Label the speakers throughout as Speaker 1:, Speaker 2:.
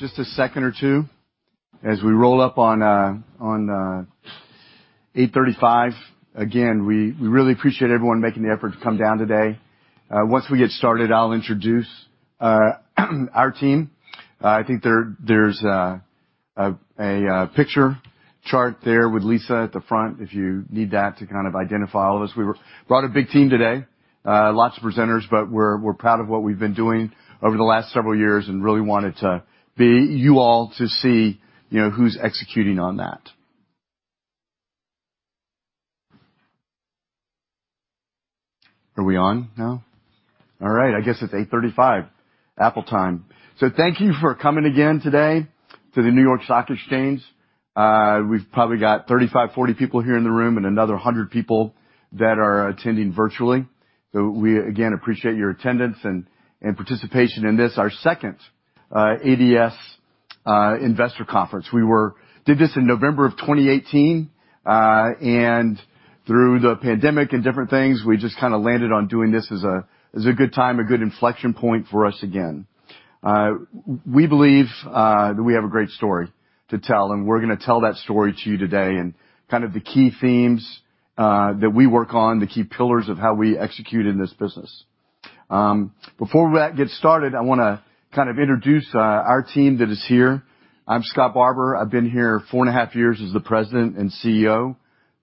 Speaker 1: Just a second or two as we roll up on 8:35. Again, we really appreciate everyone making the effort to come down today. Once we get started, I'll introduce our team. I think there's a picture chart there with Lisa at the front, if you need that to kind of identify all of us. We brought a big team today, lots of presenters, but we're proud of what we've been doing over the last several years and really wanted you all to see, you know, who's executing on that. Are we on now? All right. I guess it's 8:35 Apple Time. Thank you for coming again today to the New York Stock Exchange. We've probably got 35, 40 people here in the room and another 100 people that are attending virtually. We again appreciate your attendance and participation in this, our second ADS investor conference. We did this in November of 2018, and through the pandemic and different things, we just kinda landed on doing this as a good time, a good inflection point for us again. We believe that we have a great story to tell, and we're gonna tell that story to you today and kind of the key themes that we work on, the key pillars of how we execute in this business. Before we get started, I wanna kind of introduce our team that is here. I'm Scott Barbour. I've been here 4.5 years as the President and CEO.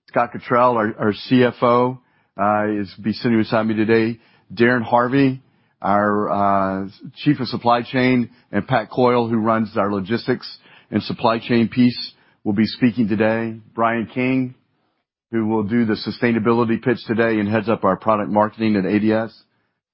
Speaker 1: Scott Cottrill, our CFO, he'll be sitting beside me today. Darin Harvey, our Chief of Supply Chain, and Pat Coyle, who runs our logistics and supply chain piece, will be speaking today. Brian King, who will do the sustainability pitch today and heads up our product marketing at ADS.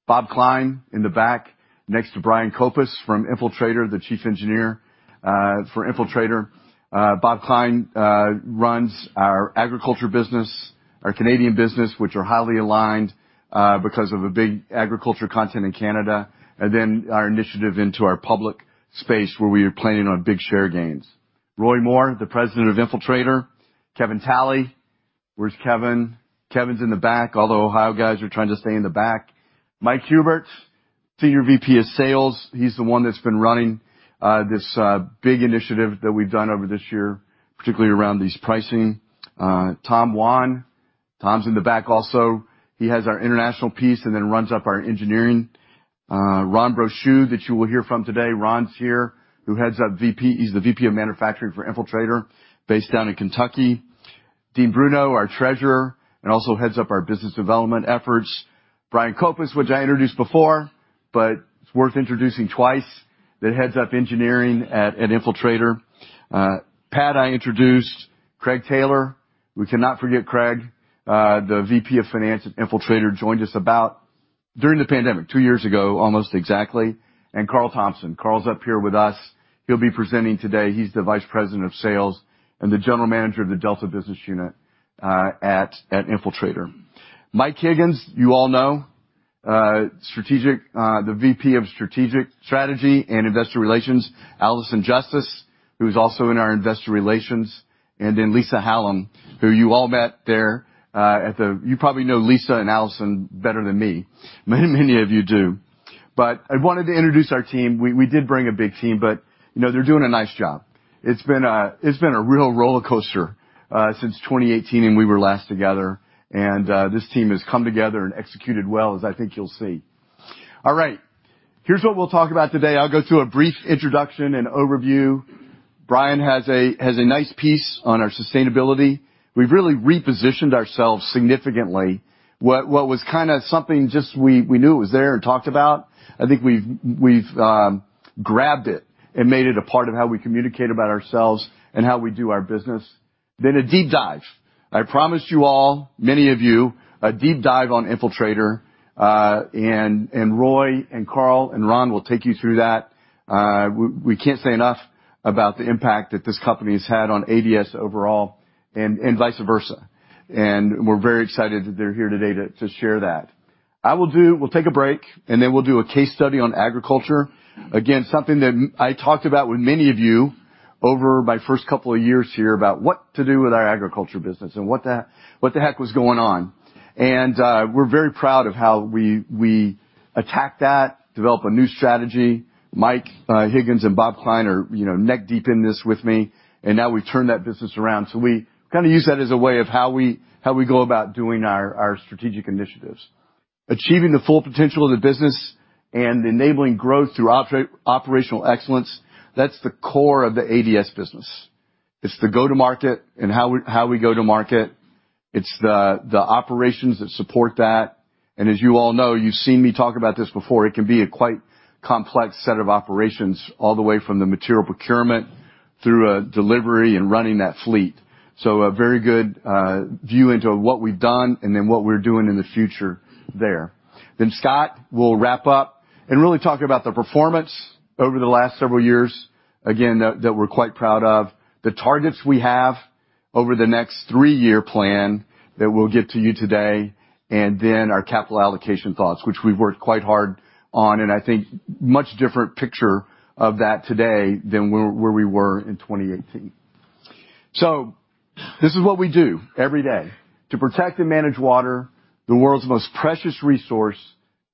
Speaker 1: Bob Klein in the back next to Bryan Coppes from Infiltrator, the Chief Engineer for Infiltrator. Bob Klein runs our agriculture business, our Canadian business, which are highly aligned because of a big agriculture content in Canada, and then our initiative into our public space where we are planning on big share gains. Roy Moore, the President of Infiltrator. Kevin Talley. Where's Kevin? Kevin's in the back. All the Ohio guys are trying to stay in the back. Mike Huebert, Senior VP of Sales. He's the one that's been running this big initiative that we've done over this year, particularly around these pricing. Tom Wan. Tom's in the back also. He has our international piece and then runs our engineering. Ron Brochu, that you will hear from today. Ron's here. He's the VP of Manufacturing for Infiltrator based in Kentucky. Dean Bruno, our Treasurer, and also heads up our Business Development efforts. Bryan Coppes, which I introduced before, but it's worth introducing twice, that heads up engineering at Infiltrator. Pat, I introduced. Craig Taylor. We cannot forget Craig. The VP of Finance at Infiltrator joined us during the pandemic two years ago, almost exactly. Carl Thompson. Carl's up here with us. He'll be presenting today. He's the Vice President of Sales and the General Manager of the Delta Business Unit at Infiltrator. Mike Higgins, you all know, the VP of Strategy and Investor Relations. Alison Justice, who is also in our Investor Relations. Then Lisa Hallum, who you all met there. You probably know Lisa and Alison better than me. Many of you do. I wanted to introduce our team. We did bring a big team, but you know, they're doing a nice job. It's been a real roller coaster since 2018 and we were last together. This team has come together and executed well, as I think you'll see. All right. Here's what we'll talk about today. I'll go through a brief introduction and overview. Brian has a nice piece on our sustainability. We've really repositioned ourselves significantly. What was kinda something just we knew it was there and talked about, I think we've grabbed it and made it a part of how we communicate about ourselves and how we do our business. Then a deep dive. I promised you all, many of you, a deep dive on Infiltrator, and Roy and Carl and Ron will take you through that. We can't say enough about the impact that this company has had on ADS overall and vice versa. We're very excited that they're here today to share that. We'll take a break, and then we'll do a case study on agriculture. Again, something that I talked about with many of you over my first couple of years here about what to do with our agriculture business and what the heck was going on. We're very proud of how we attacked that, developed a new strategy. Mike Higgins and Bob Klein are, you know, neck deep in this with me, and now we've turned that business around. We kinda use that as a way of how we go about doing our strategic initiatives. Achieving the full potential of the business and enabling growth through operational excellence, that's the core of the ADS business. It's the go-to-market and how we go to market. It's the operations that support that. As you all know, you've seen me talk about this before, it can be a quite complex set of operations all the way from the material procurement through delivery and running that fleet. A very good view into what we've done and then what we're doing in the future there. Scott will wrap up and really talk about the performance over the last several years, again, that we're quite proud of. The targets we have over the next three-year plan that we'll get to you today, and then our capital allocation thoughts, which we've worked quite hard on, and I think much different picture of that today than where we were in 2018. This is what we do every day to protect and manage water, the world's most precious resource,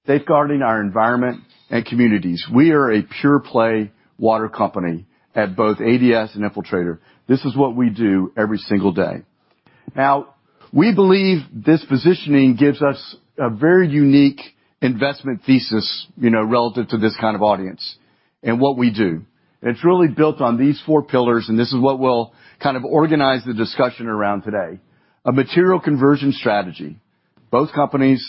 Speaker 1: safeguarding our environment and communities. We are a pure play water company at both ADS and Infiltrator. This is what we do every single day. Now, we believe this positioning gives us a very unique investment thesis, you know, relative to this kind of audience and what we do. It's really built on these four pillars, and this is what we'll kind of organize the discussion around today. A material conversion strategy. Both companies,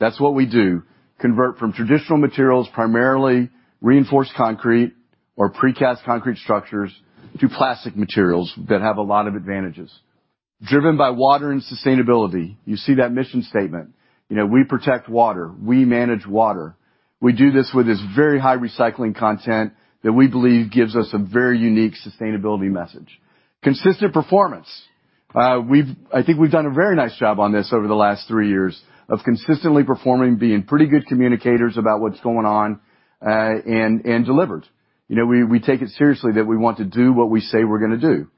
Speaker 1: that's what we do, convert from traditional materials, primarily reinforced concrete or pre-cast concrete structures, to plastic materials that have a lot of advantages. Driven by water and sustainability. You see that mission statement. You know, we protect water, we manage water. We do this with this very high recycling content that we believe gives us a very unique sustainability message. Consistent performance. I think we've done a very nice job on this over the last three years of consistently performing, being pretty good communicators about what's going on, and delivered. You know, we take it seriously that we want to do what we say we're gonna do.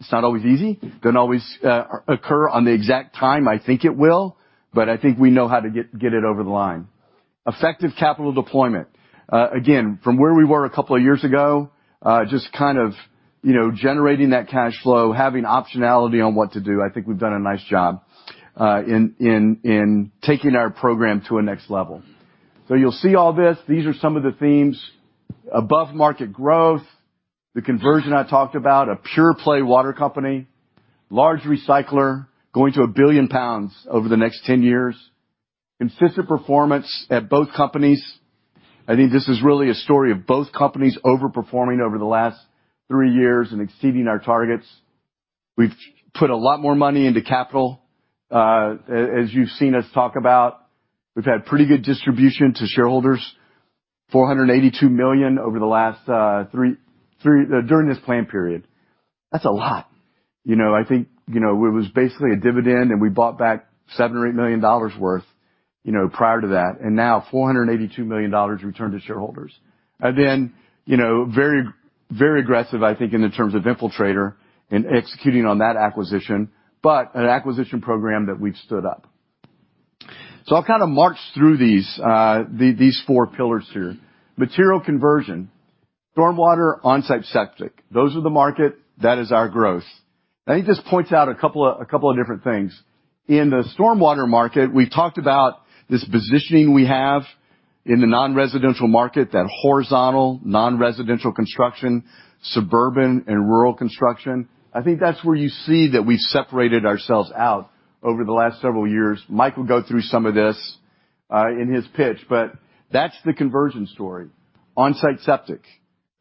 Speaker 1: It's not always easy. Doesn't always occur on the exact time I think it will, but I think we know how to get it over the line. Effective capital deployment. Again, from where we were a couple of years ago, you know, generating that cash flow, having optionality on what to do, I think we've done a nice job in taking our program to a next level. You'll see all this. These are some of the themes. Above market growth, the conversion I talked about, a pure play water company, large recycler going to 1 billion pounds over the next 10 years. Consistent performance at both companies. I think this is really a story of both companies overperforming over the last three years and exceeding our targets. We've put a lot more money into capital, as you've seen us talk about. We've had pretty good distribution to shareholders, $482 million over the last three during this plan period. That's a lot. You know, I think, you know, it was basically a dividend, and we bought back $7 million or $8 million worth, you know, prior to that, and now $482 million returned to shareholders. You know, very, very aggressive, I think, in terms of Infiltrator and executing on that acquisition, but an acquisition program that we've stood up. I'll kind of march through these four pillars here. Material conversion. Storm water, on-site septic. Those are the market. That is our growth. I think this points out a couple of different things. In the storm water market, we talked about this positioning we have in the non-residential market, that horizontal non-residential construction, suburban and rural construction. I think that's where you see that we've separated ourselves out over the last several years. Mike will go through some of this, in his pitch, but that's the conversion story. On-site septic,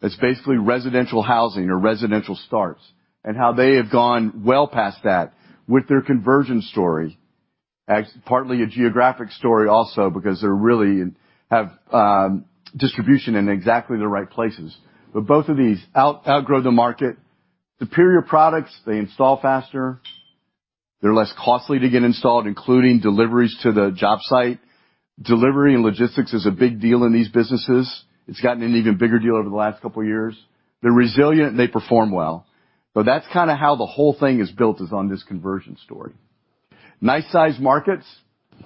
Speaker 1: that's basically residential housing or residential starts and how they have gone well past that with their conversion story. As partly a geographic story also because they really have distribution in exactly the right places. Both of these outgrow the market. Superior products, they install faster, they're less costly to get installed, including deliveries to the job site. Delivery and logistics is a big deal in these businesses. It's gotten an even bigger deal over the last couple of years. They're resilient, and they perform well. That's kinda how the whole thing is built on this conversion story. Nice sized markets.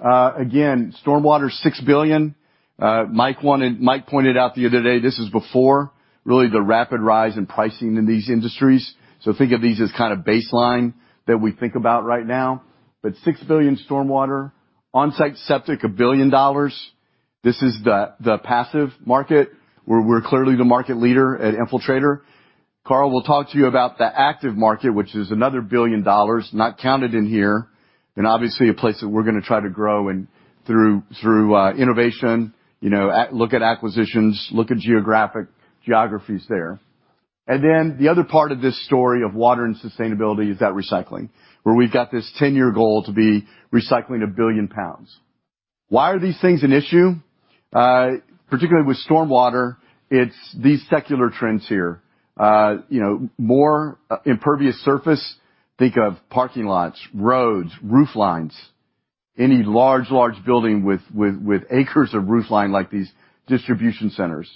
Speaker 1: Again, stormwater is $6 billion. Mike pointed out to you today, this is before really the rapid rise in pricing in these industries. Think of these as kinda baseline that we think about right now. $6 billion stormwater. On-site septic, $1 billion. This is the passive market where we're clearly the market leader at Infiltrator. Carl will talk to you about the active market, which is another $1 billion not counted in here, and obviously a place that we're gonna try to grow and through innovation, you know, look at acquisitions, look at geographies there. Then the other part of this story of water and sustainability is that recycling, where we've got this 10-year goal to be recycling 1 billion pounds. Why are these things an issue? Particularly with storm water, it's these secular trends here. You know, more impervious surface. Think of parking lots, roads, roof lines, any large building with acres of roof line like these distribution centers.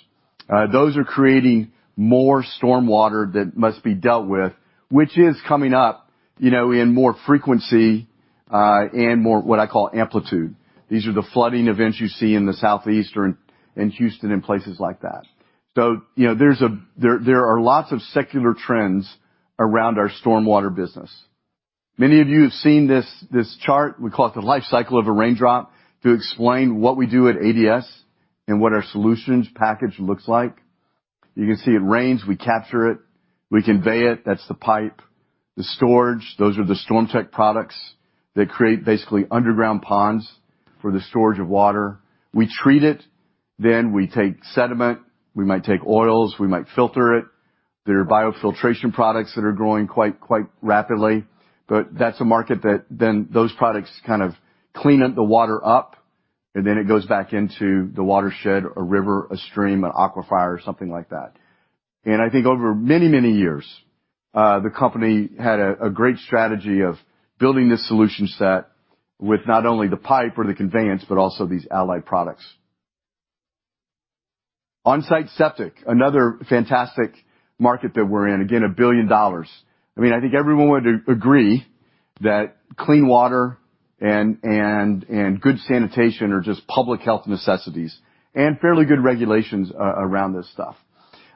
Speaker 1: Those are creating more storm water that must be dealt with, which is coming up, you know, in more frequency and more what I call amplitude. These are the flooding events you see in the Southeastern and Houston and places like that. You know, there are lots of secular trends around our storm water business. Many of you have seen this chart. We call it the life cycle of a raindrop to explain what we do at ADS and what our solutions package looks like. You can see it rains, we capture it, we convey it, that's the pipe. The storage, those are the StormTech products that create basically underground ponds for the storage of water. We treat it, then we take sediment, we might take oils, we might filter it. There are biofiltration products that are growing quite rapidly, but that's a market that then those products kind of clean up the water up, and then it goes back into the watershed, a river, a stream, an aquifer, something like that. I think over many years, the company had a great strategy of building this solution set with not only the pipe or the conveyance, but also these allied products. On-site septic, another fantastic market that we're in. Again, $1 billion. I mean, I think everyone would agree that clean water and good sanitation are just public health necessities and fairly good regulations around this stuff.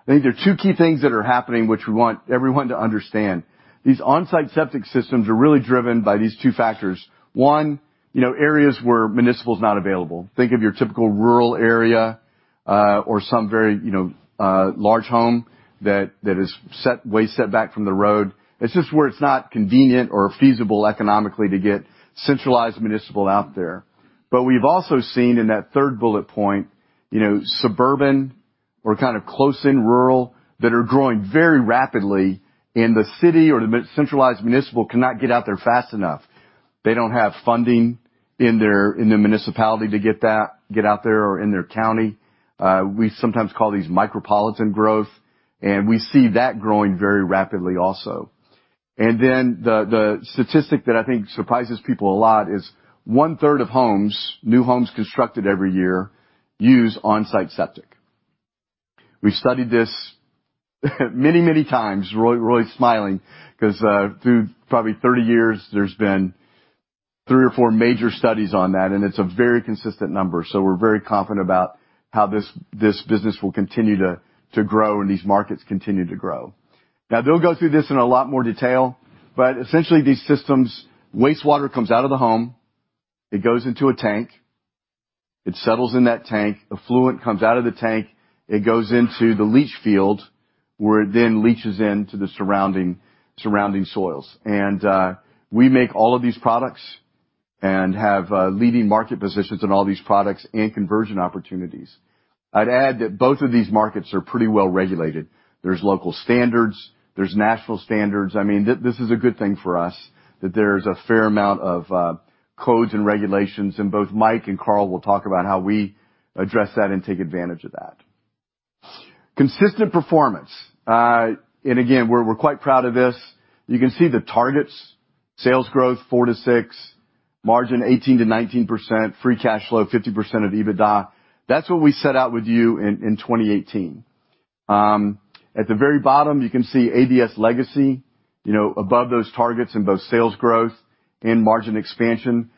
Speaker 1: I think there are two key things that are happening which we want everyone to understand. These on-site septic systems are really driven by these two factors. One, you know, areas where municipal is not available. Think of your typical rural area or some very, you know, large home that is set way back from the road. It's just where it's not convenient or feasible economically to get centralized municipal out there. But we've also seen in that third bullet point, you know, suburban or kind of close-in rural that are growing very rapidly, and the city or the centralized municipal cannot get out there fast enough. They don't have funding in their municipality to get out there or in their county. We sometimes call these micropolitan growth, and we see that growing very rapidly also. The statistic that I think surprises people a lot is 1/3 of homes, new homes constructed every year use on-site septic. We studied this many, many times. Roy's smiling because through probably 30 years, there's been three or four major studies on that, and it's a very consistent number, so we're very confident about how this business will continue to grow and these markets continue to grow. Now, they'll go through this in a lot more detail, but essentially these systems, wastewater comes out of the home, it goes into a tank, it settles in that tank, effluent comes out of the tank, it goes into the leach field, where it then leaches into the surrounding soils. We make all of these products and have leading market positions in all these products and conversion opportunities. I'd add that both of these markets are pretty well-regulated. There's local standards, there's national standards. I mean, this is a good thing for us, that there's a fair amount of codes and regulations, and both Mike and Carl will talk about how we address that and take advantage of that. Consistent performance. Again, we're quite proud of this. You can see the targets, sales growth 4%-6%, margin 18%-19%, free cash flow 50% of EBITDA. That's what we set out with you in 2018. At the very bottom, you can see ADS legacy, you know, above those targets in both sales growth and margin expansion.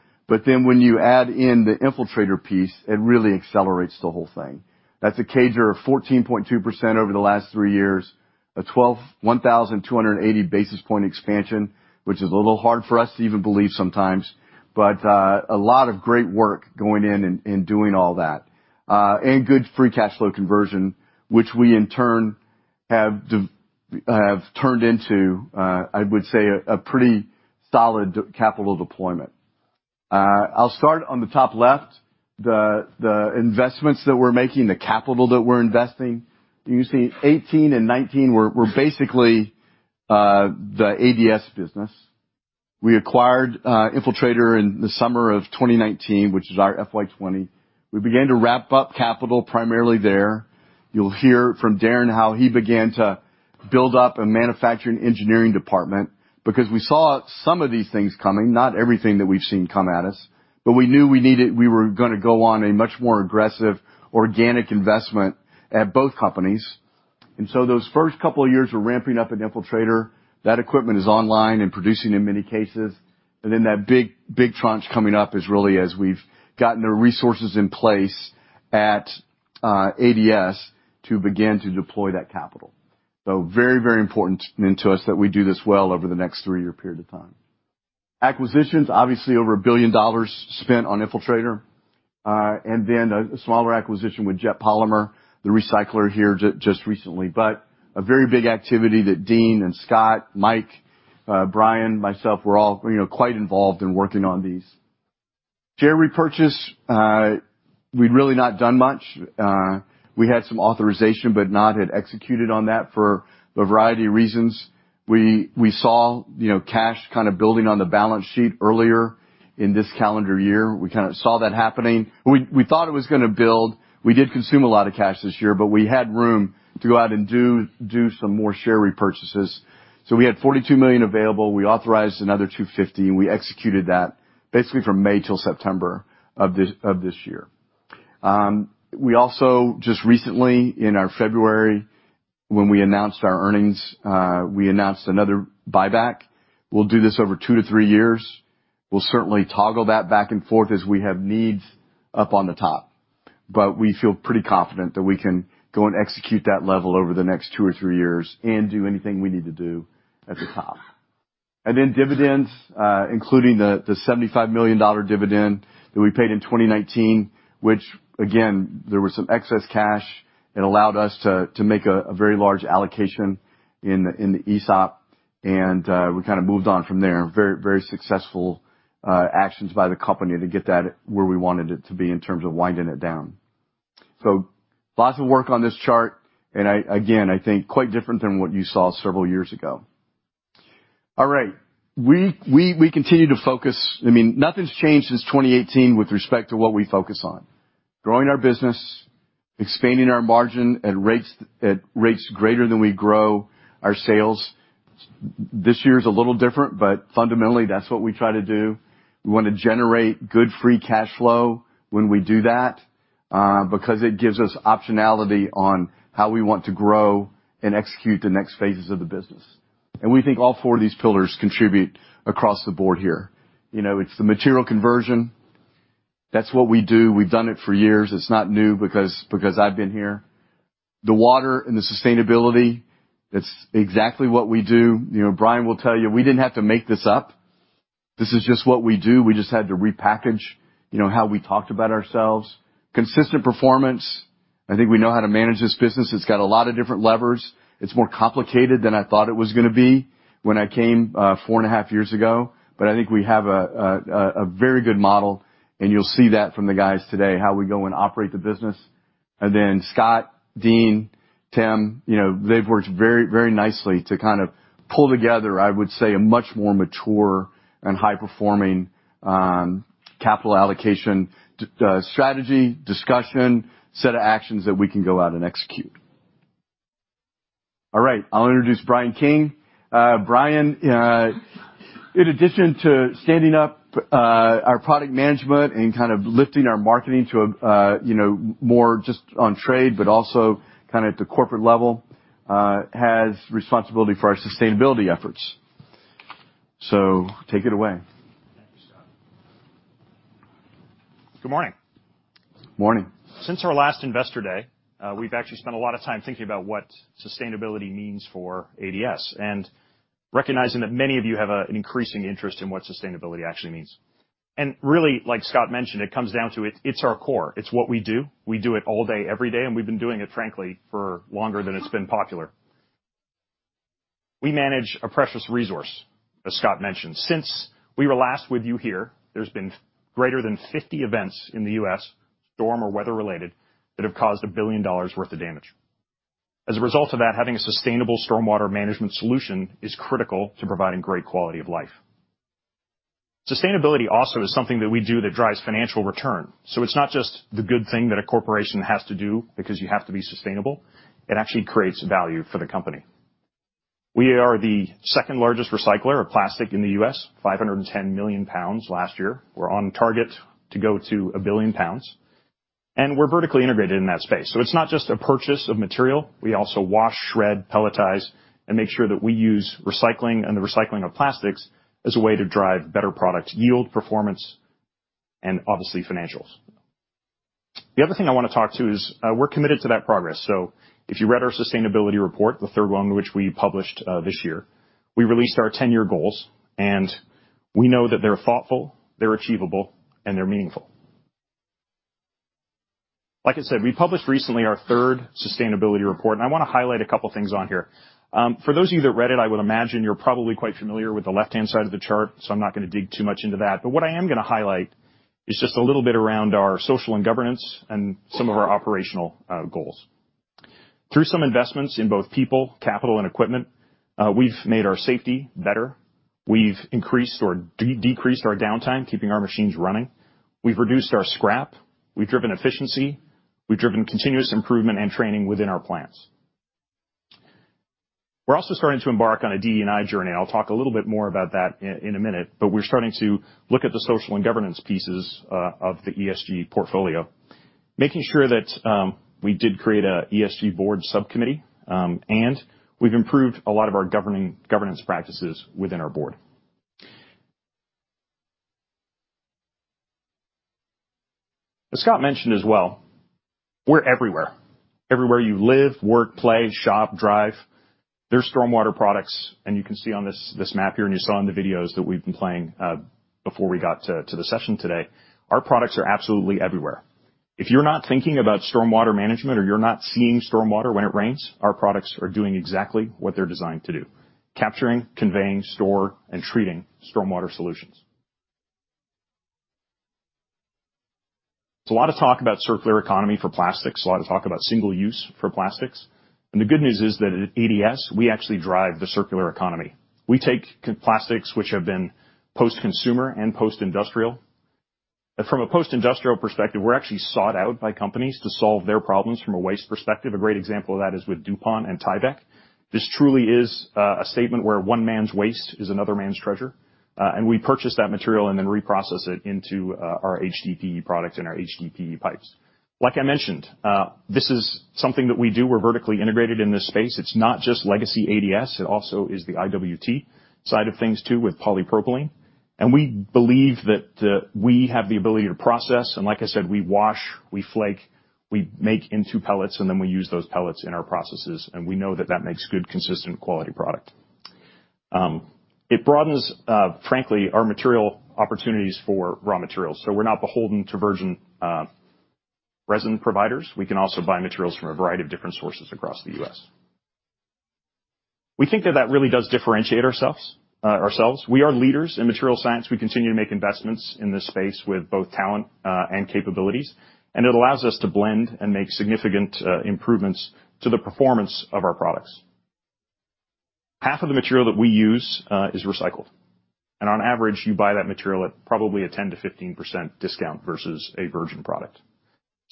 Speaker 1: Then when you add in the Infiltrator piece, it really accelerates the whole thing. That's a CAGR of 14.2% over the last three years, a 1,280 basis point expansion, which is a little hard for us to even believe sometimes. A lot of great work going in doing all that. Good free cash flow conversion, which we, in turn, have turned into, I would say, a pretty solid capital deployment. I'll start on the top left. The investments that we're making, the capital that we're investing. You see 2018 and 2019 were basically the ADS business. We acquired Infiltrator in the summer of 2019, which is our FY 2020. We began to ramp up capital primarily there. You'll hear from Darin how he began to build up a manufacturing engineering department because we saw some of these things coming, not everything that we've seen come at us, but we knew we were gonna go on a much more aggressive organic investment at both companies. Those first couple of years, we're ramping up an Infiltrator. That equipment is online and producing in many cases. That big, big tranche coming up is really as we've gotten the resources in place at ADS to begin to deploy that capital. Very, very important to us that we do this well over the next three-year period of time. Acquisitions, obviously over $1 billion spent on Infiltrator, and then a smaller acquisition with Jet Polymer, the recycler here just recently. A very big activity that Dean and Scott, Mike, Brian, myself, were all, you know, quite involved in working on these. Share repurchase, we'd really not done much. We had some authorization, but not had executed on that for a variety of reasons. We saw, you know, cash kind of building on the balance sheet earlier in this calendar year. We kind of saw that happening. We thought it was gonna build. We did consume a lot of cash this year, but we had room to go out and do some more share repurchases. We had $42 million available. We authorized another $250 million, and we executed that basically from May till September of this year. We also just recently in our February, when we announced our earnings, we announced another buyback. We'll do this over two to three years. We'll certainly toggle that back and forth as we have needs up on the top. We feel pretty confident that we can go and execute that level over the next two or three years and do anything we need to do at the top. Then dividends, including the $75 million dividend that we paid in 2019, which again, there was some excess cash. It allowed us to make a very large allocation in the ESOP, and we kind of moved on from there. Very successful actions by the company to get that where we wanted it to be in terms of winding it down. Lots of work on this chart, and I again think quite different than what you saw several years ago. All right. We continue to focus. I mean, nothing's changed since 2018 with respect to what we focus on. Growing our business, expanding our margin at rates greater than we grow our sales. This year's a little different, but fundamentally, that's what we try to do. We want to generate good free cash flow when we do that, because it gives us optionality on how we want to grow and execute the next phases of the business. We think all four of these pillars contribute across the board here. You know, it's the material conversion. That's what we do. We've done it for years. It's not new because I've been here. The water and the sustainability, that's exactly what we do. You know, Brian will tell you, we didn't have to make this up. This is just what we do. We just had to repackage, you know, how we talked about ourselves. Consistent performance. I think we know how to manage this business. It's got a lot of different levers. It's more complicated than I thought it was gonna be when I came 4.5 years ago. I think we have a very good model, and you'll see that from the guys today, how we go and operate the business. Then Scott, Dean, Tim, you know, they've worked very nicely to kind of pull together, I would say, a much more mature and high-performing capital allocation strategy discussion, set of actions that we can go out and execute. All right, I'll introduce Brian King. Brian, in addition to standing up our product management and kind of lifting our marketing to a you know, more just on trade, but also kinda at the corporate level, has responsibility for our sustainability efforts. Take it away.
Speaker 2: Thank you, Scott. Good morning.
Speaker 1: Morning.
Speaker 2: Since our last Investor Day, we've actually spent a lot of time thinking about what sustainability means for ADS and recognizing that many of you have, an increasing interest in what sustainability actually means. Really, like Scott mentioned, it comes down to it's our core. It's what we do. We do it all day, every day, and we've been doing it, frankly, for longer than it's been popular. We manage a precious resource, as Scott mentioned. Since we were last with you here, there's been greater than 50 events in the U.S., storm or weather-related, that have caused $1 billion worth of damage. As a result of that, having a sustainable stormwater management solution is critical to providing great quality of life. Sustainability also is something that we do that drives financial return, so it's not just the good thing that a corporation has to do because you have to be sustainable. It actually creates value for the company. We are the second-largest recycler of plastic in the U.S., 510 million pounds last year. We're on target to go to 1 billion pounds, and we're vertically integrated in that space. So it's not just a purchase of material. We also wash, shred, pelletize, and make sure that we use recycling and the recycling of plastics as a way to drive better product yield, performance, and obviously, financials. The other thing I wanna talk to is, we're committed to that progress. If you read our sustainability report, the third one which we published this year, we released our ten-year goals, and we know that they're thoughtful, they're achievable, and they're meaningful. Like I said, we published recently our third sustainability report, and I wanna highlight a couple things on here. For those of you that read it, I would imagine you're probably quite familiar with the left-hand side of the chart, so I'm not gonna dig too much into that. What I am gonna highlight is just a little bit around our social and governance and some of our operational goals. Through some investments in both people, capital, and equipment, we've made our safety better. We've decreased our downtime, keeping our machines running. We've reduced our scrap. We've driven efficiency. We've driven continuous improvement and training within our plants. We're also starting to embark on a DE&I journey. I'll talk a little bit more about that in a minute, but we're starting to look at the social and governance pieces of the ESG portfolio, making sure that we did create an ESG board subcommittee, and we've improved a lot of our governance practices within our board. As Scott mentioned as well, we're everywhere. Everywhere you live, work, play, shop, drive, there's stormwater products, and you can see on this map here, and you saw in the videos that we've been playing before we got to the session today, our products are absolutely everywhere. If you're not thinking about stormwater management or you're not seeing stormwater when it rains, our products are doing exactly what they're designed to do, capturing, conveying, store, and treating stormwater solutions. There's a lot of talk about circular economy for plastics, a lot of talk about single use for plastics, and the good news is that at ADS, we actually drive the circular economy. We take plastics which have been post-consumer and post-industrial. From a post-industrial perspective, we're actually sought out by companies to solve their problems from a waste perspective. A great example of that is with DuPont and Tyvek. This truly is a statement where one man's waste is another man's treasure, and we purchase that material and then reprocess it into our HDPE product and our HDPE pipes. Like I mentioned, this is something that we do. We're vertically integrated in this space. It's not just legacy ADS, it also is the IWT side of things too, with polypropylene. We believe that we have the ability to process, and like I said, we wash, we flake, we make into pellets, and then we use those pellets in our processes, and we know that that makes good, consistent, quality product. It broadens, frankly, our material opportunities for raw materials, so we're not beholden to virgin resin providers. We can also buy materials from a variety of different sources across the U.S. We think that that really does differentiate ourselves. We are leaders in material science. We continue to make investments in this space with both talent and capabilities, and it allows us to blend and make significant improvements to the performance of our products. Half of the material that we use is recycled. On average, you buy that material at probably a 10%-15% discount versus a virgin product.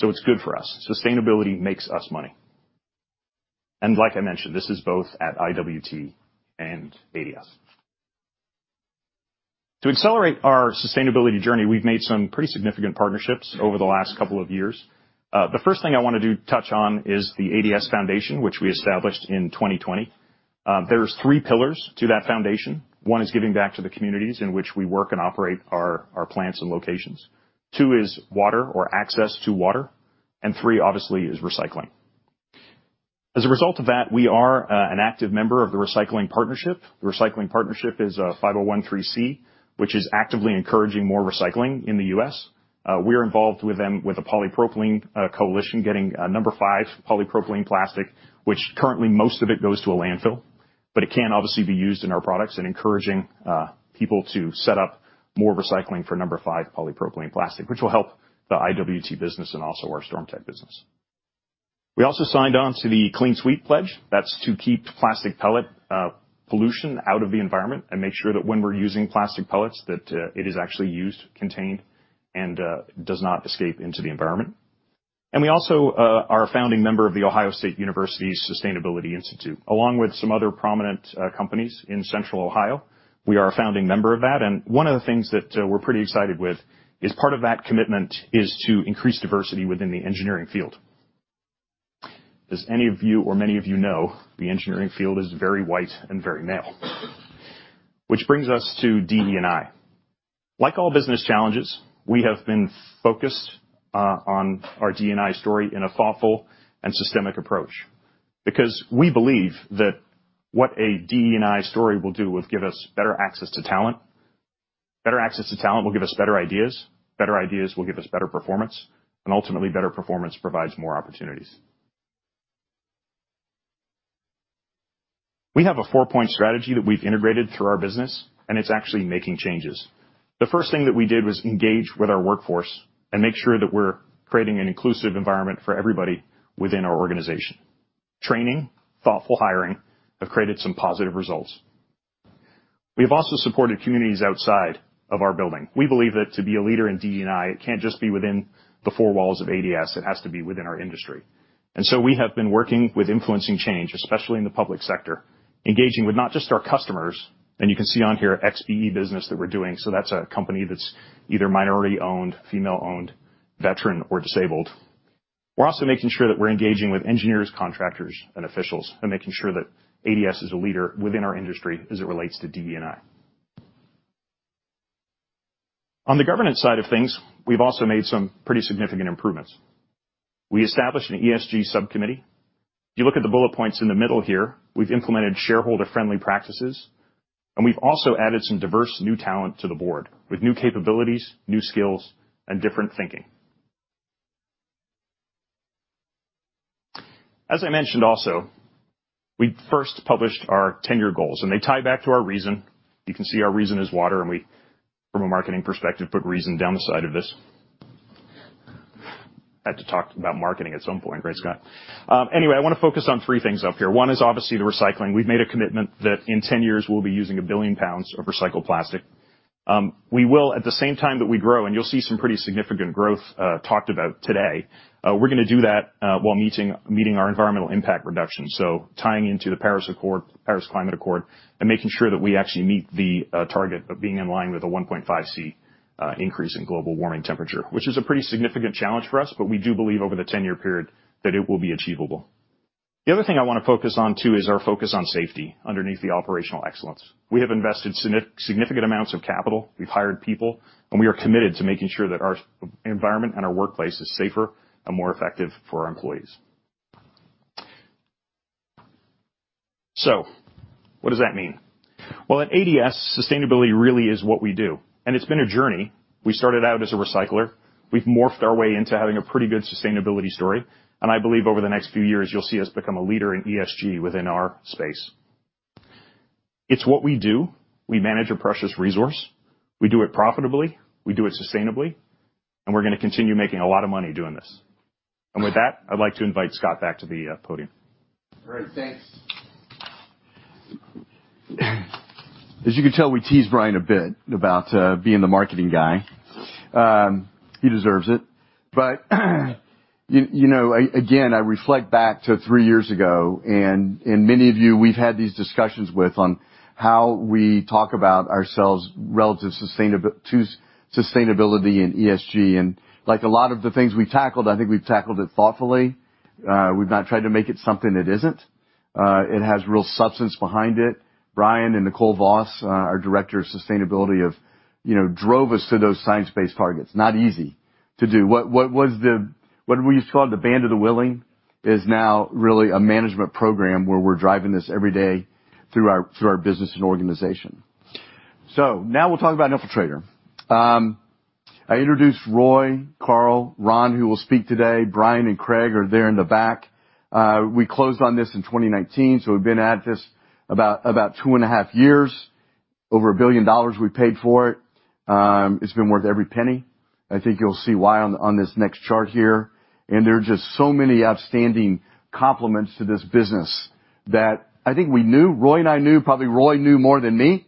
Speaker 2: It's good for us. Sustainability makes us money. Like I mentioned, this is both at IWT and ADS. To accelerate our sustainability journey, we've made some pretty significant partnerships over the last couple of years. The first thing I want to touch on is the ADS Foundation, which we established in 2020. There's three pillars to that foundation. One is giving back to the communities in which we work and operate our plants and locations. Two is water or access to water, and three, obviously, is recycling. As a result of that, we are an active member of The Recycling Partnership. The Recycling Partnership is a 501(c)(3), which is actively encouraging more recycling in the U.S. We are involved with them with a polypropylene coalition getting number five polypropylene plastic, which currently most of it goes to a landfill, but it can obviously be used in our products and encouraging people to set up more recycling for number five polypropylene plastic, which will help the IWT business and also our StormTech business. We also signed on to the Clean Sweep Pledge, that's to keep plastic pellet pollution out of the environment and make sure that when we're using plastic pellets, that it is actually used, contained, and does not escape into the environment. We also are a founding member of the Ohio State Sustainability Institute, along with some other prominent companies in Central Ohio. We are a founding member of that, and one of the things that, we're pretty excited with is part of that commitment is to increase diversity within the engineering field. As any of you or many of you know, the engineering field is very white and very male. Which brings us to DE&I. Like all business challenges, we have been focused, on our DE&I story in a thoughtful and systemic approach because we believe that what a DE&I story will do will give us better access to talent. Better access to talent will give us better ideas, better ideas will give us better performance, and ultimately better performance provides more opportunities. We have a four-point strategy that we've integrated through our business, and it's actually making changes. The first thing that we did was engage with our workforce and make sure that we're creating an inclusive environment for everybody within our organization. Training, thoughtful hiring, have created some positive results. We have also supported communities outside of our building. We believe that to be a leader in DE&I, it can't just be within the four walls of ADS, it has to be within our industry. We have been working with influencing change, especially in the public sector, engaging with not just our customers, and you can see on here XBE business that we're doing, so that's a company that's either minority-owned, female-owned, veteran, or disabled. We're also making sure that we're engaging with engineers, contractors, and officials, and making sure that ADS is a leader within our industry as it relates to DE&I. On the governance side of things, we've also made some pretty significant improvements. We established an ESG subcommittee. If you look at the bullet points in the middle here, we've implemented shareholder-friendly practices, and we've also added some diverse new talent to the board with new capabilities, new skills, and different thinking. As I mentioned also, we first published our ten-year goals, and they tie back to our reason. You can see our reason is water, and we, from a marketing perspective, put reason down the side of this. Had to talk about marketing at some point, right, Scott? Anyway, I wanna focus on three things up here. One is obviously the recycling. We've made a commitment that in 10 years, we'll be using a billion pounds of recycled plastic. We will at the same time that we grow, and you'll see some pretty significant growth talked about today, we're gonna do that while meeting our environmental impact reduction. Tying into the Paris Accord, Paris Climate Accord, and making sure that we actually meet the target of being in line with a 1.5 degrees Celsius increase in global warming temperature, which is a pretty significant challenge for us, but we do believe over the 10-year period that it will be achievable. The other thing I wanna focus on too is our focus on safety underneath the operational excellence. We have invested significant amounts of capital, we've hired people, and we are committed to making sure that our environment and our workplace is safer and more effective for our employees. What does that mean? Well, at ADS, sustainability really is what we do, and it's been a journey. We started out as a recycler. We've morphed our way into having a pretty good sustainability story, and I believe over the next few years, you'll see us become a leader in ESG within our space. It's what we do. We manage a precious resource. We do it profitably, we do it sustainably, and we're gonna continue making a lot of money doing this. With that, I'd like to invite Scott back to the podium.
Speaker 1: All right, thanks. As you can tell, we tease Brian a bit about being the marketing guy. He deserves it. You know, again, I reflect back to three years ago, and many of you, we've had these discussions with on how we talk about ourselves relative to sustainability and ESG. Like a lot of the things we've tackled, I think we've tackled it thoughtfully. We've not tried to make it something it isn't. It has real substance behind it. Brian and Nicole Voss, our Director of Sustainability, you know, drove us to those science-based targets. Not easy to do. What we used to call it, the band of the willing, is now really a management program where we're driving this every day through our business and organization. Now we'll talk about Infiltrator. I introduced Roy Moore, Carl Thompson, Ron Brochu, who will speak today. Brian and Craig Taylor are there in the back. We closed on this in 2019, so we've been at this about two and a half years. Over $1 billion we paid for it. It's been worth every penny. I think you'll see why on this next chart here. There are just so many outstanding complements to this business that I think we knew. Roy Moore and I knew. Probably Roy Moore knew more than me.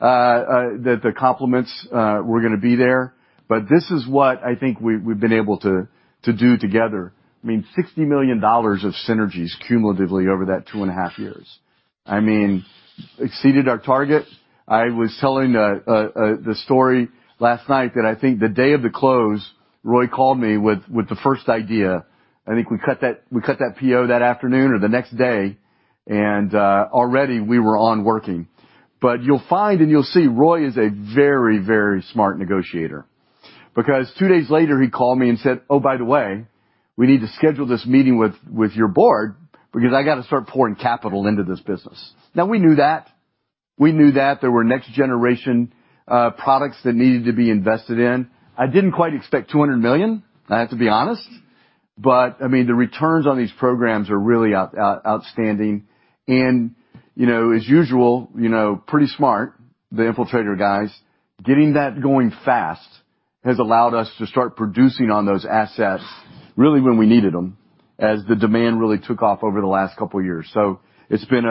Speaker 1: The complements were gonna be there. This is what I think we've been able to do together. I mean, $60 million of synergies cumulatively over that two and a half years. I mean, exceeded our target. I was telling the story last night that I think the day of the close, Roy called me with the first idea. I think we cut that PO that afternoon or the next day, and already we were working. You'll find, and you'll see, Roy is a very smart negotiator, because two days later, he called me and said, "Oh, by the way, we need to schedule this meeting with your board because I got to start pouring capital into this business." Now we knew that. We knew that there were next-generation products that needed to be invested in. I didn't quite expect $200 million, I have to be honest. I mean, the returns on these programs are really outstanding. You know, as usual, pretty smart, the Infiltrator guys. Getting that going fast has allowed us to start producing on those assets really when we needed them, as the demand really took off over the last couple of years. It's been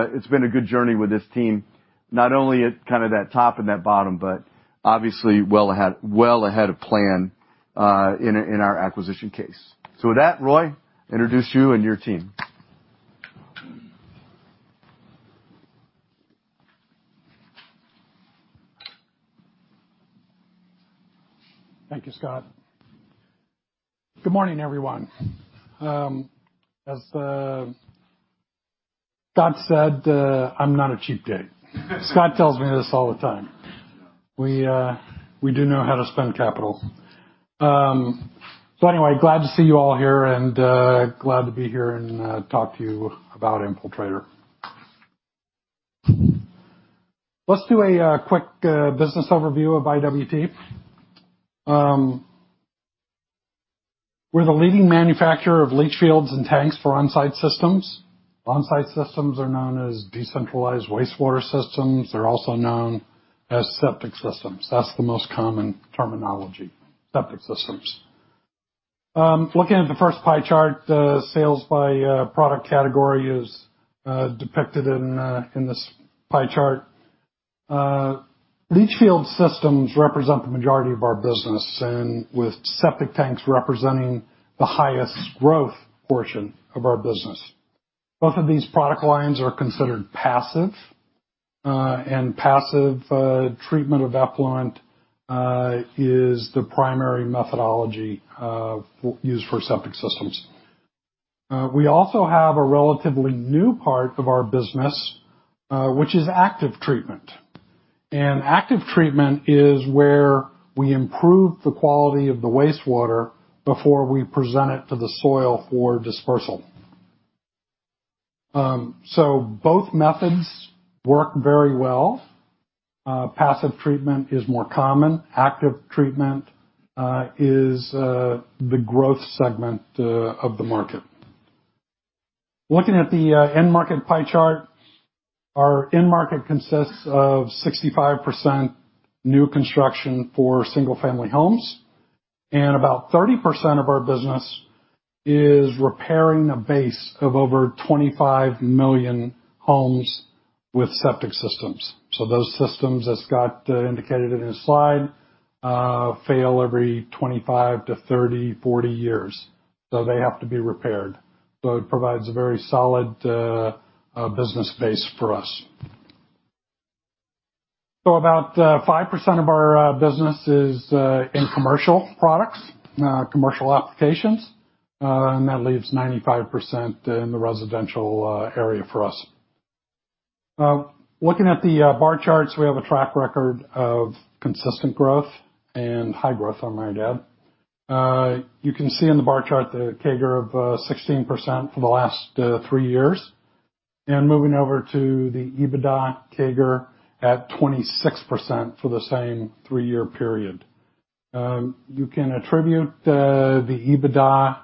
Speaker 1: a good journey with this team. Not only at kind of that top and that bottom, but obviously well ahead of plan, in our acquisition case. With that, Roy, introduce you and your team.
Speaker 3: Thank you, Scott. Good morning, everyone. As Scott said, I'm not a cheap date. Scott tells me this all the time. We do know how to spend capital. Anyway, glad to see you all here, and glad to be here and talk to you about Infiltrator. Let's do a quick business overview of IWT. We're the leading manufacturer of leach fields and tanks for on-site systems. On-site systems are known as decentralized wastewater systems. They're also known as septic systems. That's the most common terminology, septic systems. Looking at the first pie chart, sales by product category is depicted in this pie chart. Leach field systems represent the majority of our business and with septic tanks representing the highest growth portion of our business. Both of these product lines are considered passive. Passive treatment of effluent is the primary methodology used for septic systems. We also have a relatively new part of our business, which is active treatment. Active treatment is where we improve the quality of the wastewater before we present it to the soil for dispersal. Both methods work very well. Passive treatment is more common. Active treatment is the growth segment of the market. Looking at the end market pie chart, our end market consists of 65% new construction for single-family homes, and about 30% of our business is repairing a base of over 25 million homes with septic systems. Those systems, as Scott indicated in his slide, fail every 25-30, 40 years, so they have to be repaired. It provides a very solid business base for us. About 5% of our business is in commercial products, commercial applications, and that leaves 95% in the residential area for us. Looking at the bar charts, we have a track record of consistent growth and high growth, I might add. You can see in the bar chart the CAGR of 16% for the last three years. Moving over to the EBITDA CAGR at 26% for the same three-year period. You can attribute the EBITDA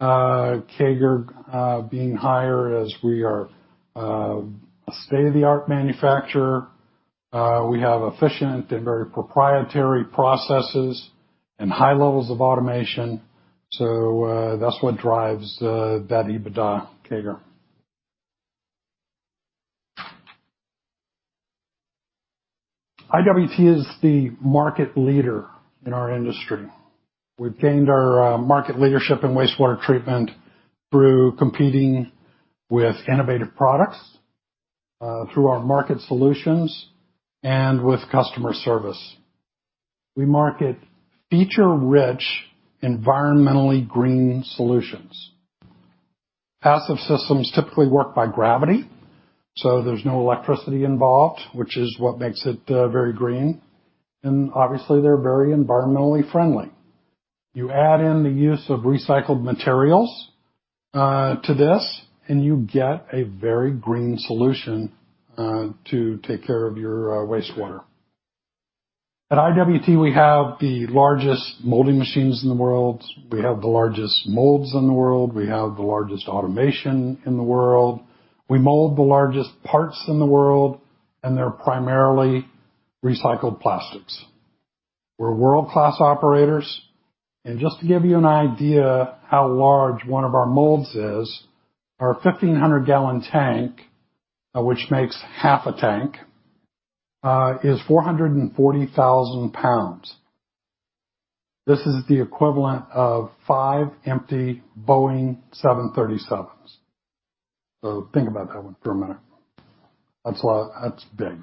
Speaker 3: CAGR being higher as we are a state-of-the-art manufacturer. We have efficient and very proprietary processes and high levels of automation. That's what drives that EBITDA CAGR. IWT is the market leader in our industry. We've gained our market leadership in wastewater treatment through competing with innovative products, through our market solutions, and with customer service. We market feature-rich, environmentally green solutions. Passive systems typically work by gravity, so there's no electricity involved, which is what makes it very green. Obviously, they're very environmentally friendly. You add in the use of recycled materials to this, and you get a very green solution to take care of your wastewater. At IWT, we have the largest molding machines in the world. We have the largest molds in the world. We have the largest automation in the world. We mold the largest parts in the world, and they're primarily recycled plastics. We're world-class operators. Just to give you an idea how large one of our molds is, our 1,500 gallon tank, which makes half a tank, is 440,000 pounds. This is the equivalent of five empty Boeing 737s. Think about that one for a minute. That's a lot. That's big.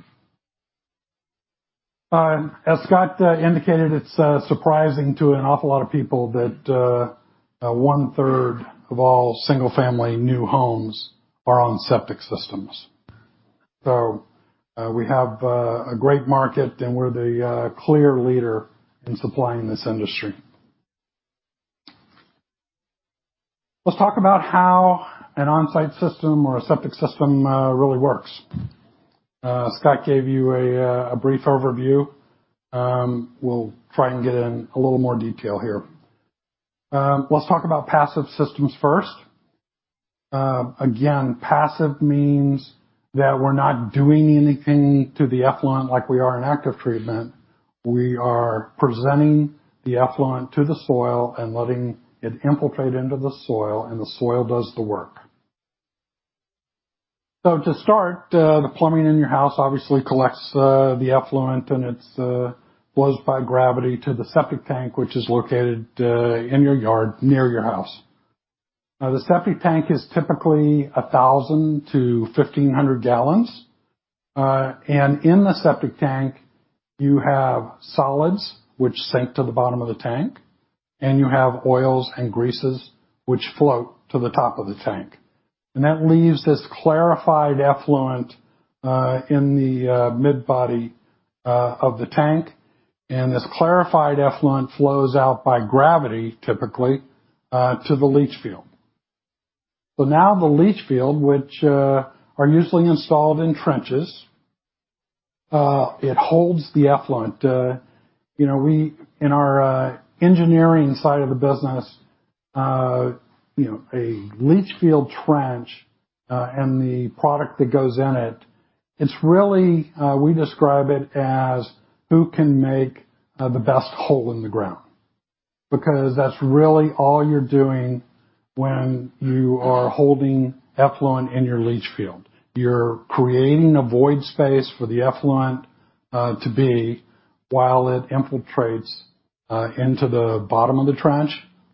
Speaker 3: As Scott indicated, it's surprising to an awful lot of people that 1/3 of all single-family new homes are on septic systems. We have a great market, and we're the clear leader in supplying this industry. Let's talk about how an on-site system or a septic system really works. Scott gave you a brief overview. We'll try and get in a little more detail here. Let's talk about passive systems first. Again, passive means that we're not doing anything to the effluent like we are in active treatment. We are presenting the effluent to the soil and letting it infiltrate into the soil, and the soil does the work. To start, the plumbing in your house obviously collects the effluent, and it flows by gravity to the septic tank, which is located in your yard near your house. Now, the septic tank is typically 1,000 to 1,500 gallons. In the septic tank, you have solids which sink to the bottom of the tank, and you have oils and greases which float to the top of the tank. That leaves this clarified effluent in the mid-body of the tank. This clarified effluent flows out by gravity, typically, to the leach field. Now the leach field, which are usually installed in trenches, it holds the effluent. You know, in our engineering side of the business, you know, a leach field trench and the product that goes in it's really we describe it as who can make the best hole in the ground because that's really all you're doing when you are holding effluent in your leach field. You're creating a void space for the effluent to be while it infiltrates into the bottom of the trench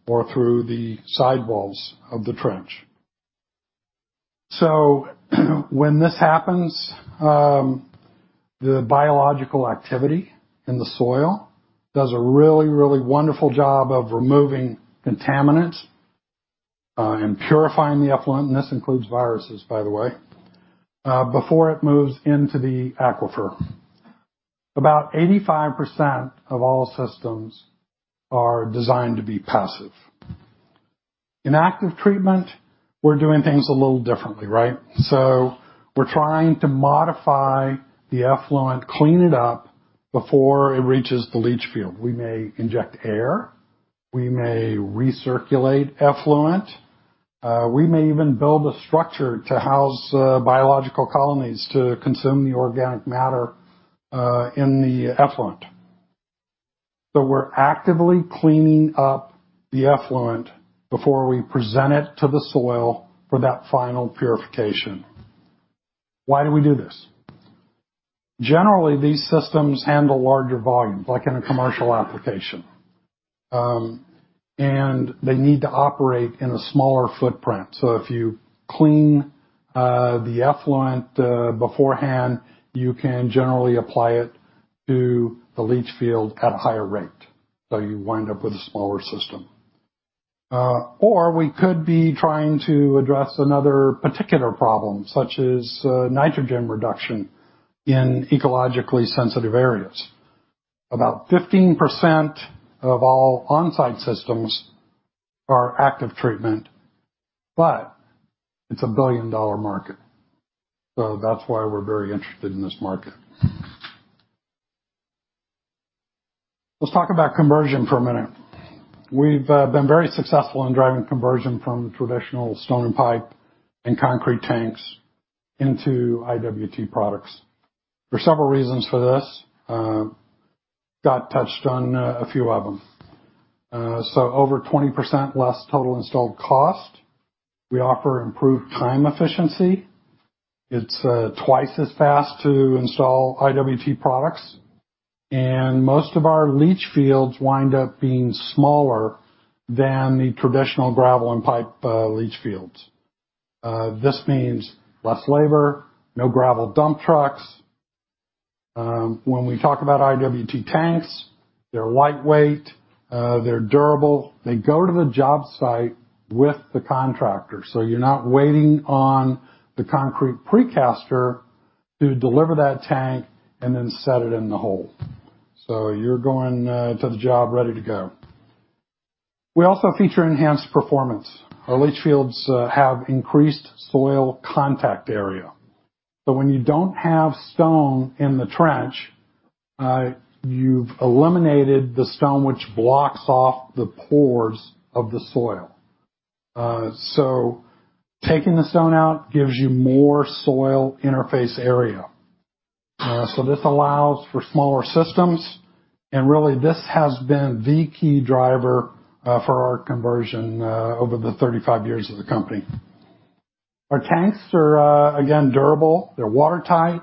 Speaker 3: or through the sidewalls of the trench. When this happens, the biological activity in the soil does a really, really wonderful job of removing contaminants and purifying the effluent, and this includes viruses, by the way, before it moves into the aquifer. About 85% of all systems are designed to be passive. In active treatment, we're doing things a little differently, right? We're trying to modify the effluent, clean it up before it reaches the leach field. We may inject air, we may recirculate effluent, we may even build a structure to house biological colonies to consume the organic matter in the effluent. We're actively cleaning up the effluent before we present it to the soil for that final purification. Why do we do this? Generally, these systems handle larger volumes, like in a commercial application. They need to operate in a smaller footprint. If you clean the effluent beforehand, you can generally apply it to the leach field at a higher rate, so you wind up with a smaller system. We could be trying to address another particular problem, such as, nitrogen reduction in ecologically sensitive areas. About 15% of all on-site systems are active treatment, but it's a billion-dollar market. That's why we're very interested in this market. Let's talk about conversion for a minute. We've been very successful in driving conversion from the traditional stone and pipe and concrete tanks into IWT products. There are several reasons for this. Scott touched on a few of them. Over 20% less total installed cost. We offer improved time efficiency. It's twice as fast to install IWT products, and most of our leach fields wind up being smaller than the traditional gravel and pipe leach fields. This means less labor, no gravel dump trucks. When we talk about IWT tanks, they're lightweight, they're durable. They go to the job site with the contractor, so you're not waiting on the concrete precaster to deliver that tank and then set it in the hole. You're going to the job ready to go. We also feature enhanced performance. Our leach fields have increased soil contact area. When you don't have stone in the trench, you've eliminated the stone which blocks off the pores of the soil. Taking the stone out gives you more soil interface area. This allows for smaller systems, and really this has been the key driver for our conversion over the 35 years of the company. Our tanks are again durable. They're watertight,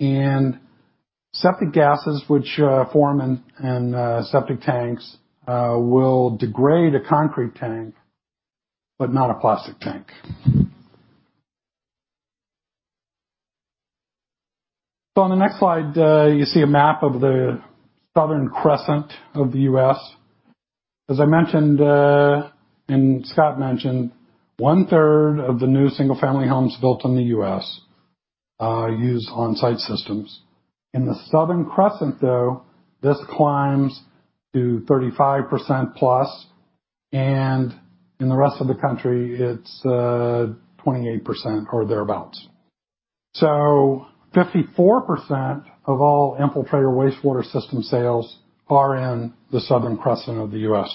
Speaker 3: and septic gases which form in septic tanks will degrade a concrete tank, but not a plastic tank. On the next slide, you see a map of the Southern Crescent of the U.S. As I mentioned, and Scott mentioned, 1/3 of the new single-family homes built in the U.S. use on-site systems. In the Southern Crescent, though, this climbs to 35% plus, and in the rest of the country, it's 28% or thereabout. 54% of all Infiltrator wastewater system sales are in the Southern Crescent of the U.S.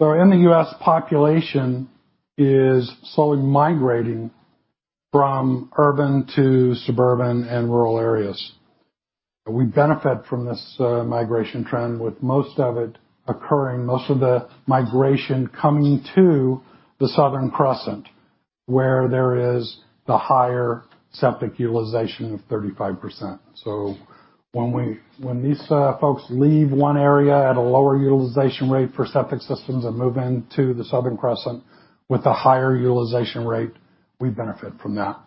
Speaker 3: In the U.S., population is slowly migrating from urban to suburban and rural areas. We benefit from this migration trend, with most of the migration coming to the Southern Crescent, where there is the higher septic utilization of 35%. When these folks leave one area at a lower utilization rate for septic systems and move into the Southern Crescent with a higher utilization rate, we benefit from that.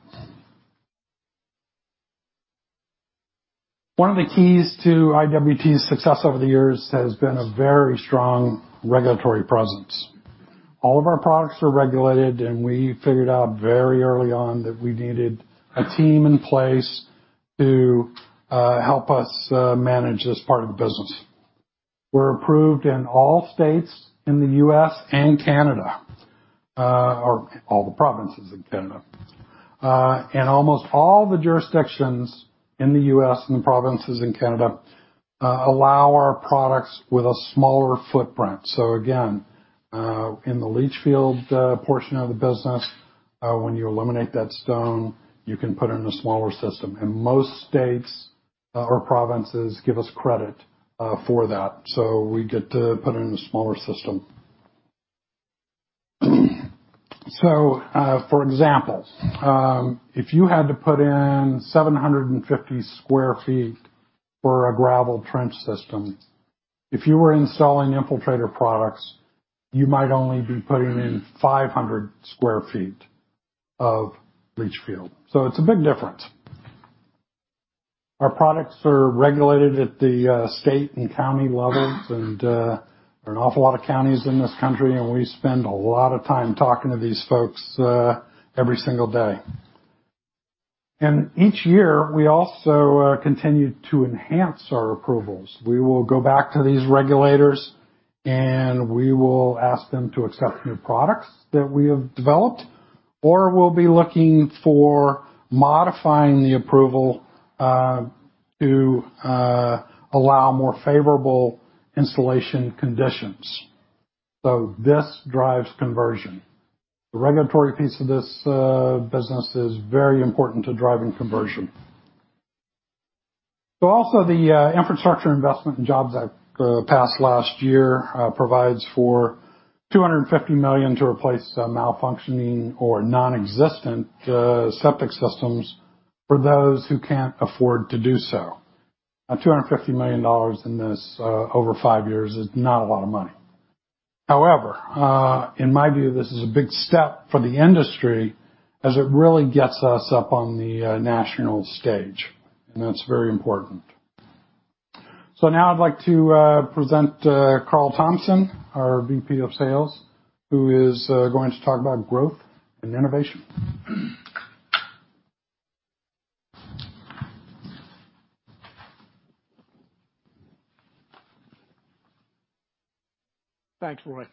Speaker 3: One of the keys to IWT's success over the years has been a very strong regulatory presence. All of our products are regulated, and we figured out very early on that we needed a team in place to help us manage this part of the business. We're approved in all states in the U.S. and Canada, or all the provinces in Canada. And almost all the jurisdictions in the U.S. and the provinces in Canada allow our products with a smaller footprint. Again, in the leach field portion of the business, when you eliminate that stone, you can put in a smaller system. Most states or provinces give us credit for that, so we get to put in a smaller system. For example, if you had to put in 750 sq ft for a gravel trench system, if you were installing Infiltrator products, you might only be putting in 500 sq ft of leach field. It's a big difference. Our products are regulated at the state and county levels, and there are an awful lot of counties in this country, and we spend a lot of time talking to these folks every single day. Each year, we also continue to enhance our approvals. We will go back to these regulators, and we will ask them to accept new products that we have developed, or we'll be looking for modifying the approval, to, allow more favorable installation conditions. This drives conversion. The regulatory piece of this business is very important to driving conversion. Also, the Infrastructure Investment and Jobs Act passed last year provides for $250 million to replace malfunctioning or nonexistent septic systems for those who can't afford to do so. Now, $250 million in this over five years is not a lot of money. However, in my view, this is a big step for the industry as it really gets us up on the national stage, and that's very important. Now I'd like to present Carl Thompson, our VP of Sales, who is going to talk about growth and innovation.
Speaker 4: Thanks, Roy.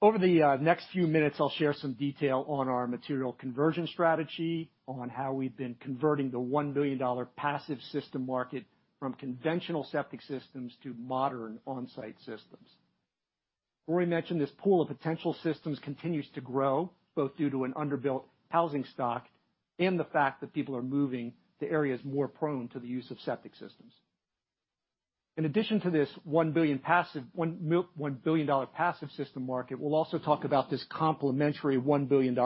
Speaker 4: Over the next few minutes, I'll share some detail on our material conversion strategy, on how we've been converting the $1 billion passive system market from conventional septic systems to modern on-site systems. Roy mentioned this pool of potential systems continues to grow, both due to an under-built housing stock and the fact that people are moving to areas more prone to the use of septic systems. In addition to this $1 billion passive system market, we'll also talk about this complementary $1 billion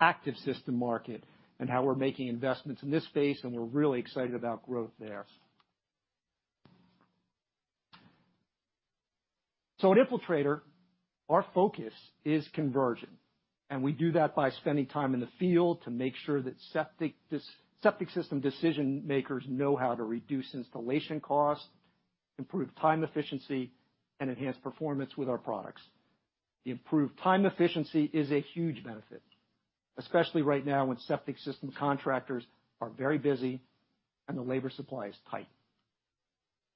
Speaker 4: active system market and how we're making investments in this space, and we're really excited about growth there. At Infiltrator, our focus is conversion, and we do that by spending time in the field to make sure that septic system decision-makers know how to reduce installation costs, improve time efficiency, and enhance performance with our products. The improved time efficiency is a huge benefit, especially right now when septic system contractors are very busy and the labor supply is tight.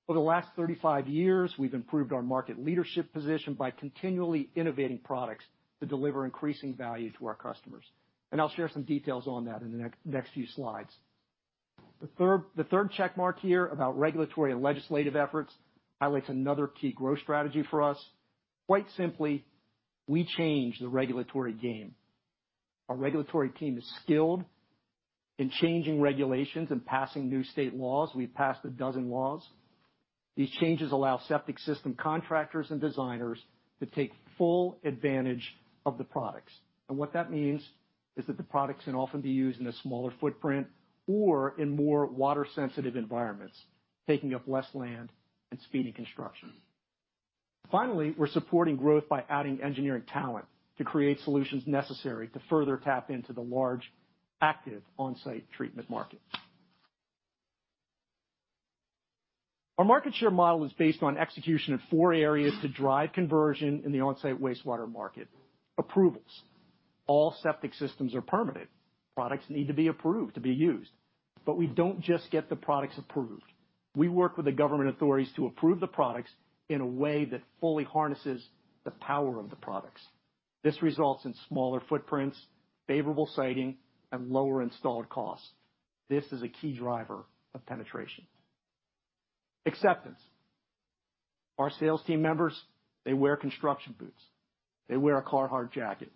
Speaker 4: Over the last 35 years, we've improved our market leadership position by continually innovating products that deliver increasing value to our customers, and I'll share some details on that in the next few slides. The third check mark here about regulatory and legislative efforts highlights another key growth strategy for us. Quite simply, we change the regulatory game. Our regulatory team is skilled in changing regulations and passing new state laws. We've passed 12 laws. These changes allow septic system contractors and designers to take full advantage of the products. What that means is that the products can often be used in a smaller footprint or in more water-sensitive environments, taking up less land and speeding construction. Finally, we're supporting growth by adding engineering talent to create solutions necessary to further tap into the large active on-site treatment market. Our market share model is based on execution in four areas to drive conversion in the on-site wastewater market. Approvals. All septic systems are permitted. Products need to be approved to be used. We don't just get the products approved. We work with the government authorities to approve the products in a way that fully harnesses the power of the products. This results in smaller footprints, favorable siting, and lower installed costs. This is a key driver of penetration. Acceptance. Our sales team members, they wear construction boots. They wear a Carhartt jacket.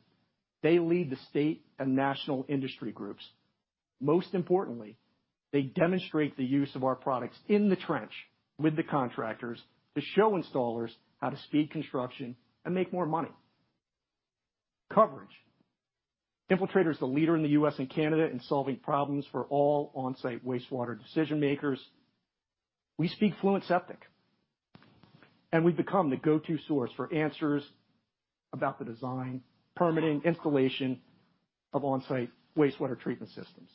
Speaker 4: They lead the state and national industry groups. Most importantly, they demonstrate the use of our products in the trench with the contractors to show installers how to speed construction and make more money. Coverage. Infiltrator is the leader in the U.S. and Canada in solving problems for all on-site wastewater decision-makers. We speak fluent septic, and we've become the go-to source for answers about the design, permitting, installation of on-site wastewater treatment systems.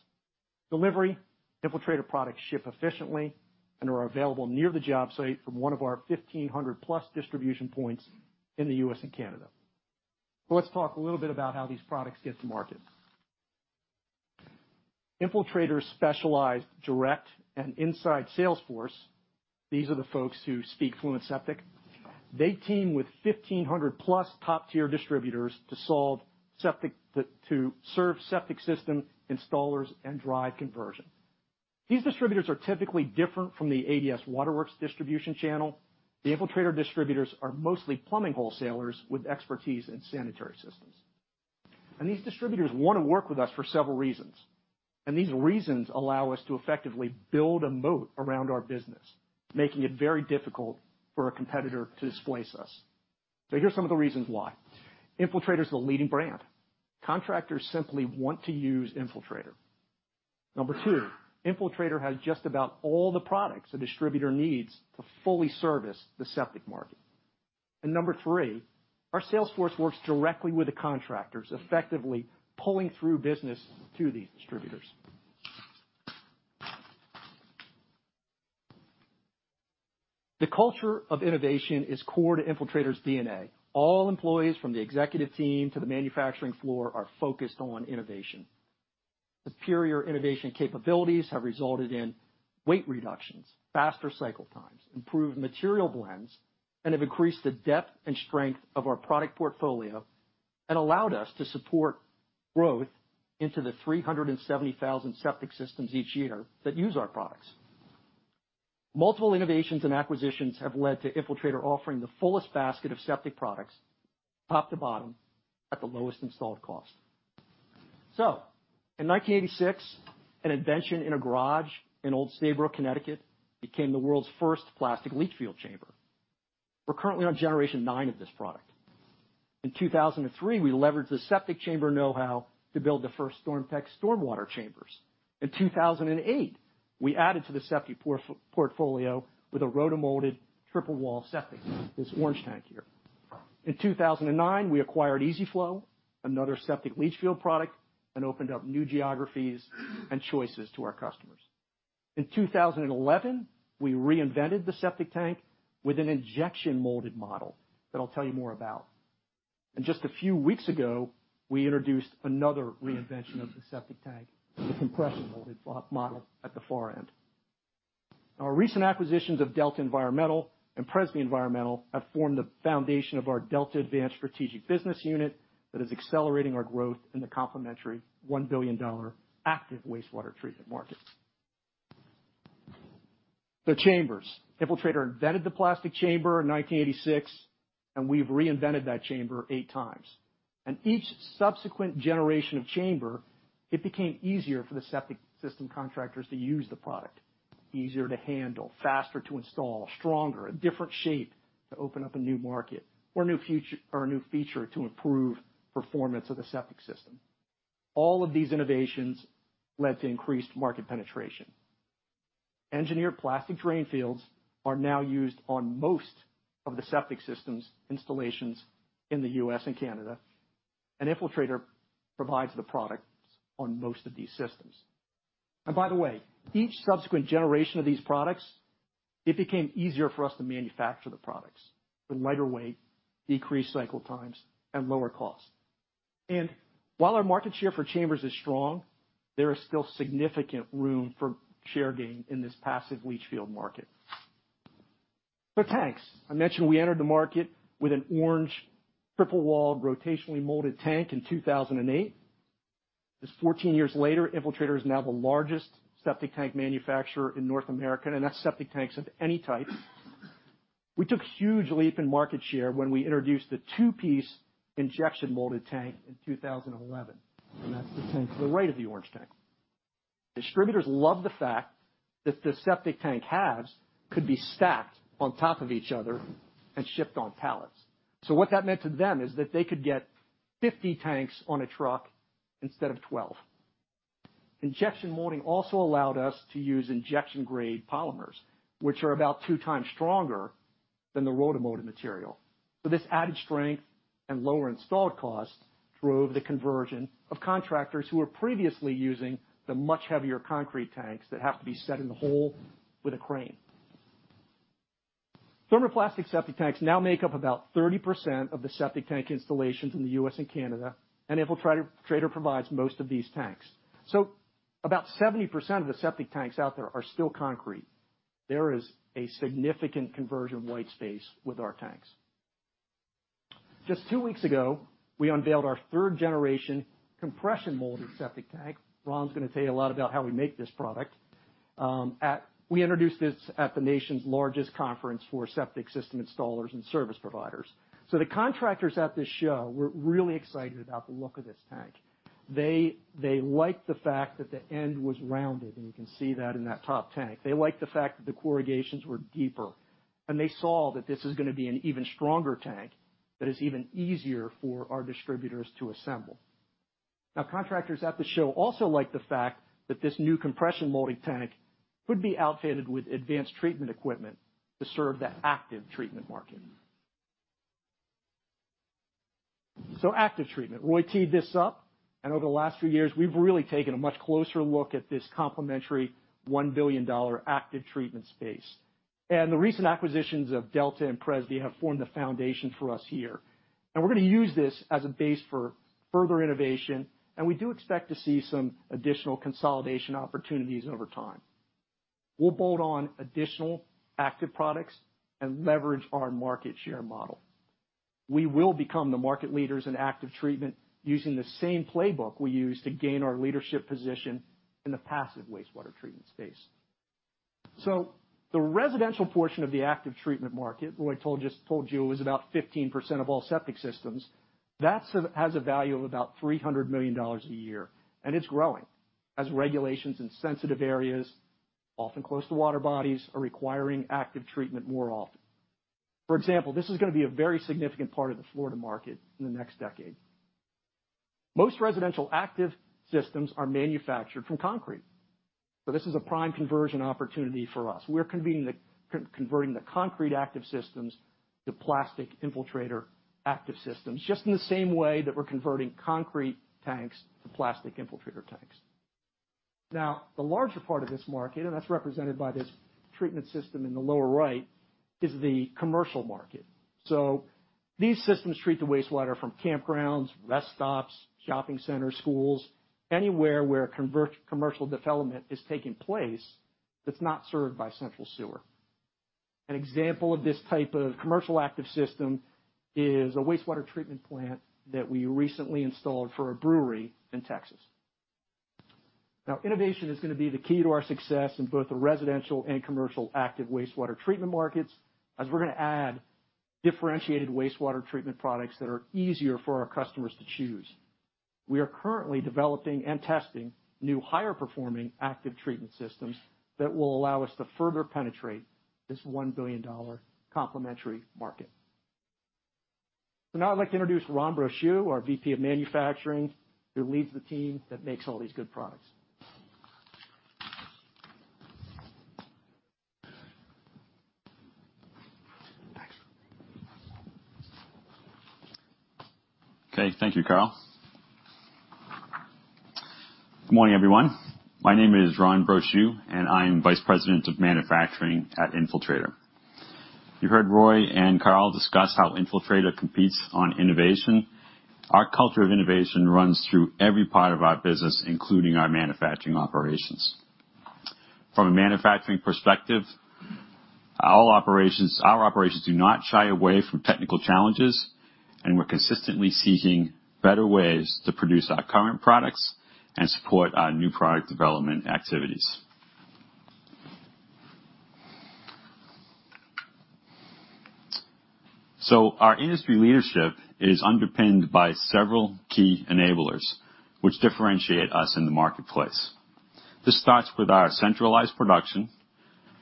Speaker 4: Delivery. Infiltrator products ship efficiently and are available near the job site from one of our 1,500-plus distribution points in the U.S. and Canada. Let's talk a little bit about how these products get to market. Infiltrator's specialized direct and inside sales force, these are the folks who speak fluent septic. They team with 1,500+ top-tier distributors to serve septic system installers and drive conversion. These distributors are typically different from the ADS Waterworks distribution channel. The Infiltrator distributors are mostly plumbing wholesalers with expertise in sanitary systems. These distributors wanna work with us for several reasons. These reasons allow us to effectively build a moat around our business, making it very difficult for a competitor to displace us. Here's some of the reasons why. Infiltrator is the leading brand. Contractors simply want to use Infiltrator. Number two, Infiltrator has just about all the products a distributor needs to fully service the septic market. Number three, our sales force works directly with the contractors, effectively pulling through business to these distributors. The culture of innovation is core to Infiltrator's DNA. All employees from the executive team to the manufacturing floor are focused on innovation. Superior innovation capabilities have resulted in weight reductions, faster cycle times, improved material blends, and have increased the depth and strength of our product portfolio and allowed us to support growth into the 370,000 septic systems each year that use our products. Multiple innovations and acquisitions have led to Infiltrator offering the fullest basket of septic products, top to bottom, at the lowest installed cost. In 1986, an invention in a garage in Old Saybrook, Connecticut, became the world's first plastic leach field chamber. We're currently on generation 9 of this product. In 2003, we leveraged the septic chamber know-how to build the first StormTech stormwater chambers. In 2008, we added to the septic portfolio with a rotomolded triple wall septic, this orange tank here. In 2009, we acquired EZflow, another septic leach field product, and opened up new geographies and choices to our customers. In 2011, we reinvented the septic tank with an injection molded model that I'll tell you more about. Just a few weeks ago, we introduced another reinvention of the septic tank, the compression molded model at the far end. Our recent acquisitions of Delta Environmental and Presby Environmental have formed the foundation of our Delta Advanced Strategic Business Unit that is accelerating our growth in the complementary $1 billion active wastewater treatment market. The chambers. Infiltrator invented the plastic chamber in 1986, and we've reinvented that chamber eight times. Each subsequent generation of chamber, it became easier for the septic system contractors to use the product. Easier to handle, faster to install, stronger, a different shape to open up a new market or a new feature to improve performance of the septic system. All of these innovations led to increased market penetration. Engineered plastic drain fields are now used on most of the septic system installations in the U.S. and Canada, and Infiltrator provides the products on most of these systems. By the way, each subsequent generation of these products, it became easier for us to manufacture the products with lighter weight, decreased cycle times, and lower costs. While our market share for chambers is strong, there is still significant room for share gain in this passive leach field market. The tanks. I mentioned we entered the market with an orange triple-walled rotationally molded tank in 2008. Just 14 years later, Infiltrator is now the largest septic tank manufacturer in North America, and that's septic tanks of any type. We took a huge leap in market share when we introduced the two-piece injection molded tank in 2011, and that's the tank to the right of the orange tank. Distributors love the fact that the septic tank halves could be stacked on top of each other and shipped on pallets. What that meant to them is that they could get 50 tanks on a truck instead of 12. Injection molding also allowed us to use injection-grade polymers, which are about two times stronger than the rotomolded material. This added strength and lower installed costs drove the conversion of contractors who were previously using the much heavier concrete tanks that have to be set in the hole with a crane. Thermoplastic septic tanks now make up about 30% of the septic tank installations in the U.S. and Canada, and Infiltrator provides most of these tanks. About 70% of the septic tanks out there are still concrete. There is a significant conversion white space with our tanks. Just two weeks ago, we unveiled our third-generation compression molded septic tank. Ron is going to tell you a lot about how we make this product. We introduced this at the nation's largest conference for septic system installers and service providers. The contractors at this show were really excited about the look of this tank. They liked the fact that the end was rounded, and you can see that in that top tank. They liked the fact that the corrugations were deeper, and they saw that this is gonna be an even stronger tank that is even easier for our distributors to assemble. Now, contractors at the show also like the fact that this new compression molding tank could be outfitted with advanced treatment equipment to serve the active treatment market. Active treatment. Roy teed this up, and over the last few years, we've really taken a much closer look at this complementary $1 billion active treatment space. The recent acquisitions of Delta and Presby have formed the foundation for us here. We're gonna use this as a base for further innovation, and we do expect to see some additional consolidation opportunities over time. We'll bolt on additional active products and leverage our market share model. We will become the market leaders in active treatment using the same playbook we used to gain our leadership position in the passive wastewater treatment space. The residential portion of the active treatment market, Roy told you, is about 15% of all septic systems. That has a value of about $300 million a year, and it's growing as regulations in sensitive areas, often close to water bodies, are requiring active treatment more often. For example, this is gonna be a very significant part of the Florida market in the next decade. Most residential active systems are manufactured from concrete, so this is a prime conversion opportunity for us. We're converting the concrete active systems to plastic Infiltrator active systems, just in the same way that we're converting concrete tanks to plastic Infiltrator tanks. Now, the larger part of this market, and that's represented by this treatment system in the lower right, is the commercial market. These systems treat the wastewater from campgrounds, rest stops, shopping centers, schools, anywhere where commercial development is taking place that's not served by central sewer. An example of this type of commercial active system is a wastewater treatment plant that we recently installed for a brewery in Texas. Now, innovation is gonna be the key to our success in both the residential and commercial active wastewater treatment markets as we're gonna add differentiated wastewater treatment products that are easier for our customers to choose. We are currently developing and testing new higher-performing active treatment systems that will allow us to further penetrate this $1 billion complementary market. Now I'd like to introduce Ron Brochu, our VP of Manufacturing, who leads the team that makes all these good products.
Speaker 5: Okay. Thank you, Carl. Good morning, everyone. My name is Ron Brochu, and I'm Vice President of Manufacturing at Infiltrator. You heard Roy and Carl discuss how Infiltrator competes on innovation. Our culture of innovation runs through every part of our business, including our manufacturing operations. From a manufacturing perspective, all our operations do not shy away from technical challenges, and we're consistently seeking better ways to produce our current products and support our new product development activities. Our industry leadership is underpinned by several key enablers which differentiate us in the marketplace. This starts with our centralized production,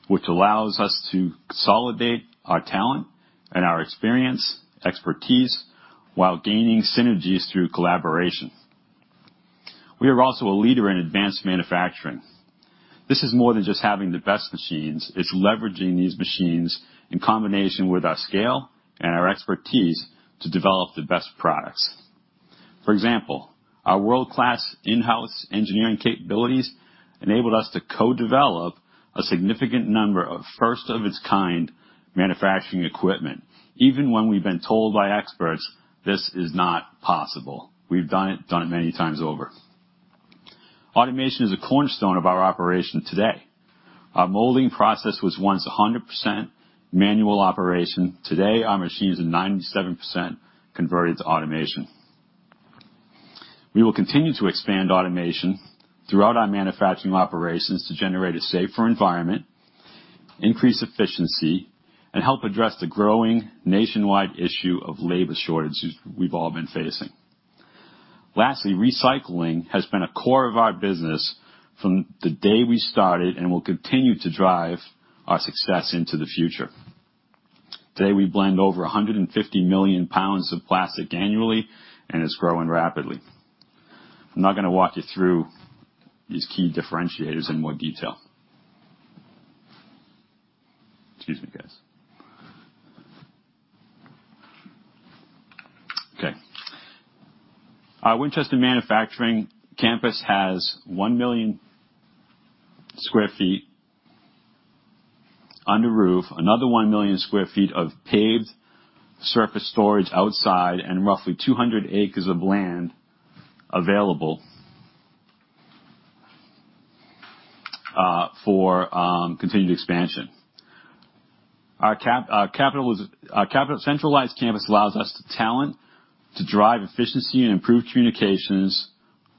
Speaker 5: which allows us to consolidate our talent and our experience, expertise, while gaining synergies through collaboration. We are also a leader in advanced manufacturing. This is more than just having the best machines. It's leveraging these machines in combination with our scale and our expertise to develop the best products. For example, our world-class in-house engineering capabilities enabled us to co-develop a significant number of first-of-its-kind manufacturing equipment, even when we've been told by experts, this is not possible. We've done it many times over. Automation is a cornerstone of our operation today. Our molding process was once 100% manual operation. Today, our machines are 97% converted to automation. We will continue to expand automation throughout our manufacturing operations to generate a safer environment, increase efficiency, and help address the growing nationwide issue of labor shortages we've all been facing. Lastly, recycling has been a core of our business from the day we started and will continue to drive our success into the future. Today, we blend over 150 million pounds of plastic annually, and it's growing rapidly. I'm not gonna walk you through these key differentiators in more detail. Excuse me, guys. Okay. Our Winchester manufacturing campus has 1 million sq ft under roof, another 1 million sq ft of paved surface storage outside, and roughly 200 acres of land available for continued expansion. Our centralized campus allows us to attract talent to drive efficiency and improve communications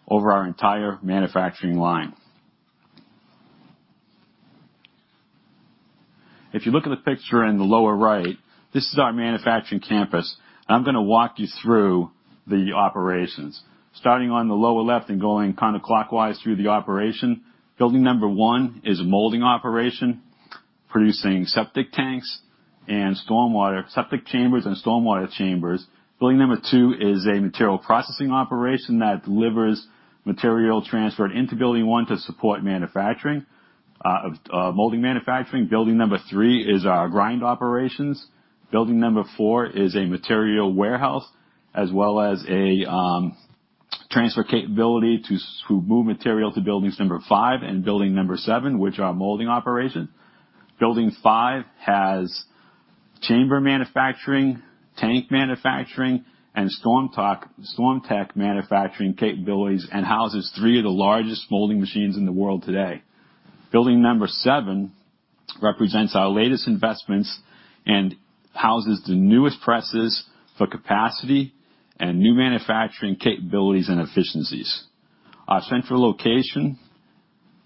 Speaker 5: over our entire manufacturing line. If you look at the picture in the lower right, this is our manufacturing campus. I'm gonna walk you through the operations. Starting on the lower left and going kinda clockwise through the operation. Building number 1 is a molding operation, producing septic tanks and septic chambers and stormwater chambers. Building number two is a material processing operation that delivers material transferred into building one to support manufacturing, molding manufacturing. Building number three is our grind operations. Building number four is a material warehouse, as well as a transfer capability to move material to buildings number five and building number seven, which are our molding operation. Building five has chamber manufacturing, tank manufacturing, and StormTech manufacturing capabilities and houses three of the largest molding machines in the world today. Building number seven represents our latest investments and houses the newest presses for capacity and new manufacturing capabilities and efficiencies. Our central location,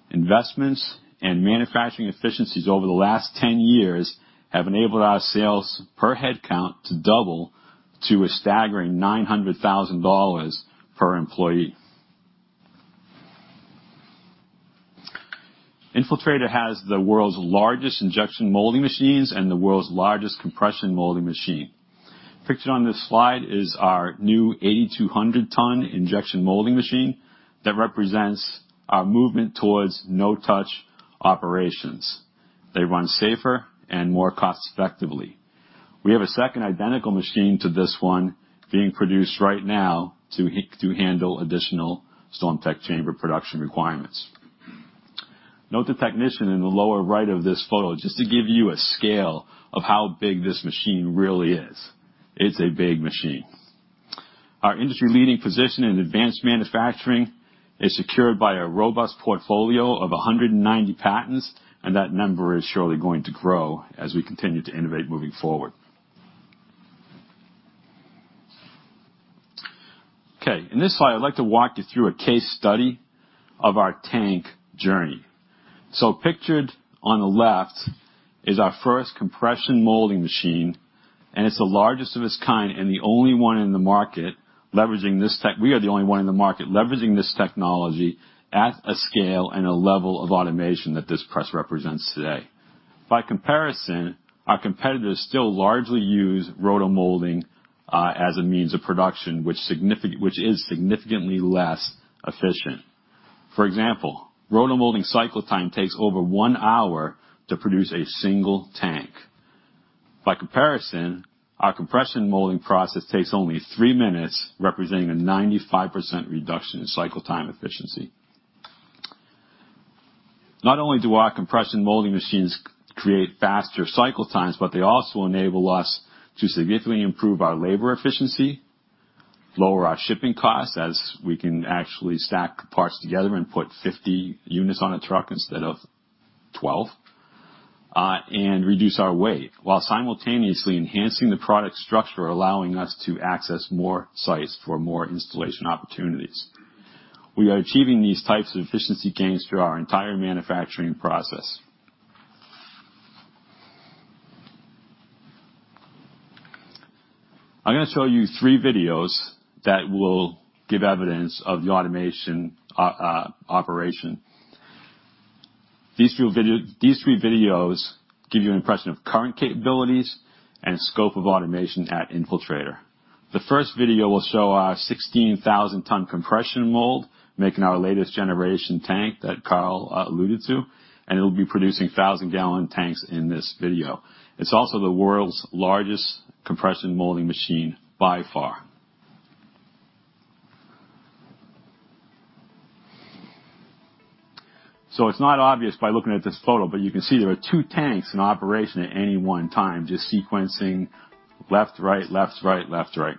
Speaker 5: investments, and manufacturing efficiencies over the last 10 years have enabled our sales per head count to double to a staggering $900,000 per employee. Infiltrator has the world's largest injection molding machines and the world's largest compression molding machine. Pictured on this slide is our new 8,200-ton injection molding machine that represents our movement towards no-touch operations. They run safer and more cost-effectively. We have a second identical machine to this one being produced right now to handle additional StormTech chamber production requirements. Note the technician in the lower right of this photo, just to give you a scale of how big this machine really is. It's a big machine. Our industry-leading position in advanced manufacturing is secured by a robust portfolio of 190 patents, and that number is surely going to grow as we continue to innovate moving forward. Okay. In this slide, I'd like to walk you through a case study of our tank journey. Pictured on the left is our first compression molding machine, and it's the largest of its kind and the only one in the market leveraging this tech. We are the only one in the market leveraging this technology at a scale and a level of automation that this press represents today. By comparison, our competitors still largely use rotomolding as a means of production, which is significantly less efficient. For example, rotomolding cycle time takes over one hour to produce a single tank. By comparison, our compression molding process takes only three minutes, representing a 95% reduction in cycle time efficiency. Not only do our compression molding machines create faster cycle times, but they also enable us to significantly improve our labor efficiency, lower our shipping costs, as we can actually stack parts together and put 50 units on a truck instead of 12, and reduce our weight while simultaneously enhancing the product structure, allowing us to access more sites for more installation opportunities. We are achieving these types of efficiency gains through our entire manufacturing process. I'm gonna show you three videos that will give evidence of the automation operation. These three videos give you an impression of current capabilities and scope of automation at Infiltrator. The first video will show our 16,000-ton compression mold making our latest generation tank that Carl alluded to, and it'll be producing 1,000-gallon tanks in this video. It's also the world's largest compression molding machine by far. It's not obvious by looking at this photo, but you can see there are two tanks in operation at any one time, just sequencing left, right, left, right, left, right.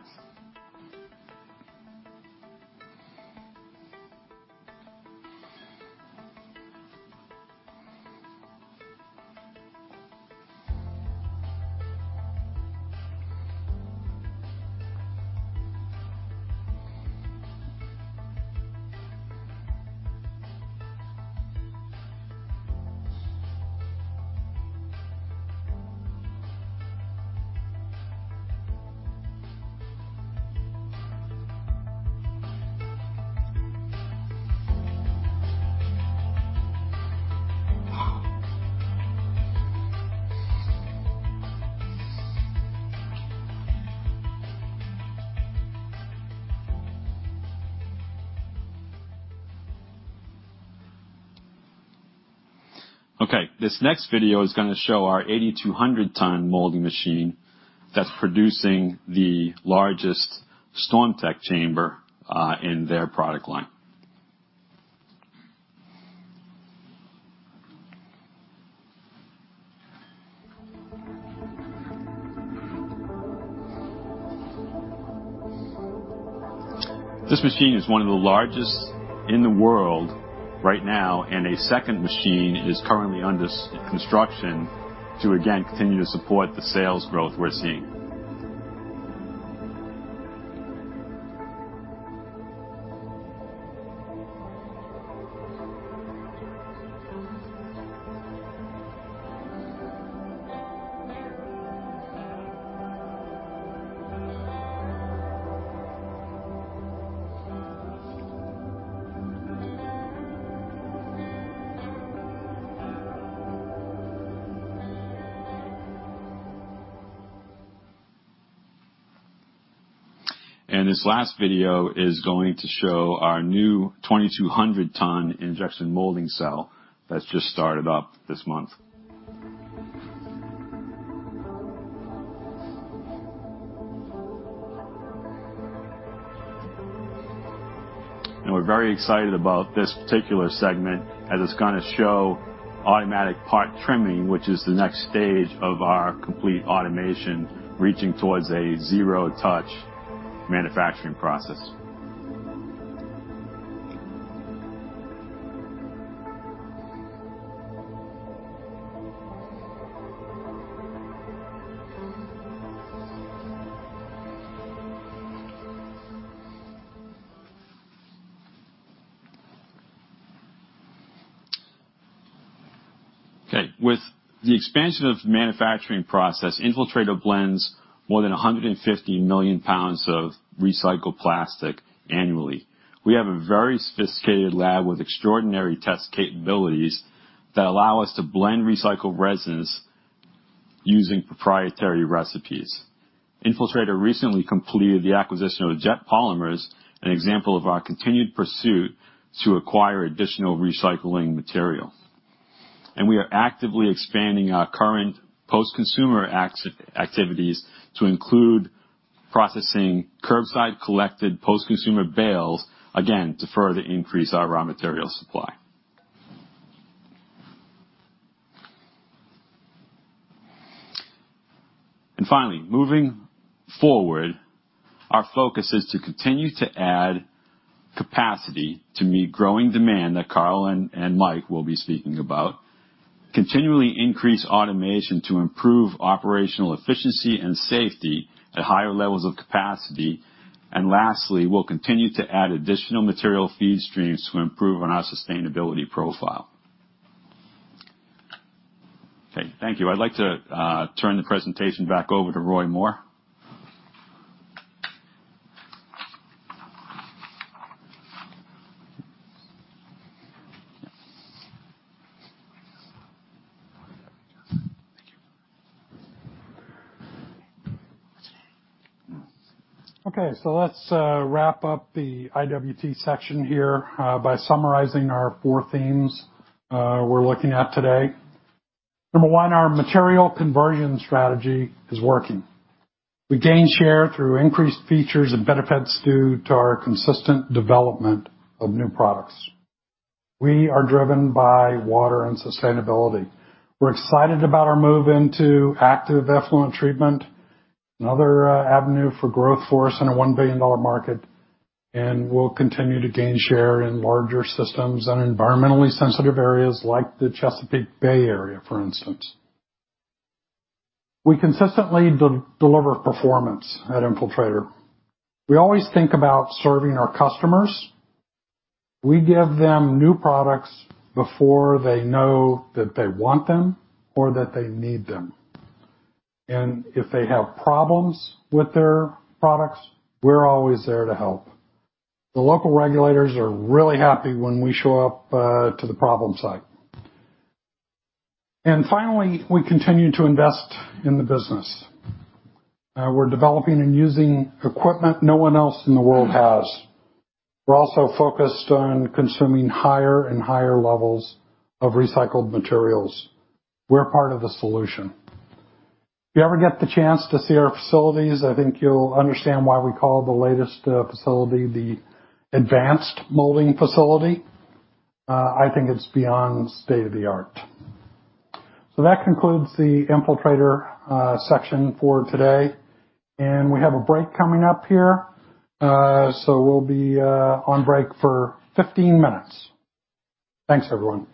Speaker 5: Okay. This next video is gonna show our 8,200-ton molding machine that's producing the largest StormTech chamber in their product line. This machine is one of the largest in the world right now, and a second machine is currently under construction to again continue to support the sales growth we're seeing. This last video is going to show our new 2,200-ton injection molding cell that's just started up this month. We're very excited about this particular segment as it's gonna show automatic part trimming, which is the next stage of our complete automation, reaching towards a zero touch manufacturing process. Okay. With the expansion of manufacturing process, Infiltrator blends more than 150 million pounds of recycled plastic annually. We have a very sophisticated lab with extraordinary test capabilities that allow us to blend recycled resins using proprietary recipes. Infiltrator recently completed the acquisition of Jet Polymer, an example of our continued pursuit to acquire additional recycling material. We are actively expanding our current post-consumer activities to include processing curbside collected post-consumer bales, again, to further increase our raw material supply. Moving forward, our focus is to continue to add capacity to meet growing demand that Carl and Mike will be speaking about. Continually increase automation to improve operational efficiency and safety at higher levels of capacity. We'll continue to add additional material feed streams to improve on our sustainability profile. Okay, thank you. I'd like to turn the presentation back over to Roy Moore.
Speaker 3: Thank you. Okay. Let's wrap up the IWT section here by summarizing our four themes we're looking at today. Number one, our material conversion strategy is working. We gain share through increased features and benefits due to our consistent development of new products. We are driven by water and sustainability. We're excited about our move into active effluent treatment, another avenue for growth for us in a $1 billion market, and we'll continue to gain share in larger systems and environmentally sensitive areas like the Chesapeake Bay area, for instance. We consistently deliver performance at Infiltrator. We always think about serving our customers. We give them new products before they know that they want them or that they need them. If they have problems with their products, we're always there to help. The local regulators are really happy when we show up to the problem site. Finally, we continue to invest in the business. We're developing and using equipment no one else in the world has. We're also focused on consuming higher and higher levels of recycled materials. We're part of the solution. If you ever get the chance to see our facilities, I think you'll understand why we call the latest facility the advanced molding facility. I think it's beyond state-of-the-art. That concludes the Infiltrator section for today. We have a break coming up here, so we'll be on break for 15 minutes. Thanks, everyone.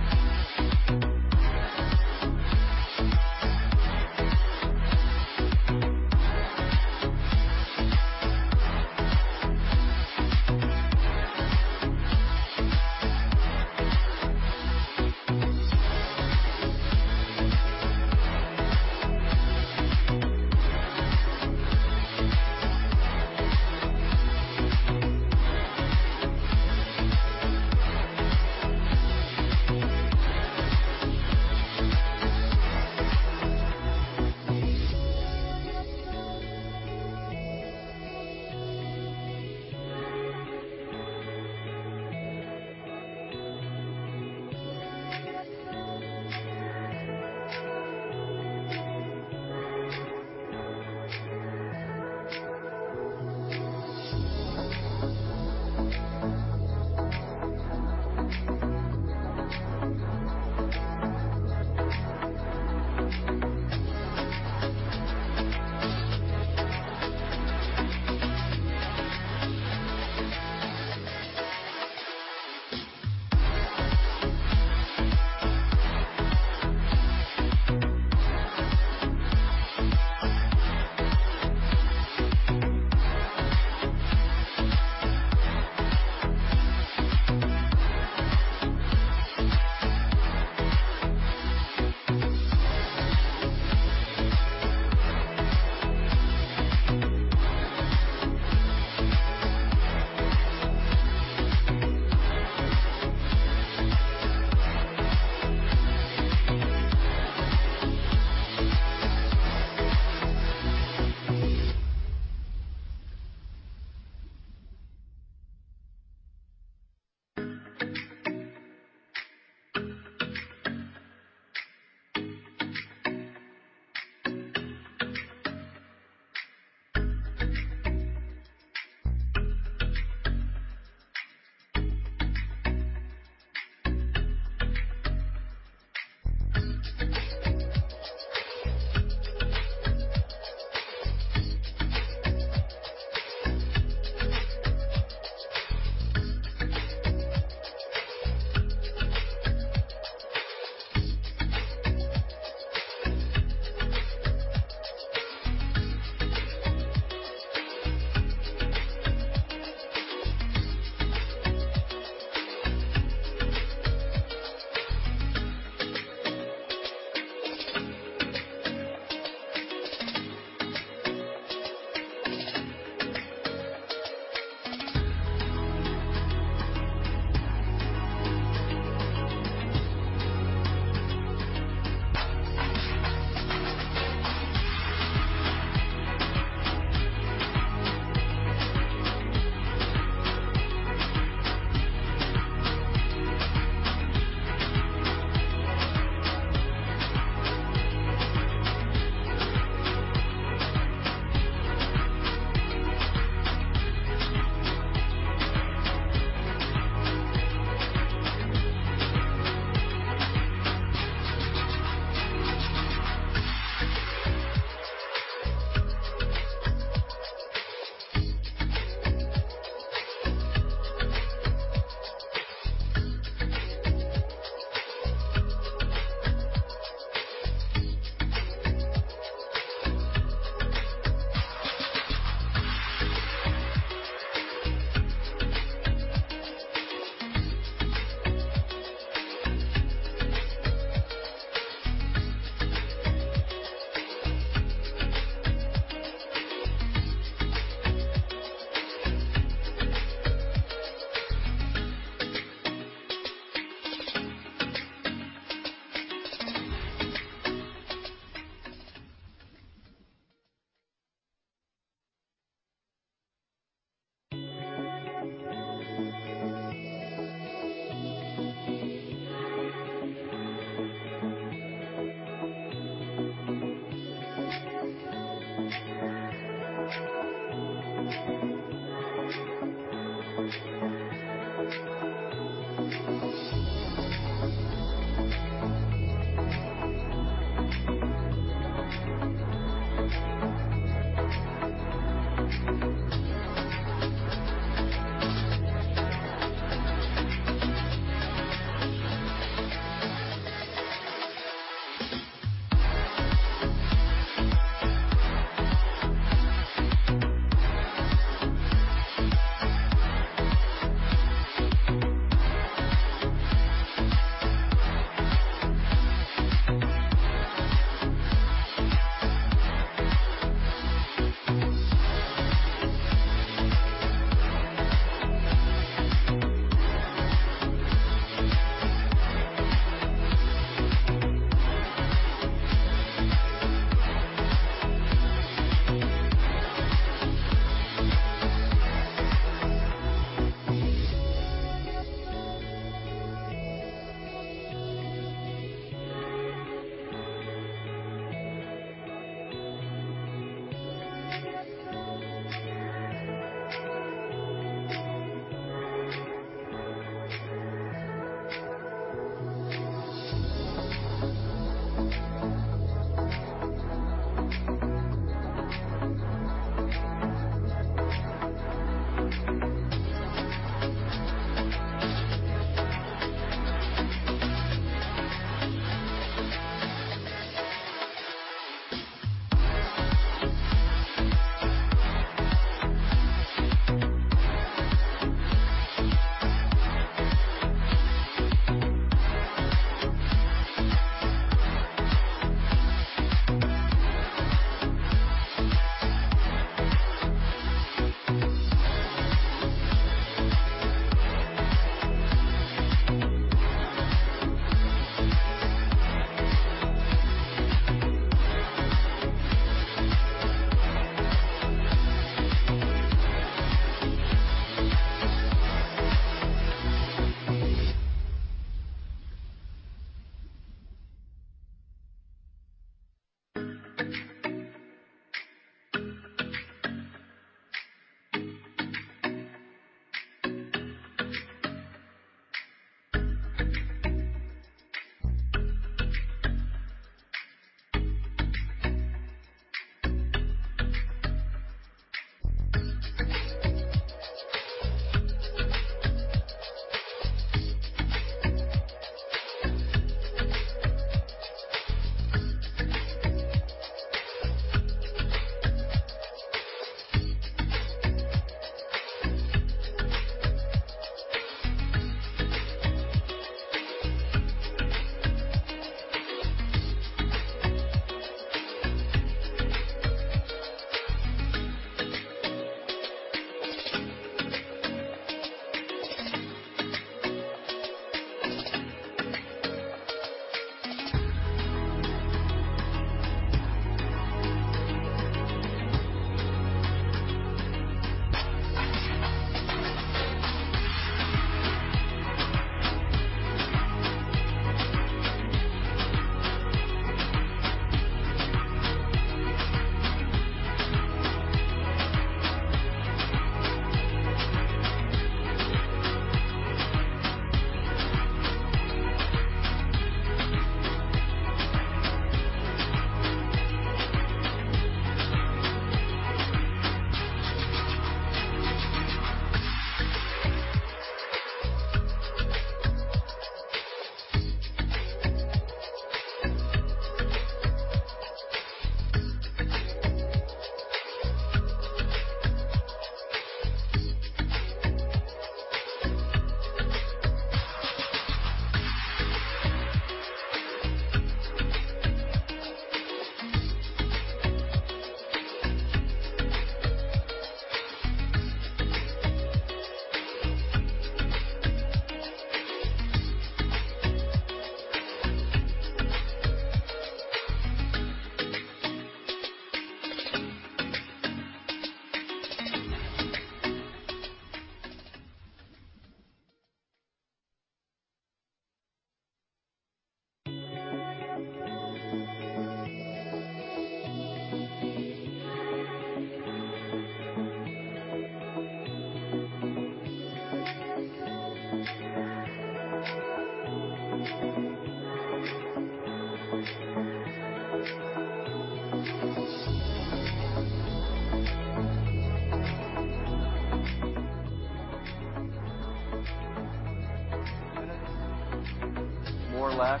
Speaker 1: More or less.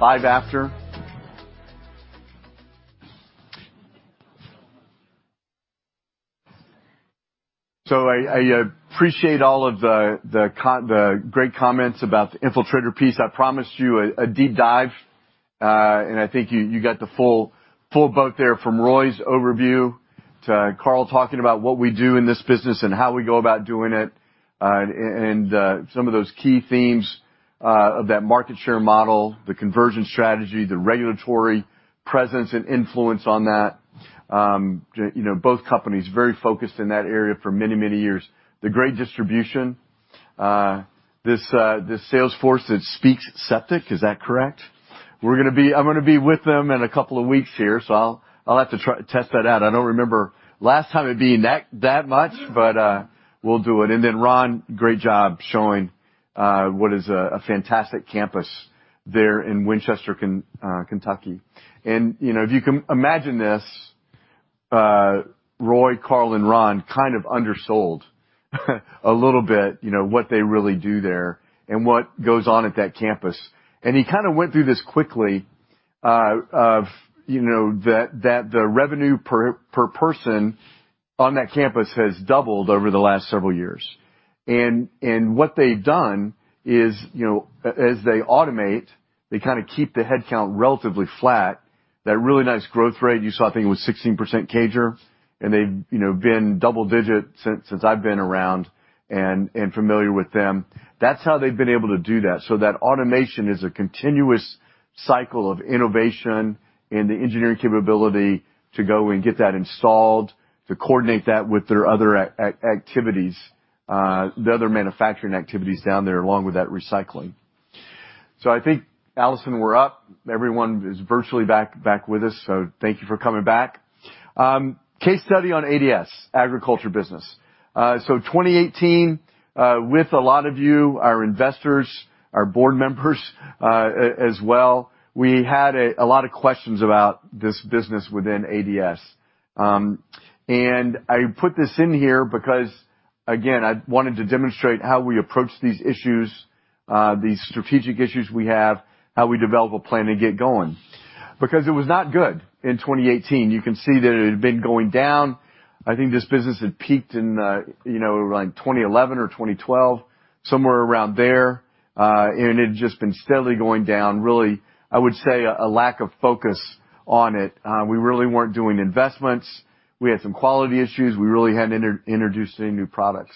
Speaker 1: Five after. I appreciate all of the great comments about the Infiltrator piece. I promised you a deep dive, and I think you got the full boat there from Roy's overview to Carl talking about what we do in this business and how we go about doing it. Some of those key themes of that market share model, the conversion strategy, the regulatory presence and influence on that. You know, both companies very focused in that area for many years. The great distribution, this sales force that speaks septic, is that correct? I'm gonna be with them in a couple of weeks here, so I'll have to try to test that out. I don't remember last time it being that much, but we'll do it. Ron, great job showing what is a fantastic campus there in Winchester, Kentucky. You know, if you can imagine this, Roy, Carl, and Ron kind of undersold a little bit, you know, what they really do there and what goes on at that campus. He kind of went through this quickly of, you know, that the revenue per person on that campus has doubled over the last several years. What they've done is, you know, as they automate, they kinda keep the headcount relatively flat. That really nice growth rate you saw, I think it was 16% CAGR, and they've, you know, been double-digit since I've been around and familiar with them. That's how they've been able to do that. That automation is a continuous cycle of innovation and the engineering capability to go and get that installed, to coordinate that with their other activities, the other manufacturing activities down there along with that recycling. I think, Allison, we're up. Everyone is virtually back with us. Thank you for coming back. Case study on ADS agriculture business. 2018, with a lot of you, our investors, our board members, as well, we had a lot of questions about this business within ADS. I put this in here because, again, I wanted to demonstrate how we approach these issues, these strategic issues we have, how we develop a plan to get going. Because it was not good in 2018. You can see that it had been going down. I think this business had peaked in, you know, around 2011 or 2012, somewhere around there. It had just been steadily going down, really. I would say a lack of focus on it. We really weren't doing investments. We had some quality issues. We really hadn't introduced any new products.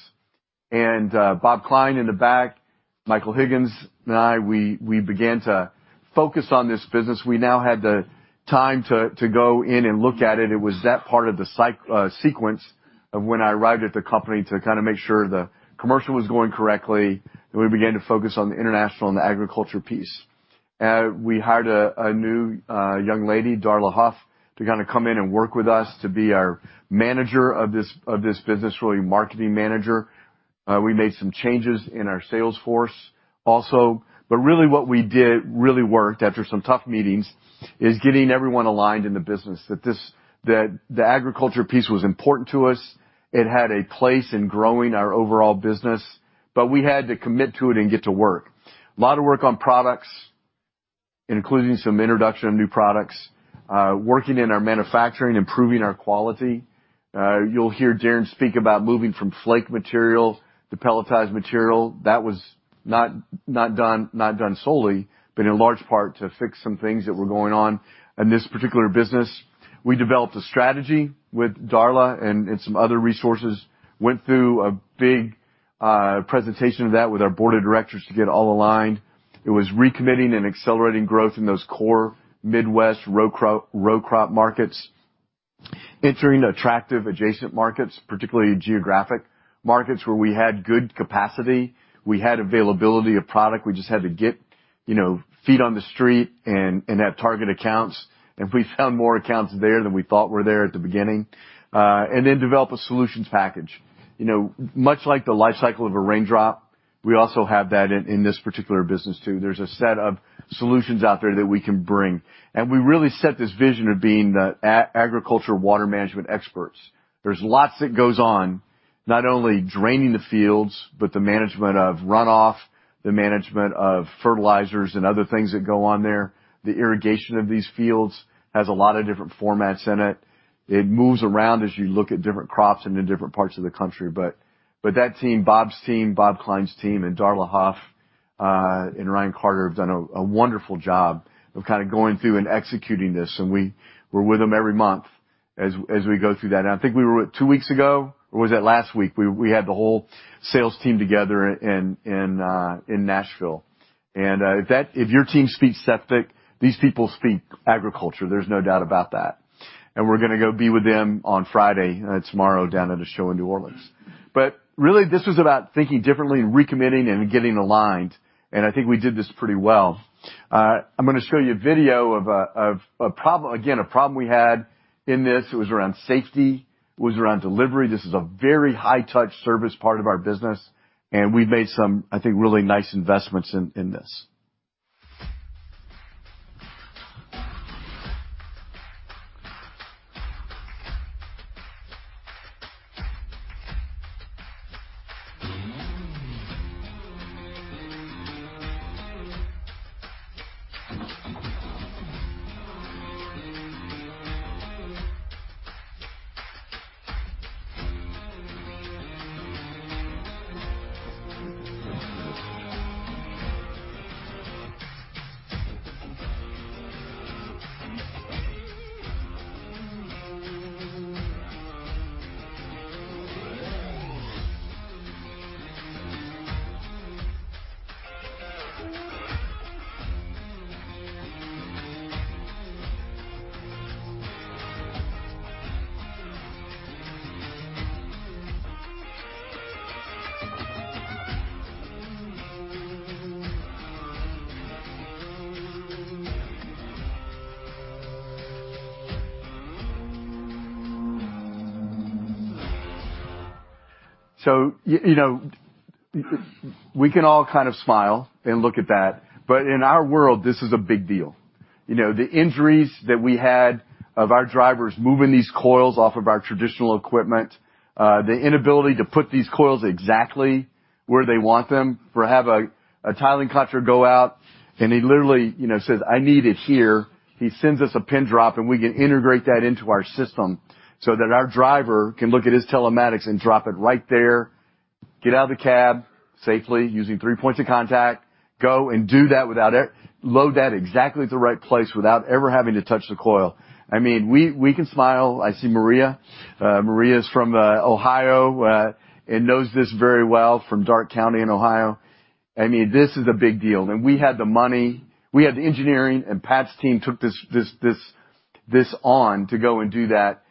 Speaker 1: Bob Klein in the back, Mike Higgins and I, we began to focus on this business. We now had the time to go in and look at it. It was that part of the sequence of when I arrived at the company to kind of make sure the commercial was going correctly, and we began to focus on the international and the agriculture piece. We hired a new young lady, Darla Huff, to kind of come in and work with us to be our manager of this business, really marketing manager. We made some changes in our sales force also. Really what we did really worked after some tough meetings is getting everyone aligned in the business that the agriculture piece was important to us. It had a place in growing our overall business, but we had to commit to it and get to work. A lot of work on products, including some introduction of new products, working in our manufacturing, improving our quality. You'll hear Darin speak about moving from flake material to pelletized material. That was not done solely, but in large part to fix some things that were going on in this particular business. We developed a strategy with Darla and some other resources, went through a big presentation of that with our board of directors to get all aligned. It was recommitting and accelerating growth in those core Midwest row crop markets, entering attractive adjacent markets, particularly geographic markets where we had good capacity. We had availability of product. We just had to get, you know, feet on the street and have target accounts. We found more accounts there than we thought were there at the beginning, and then develop a solutions package. You know, much like the life cycle of a raindrop, we also have that in this particular business too. There's a set of solutions out there that we can bring. We really set this vision of being the agriculture water management experts. There's lots that goes on, not only draining the fields, but the management of runoff, the management of fertilizers and other things that go on there. The irrigation of these fields has a lot of different formats in it. It moves around as you look at different crops and in different parts of the country. That team, Bob's team, Bob Klein's team, and Darla Huff and Ryan Carter have done a wonderful job of kind of going through and executing this. We're with them every month as we go through that. I think we were two weeks ago, or was that last week? We had the whole sales team together in Nashville. If your team speaks septic, these people speak agriculture. There's no doubt about that. We're gonna go be with them on Friday, tomorrow down at a show in New Orleans. Really this was about thinking differently, recommitting, and getting aligned, and I think we did this pretty well. I'm gonna show you a video of a problem, again, a problem we had in this. It was around safety. It was around delivery. This is a very high touch service part of our business, and we've made some, I think, really nice investments in this. You know, we can all kind of smile and look at that, but in our world, this is a big deal. You know, the injuries that we had of our drivers moving these coils off of our traditional equipment, the inability to put these coils exactly where they want them, or have a tiling contractor go out, and he literally, you know, says, "I need it here." He sends us a pin drop, and we can integrate that into our system so that our driver can look at his telematics and drop it right there, get out of the cab safely using three points of contact, go and do that without ever unload that exactly at the right place without ever having to touch the coil. I mean, we can smile. I see Maria. Maria is from Ohio and knows this very well from Darke County in Ohio. I mean, this is a big deal. We had the money, we had the engineering, and Pat's team took this on to go and do that.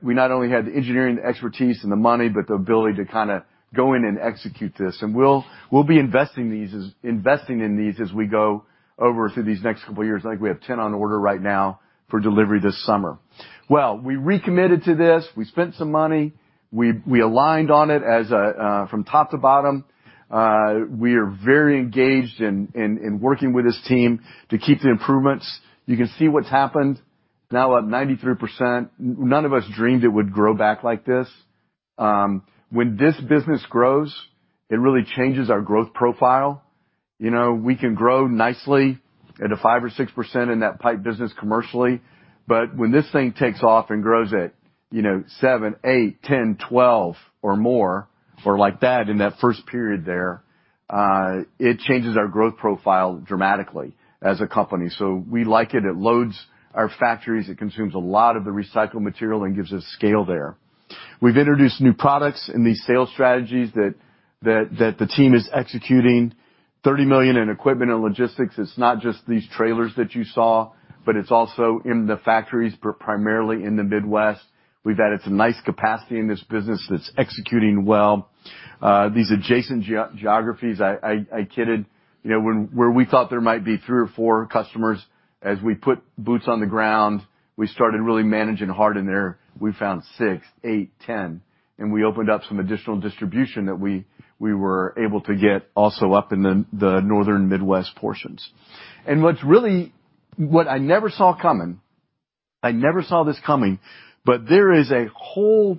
Speaker 1: We not only had the engineering expertise and the money, but the ability to kinda go in and execute this. We'll be investing in these as we go forward through these next couple of years. I think we have 10 on order right now for delivery this summer. Well, we recommitted to this. We spent some money. We aligned on it as from top to bottom. We are very engaged in working with this team to keep the improvements. You can see what's happened now at 93%. None of us dreamed it would grow back like this. When this business grows, it really changes our growth profile. You know, we can grow nicely at a 5%-6% in that pipe business commercially, but when this thing takes off and grows at, you know, 7%, 8%, 10%, 12% or more or like that in that first period there, it changes our growth profile dramatically as a company. We like it. It loads our factories. It consumes a lot of the recycled material and gives us scale there. We've introduced new products in these sales strategies that the team is executing. $30 million in equipment and logistics. It's not just these trailers that you saw, but it's also in the factories primarily in the Midwest. We've added some nice capacity in this business that's executing well. These adjacent geographies, I kidded, you know, where we thought there might be three or four customers. As we put boots on the ground, we started really managing hard in there. We found 6%, 8%, 10%, and we opened up some additional distribution that we were able to get also up in the northern Midwest portions. What's really what I never saw coming, I never saw this coming, but there is a whole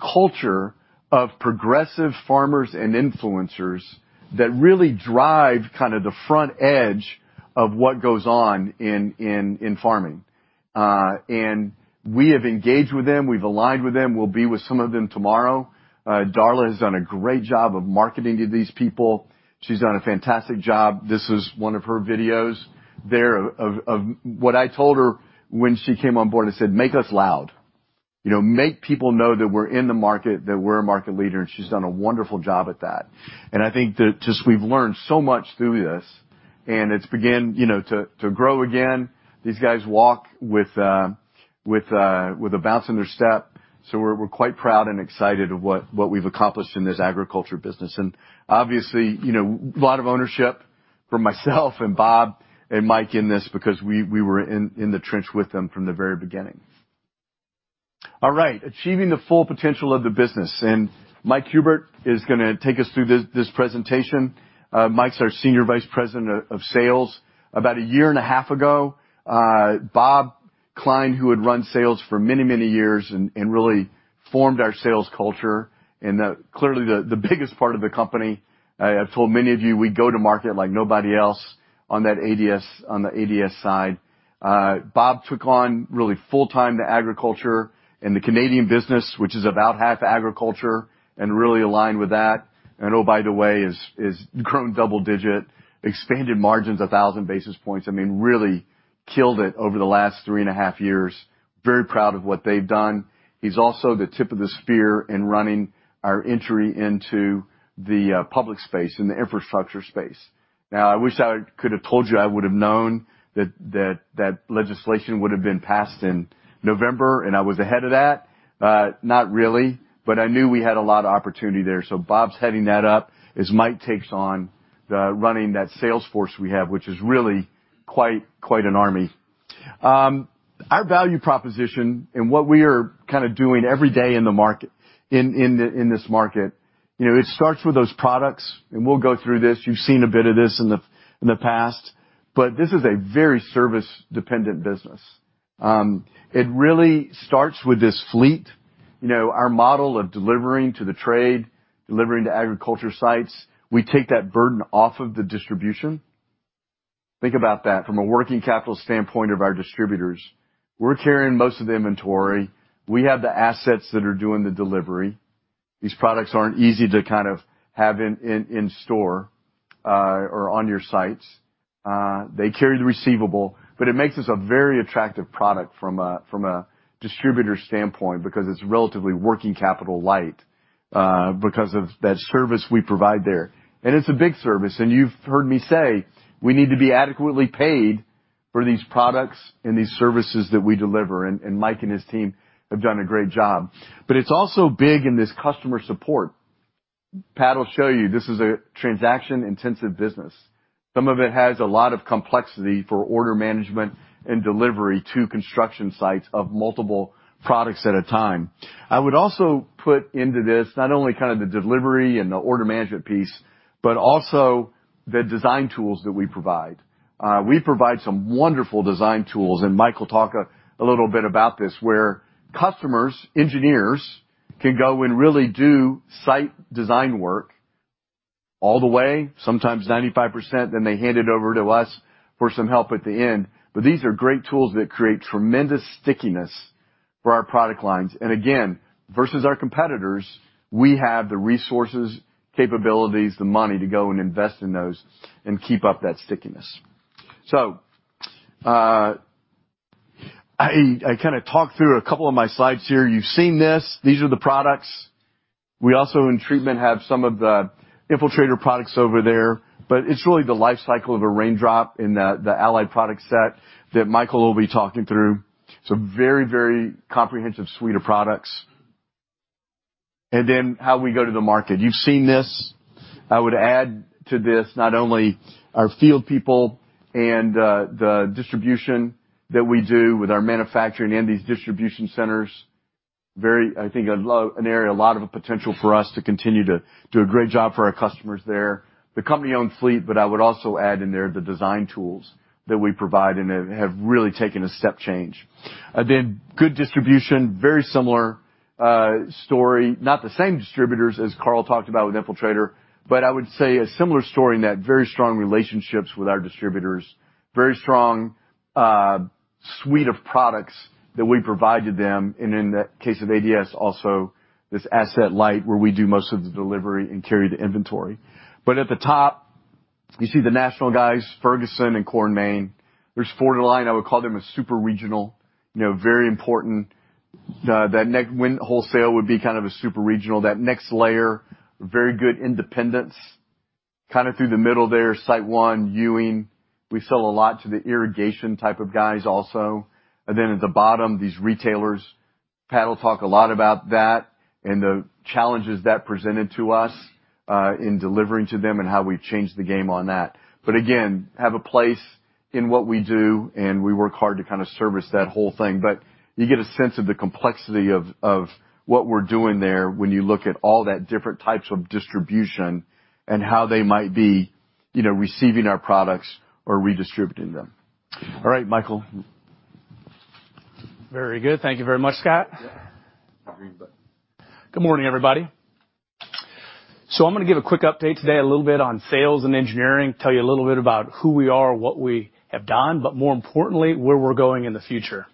Speaker 1: culture of progressive farmers and influencers that really drive kind of the front edge of what goes on in farming. We have engaged with them. We've aligned with them. We'll be with some of them tomorrow. Darla has done a great job of marketing to these people. She's done a fantastic job. This is one of her videos what I told her when she came on board. I said, "Make us loud." You know, make people know that we're in the market, that we're a market leader, and she's done a wonderful job at that. I think that just we've learned so much through this, and it's began, you know, to grow again. These guys walk with a bounce in their step, so we're quite proud and excited of what we've accomplished in this agriculture business. Obviously, you know, lot of ownership from myself and Bob and Mike in this because we were in the trench with them from the very beginning. All right. Achieving the full potential of the business, and Mike Huebert is gonna take us through this presentation. Mike's our Senior Vice President of Sales. About a year and a half ago, Bob Klein, who had run sales for many years and really formed our sales culture and clearly the biggest part of the company. I've told many of you we go to market like nobody else on the ADS side. Bob took on really full-time the agriculture and the Canadian business, which is about half agriculture, and really aligned with that. Oh, by the way, is growing double digit, expanded margins 1,000 basis points. I mean, really killed it over the last three and a half years. Very proud of what they've done. He's also the tip of the spear in running our entry into the public space and the infrastructure space. Now, I wish I could have told you I would have known that legislation would have been passed in November, and I was ahead of that. Not really, but I knew we had a lot of opportunity there. Bob's heading that up as Mike takes on the running that sales force we have, which is really quite an army. Our value proposition and what we are kinda doing every day in the market, in this market, you know, it starts with those products, and we'll go through this. You've seen a bit of this in the past. This is a very service-dependent business. It really starts with this fleet. You know, our model of delivering to the trade, delivering to agriculture sites, we take that burden off of the distribution. Think about that from a working capital standpoint of our distributors. We're carrying most of the inventory. We have the assets that are doing the delivery. These products aren't easy to kind of have in store or on your sites. They carry the receivable, but it makes us a very attractive product from a distributor standpoint because it's relatively working capital light because of that service we provide there. It's a big service. You've heard me say, we need to be adequately paid for these products and these services that we deliver, and Mike and his team have done a great job. But it's also big in this customer support. Pat will show you, this is a transaction-intensive business. Some of it has a lot of complexity for order management and delivery to construction sites of multiple products at a time. I would also put into this not only kind of the delivery and the order management piece, but also the design tools that we provide. We provide some wonderful design tools, and Mike will talk a little bit about this, where customers, engineers can go and really do site design work all the way, sometimes 95%, then they hand it over to us for some help at the end. These are great tools that create tremendous stickiness for our product lines. Again, versus our competitors, we have the resources, capabilities, the money to go and invest in those and keep up that stickiness. I kinda talked through a couple of my slides here. You've seen this. These are the products. We also in treatment have some of the Infiltrator products over there, but it's really the life cycle of a raindrop in the ADS product set that Michael will be talking through. It's a very, very comprehensive suite of products. How we go to the market. You've seen this. I would add to this not only our field people and the distribution that we do with our manufacturing and these distribution centers. Very, I think, an area, a lot of potential for us to continue to do a great job for our customers there. The company-owned fleet, but I would also add in there the design tools that we provide and have really taken a step change. Good distribution, very similar story. Not the same distributors as Carl talked about with Infiltrator, but I would say a similar story in that very strong relationships with our distributors, very strong, suite of products that we provide to them. In the case of ADS also, this asset light where we do most of the delivery and carry the inventory. At the top, you see the national guys, Ferguson and Core & Main. There's Borderline, I would call them a super regional, you know, very important. That next Winsupply would be kind of a super regional. That next layer, very good independents. Kinda through the middle there, SiteOne, Ewing. We sell a lot to the irrigation type of guys also. Then at the bottom, these retailers. Pat will talk a lot about that and the challenges that presented to us in delivering to them and how we've changed the game on that. Again, have a place in what we do, and we work hard to kind of service that whole thing. You get a sense of the complexity of what we're doing there when you look at all that different types of distribution and how they might be, you know, receiving our products or redistributing them. All right, Michael.
Speaker 6: Very good. Thank you very much, Scott.
Speaker 1: Yeah. The green button.
Speaker 6: Good morning, everybody. I'm gonna give a quick update today, a little bit on sales and engineering, tell you a little bit about who we are, what we have done, but more importantly, where we're going in the future.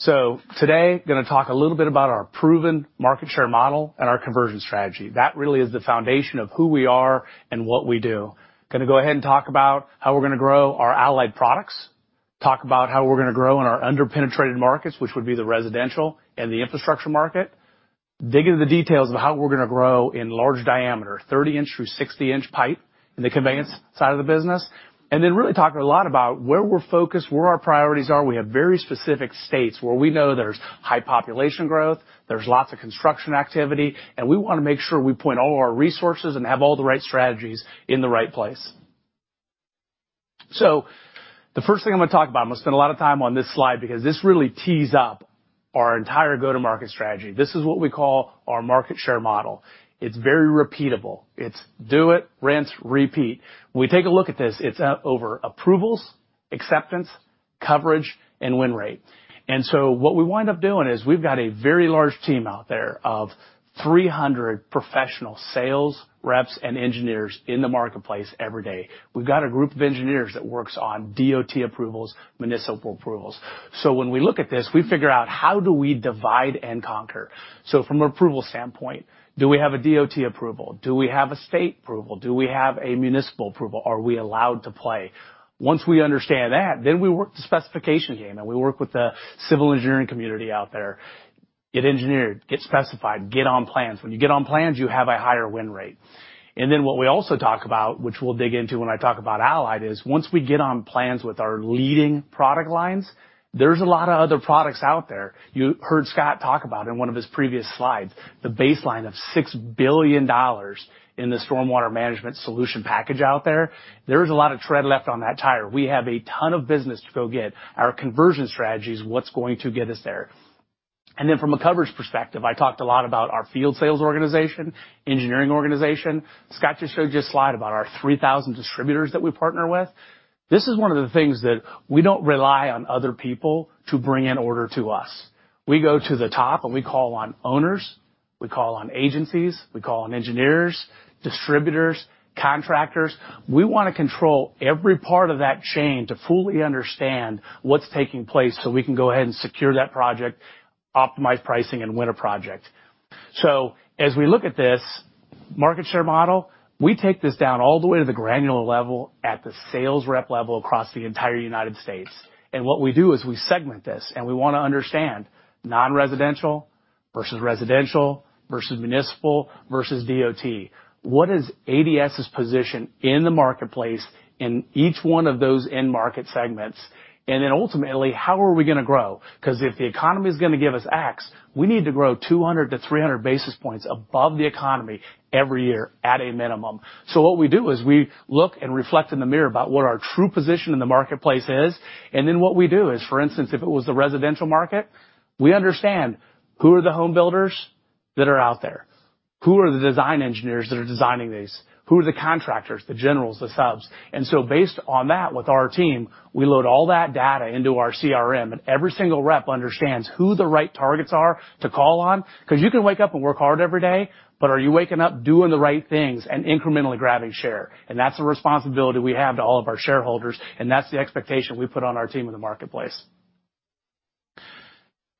Speaker 6: Today, gonna talk a little bit about our proven market share model and our conversion strategy. That really is the foundation of who we are and what we do. Gonna go ahead and talk about how we're gonna grow our Allied Products, talk about how we're gonna grow in our under-penetrated markets, which would be the residential and the infrastructure market, dig into the details of how we're gonna grow in large diameter, 30-inch-60-inch pipe in the conveyance side of the business, and then really talk a lot about where we're focused, where our priorities are. We have very specific states where we know there's high population growth, there's lots of construction activity, and we wanna make sure we point all of our resources and have all the right strategies in the right place. The first thing I'm gonna talk about, I'm gonna spend a lot of time on this slide because this really tees up our entire go-to-market strategy. This is what we call our market share model. It's very repeatable. It's do it, rinse, repeat. When we take a look at this, it's over approvals, acceptance, coverage, and win rate. What we wind up doing is we've got a very large team out there of 300 professional sales reps and engineers in the marketplace every day. We've got a group of engineers that works on DOT approvals, municipal approvals. When we look at this, we figure out, how do we divide and conquer? From an approval standpoint, do we have a DOT approval? Do we have a state approval? Do we have a municipal approval? Are we allowed to play? Once we understand that, then we work the specification game, and we work with the civil engineering community out there, get engineered, get specified, get on plans. When you get on plans, you have a higher win rate. What we also talk about, which we'll dig into when I talk about Allied, is once we get on plans with our leading product lines, there's a lot of other products out there. You heard Scott talk about, in one of his previous slides, the baseline of $6 billion in the stormwater management solution package out there. There is a lot of tread left on that tire. We have a ton of business to go get. Our conversion strategy is what's going to get us there. From a coverage perspective, I talked a lot about our field sales organization, engineering organization. Scott just showed you a slide about our 3,000 distributors that we partner with. This is one of the things that we don't rely on other people to bring an order to us. We go to the top, and we call on owners, we call on agencies, we call on engineers, distributors, contractors. We wanna control every part of that chain to fully understand what's taking place so we can go ahead and secure that project, optimize pricing, and win a project. As we look at this market share model, we take this down all the way to the granular level at the sales rep level across the entire United States. What we do is we segment this, and we wanna understand non-residential versus residential versus municipal versus DOT. What is ADS's position in the marketplace in each one of those end market segments? Ultimately, how are we gonna grow? 'Cause if the economy's gonna give us X, we need to grow 200-300 basis points above the economy every year at a minimum. What we do is we look and reflect in the mirror about what our true position in the marketplace is. What we do is, for instance, if it was the residential market, we understand who are the home builders that are out there? Who are the design engineers that are designing these? Who are the contractors, the generals, the subs? Based on that with our team, we load all that data into our CRM, and every single rep understands who the right targets are to call on. 'Cause you can wake up and work hard every day, but are you waking up doing the right things and incrementally grabbing share? That's the responsibility we have to all of our shareholders, and that's the expectation we put on our team in the marketplace.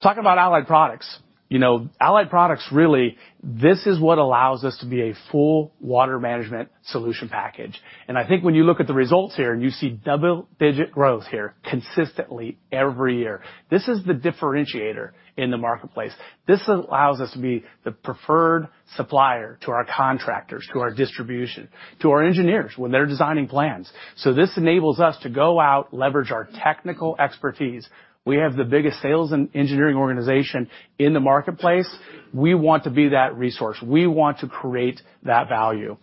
Speaker 6: Talk about Allied Products. You know, Allied Products, really, this is what allows us to be a full water management solution package. I think when you look at the results here and you see double-digit growth here consistently every year, this is the differentiator in the marketplace. This allows us to be the preferred supplier to our contractors, to our distribution, to our engineers when they're designing plans. This enables us to go out, leverage our technical expertise. We have the biggest sales and engineering organization in the marketplace. We want to be that resource. We want to create that value.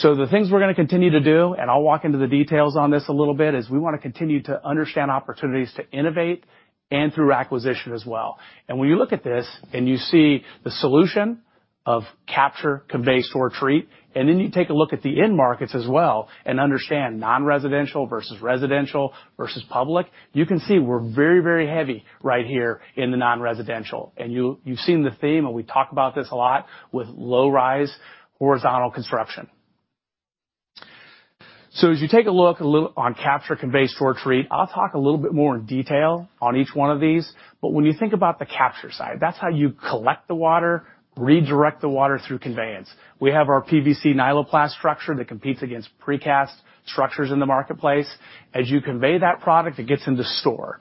Speaker 6: The things we're gonna continue to do, and I'll walk into the details on this a little bit, is we wanna continue to understand opportunities to innovate and through acquisition as well. When you look at this and you see the solution of capture, convey, store, treat. Then you take a look at the end markets as well and understand non-residential versus residential versus public. You can see we're very, very heavy right here in the non-residential. You've seen the theme, and we talk about this a lot, with low-rise, horizontal construction. As you take a look, capture, convey, store, treat, I'll talk a little bit more in detail on each one of these. When you think about the capture side, that's how you collect the water, redirect the water through conveyance. We have our PVC Nyloplast structure that competes against precast structures in the marketplace. As you convey that product, it gets into store.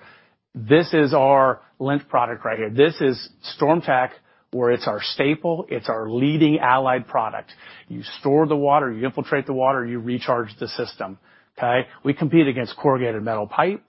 Speaker 6: This is our line product right here. This is StormTech, where it's our staple, it's our leading allied product. You store the water, you infiltrate the water, you recharge the system. Okay? We compete against corrugated metal pipe,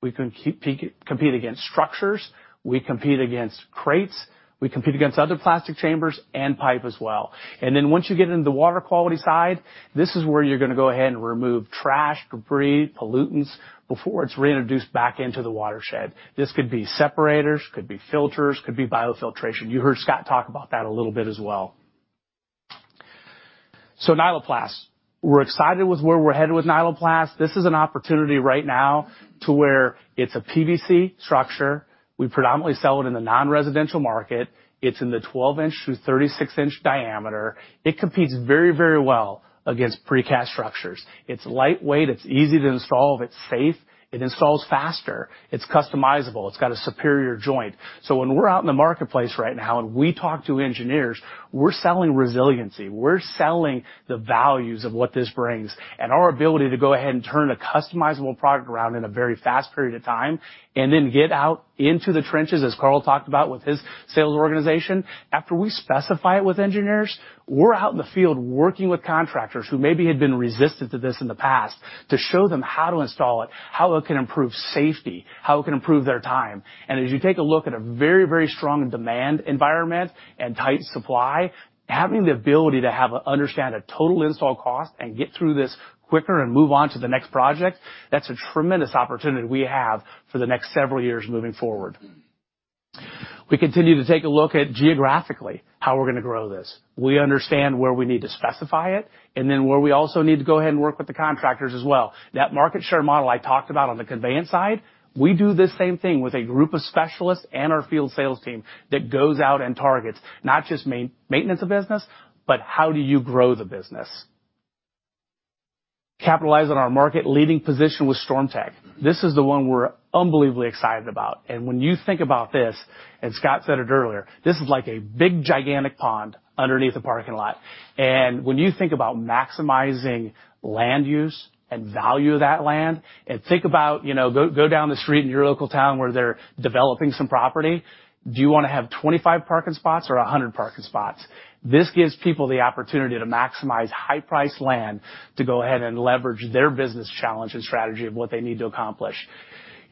Speaker 6: we compete against structures, we compete against crates. We compete against other plastic chambers and pipe as well. Once you get into the water quality side, this is where you're gonna go ahead and remove trash, debris, pollutants before it's reintroduced back into the watershed. This could be separators, could be filters, could be biofiltration. You heard Scott talk about that a little bit as well. Nyloplast. We're excited with where we're headed with Nyloplast. This is an opportunity right now to where it's a PVC structure. We predominantly sell it in the non-residential market. It's in the 12-inch-36-inch diameter. It competes very, very well against precast structures. It's lightweight, it's easy to install, it's safe, it installs faster, it's customizable, it's got a superior joint. When we're out in the marketplace right now and we talk to engineers, we're selling resiliency. We're selling the values of what this brings and our ability to go ahead and turn a customizable product around in a very fast period of time, and then get out into the trenches, as Carl talked about with his sales organization. After we specify it with engineers, we're out in the field working with contractors who maybe had been resistant to this in the past, to show them how to install it, how it can improve safety, how it can improve their time. As you take a look at a very, very strong demand environment and tight supply, having the ability to understand a total install cost and get through this quicker and move on to the next project, that's a tremendous opportunity we have for the next several years moving forward. We continue to take a look at geographically how we're gonna grow this. We understand where we need to specify it, and then where we also need to go ahead and work with the contractors as well. That market share model I talked about on the conveyance side, we do the same thing with a group of specialists and our field sales team that goes out and targets, not just maintenance of business, but how do you grow the business. Capitalize on our market leading position with StormTech. This is the one we're unbelievably excited about. When you think about this, and Scott said it earlier, this is like a big, gigantic pond underneath the parking lot. When you think about maximizing land use and value of that land, and think about, you know, go down the street in your local town where they're developing some property, do you wanna have 25 parking spots or 100 parking spots? This gives people the opportunity to maximize high-priced land to go ahead and leverage their business challenge and strategy of what they need to accomplish.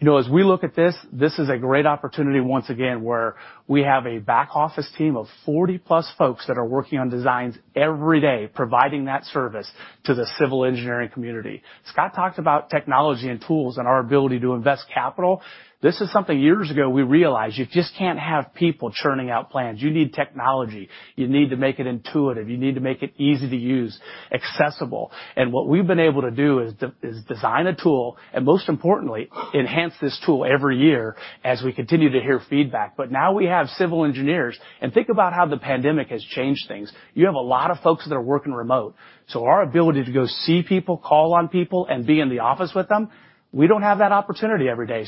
Speaker 6: You know, as we look at this is a great opportunity once again where we have a back office team of 40+ folks that are working on designs every day, providing that service to the civil engineering community. Scott talked about technology and tools and our ability to invest capital. This is something years ago we realized, you just can't have people churning out plans. You need technology. You need to make it intuitive. You need to make it easy to use, accessible. And what we've been able to do is design a tool, and most importantly, enhance this tool every year as we continue to hear feedback. Now we have civil engineers. Think about how the pandemic has changed things. You have a lot of folks that are working remote. Our ability to go see people, call on people, and be in the office with them, we don't have that opportunity every day.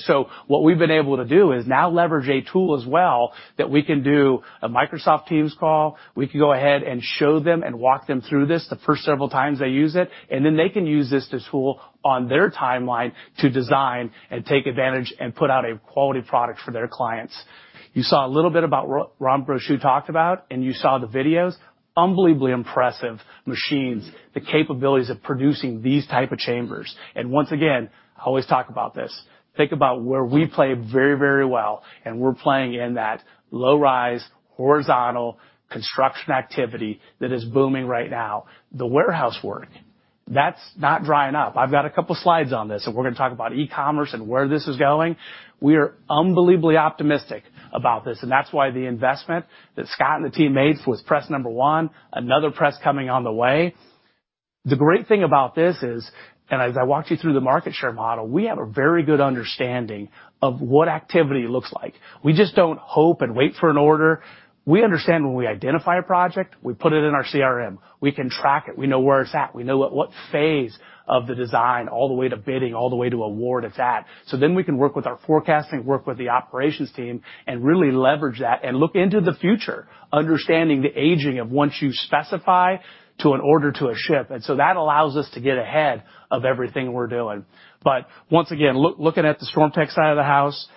Speaker 6: What we've been able to do is now leverage a tool as well that we can do a Microsoft Teams call. We can go ahead and show them and walk them through this the first several times they use it, and then they can use this tool on their timeline to design and take advantage and put out a quality product for their clients. You saw a little bit about what Ron Brochu talked about, and you saw the videos. Unbelievably impressive machines, the capabilities of producing these type of chambers. Once again, I always talk about this. Think about where we play very, very well, and we're playing in that low rise, horizontal construction activity that is booming right now. The warehouse work, that's not drying up. I've got a couple slides on this, and we're gonna talk about e-commerce and where this is going. We are unbelievably optimistic about this, and that's why the investment that Scott and the team made with press number one, another press coming on the way. The great thing about this is, as I walked you through the market share model, we have a very good understanding of what activity looks like. We just don't hope and wait for an order. We understand when we identify a project, we put it in our CRM. We can track it. We know where it's at. We know at what phase of the design, all the way to bidding, all the way to award it's at. We can work with our forecasting, work with the operations team, and really leverage that and look into the future, understanding the aging of once you specify to an order to a ship. That allows us to get ahead of everything we're doing. Once again, looking at the StormTech side of the house,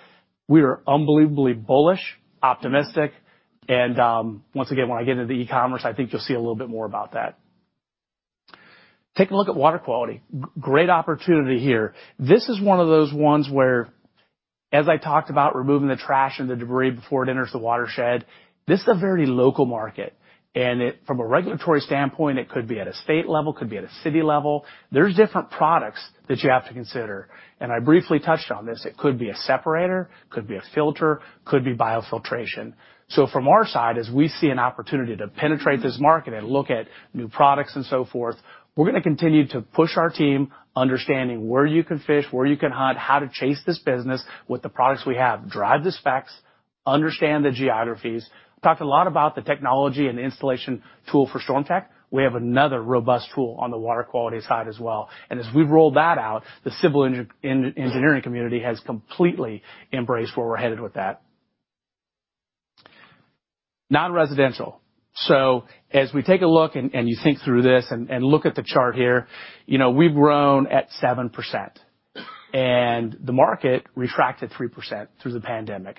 Speaker 6: we are unbelievably bullish, optimistic, and, once again, when I get into the e-commerce, I think you'll see a little bit more about that. Take a look at water quality. Great opportunity here. This is one of those ones where as I talked about removing the trash and the debris before it enters the watershed, this is a very local market, and it from a regulatory standpoint, it could be at a state level, could be at a city level. There's different products that you have to consider, and I briefly touched on this. It could be a separator, could be a filter, could be biofiltration. From our side, as we see an opportunity to penetrate this market and look at new products and so forth, we're gonna continue to push our team understanding where you can fish, where you can hunt, how to chase this business with the products we have, drive the specs, understand the geographies. We talked a lot about the technology and installation tool for StormTech. We have another robust tool on the water quality side as well. As we roll that out, the civil engineering community has completely embraced where we're headed with that. Non-residential. As we take a look and you think through this and look at the chart here, you know, we've grown at 7%. The market retracted 3% through the pandemic.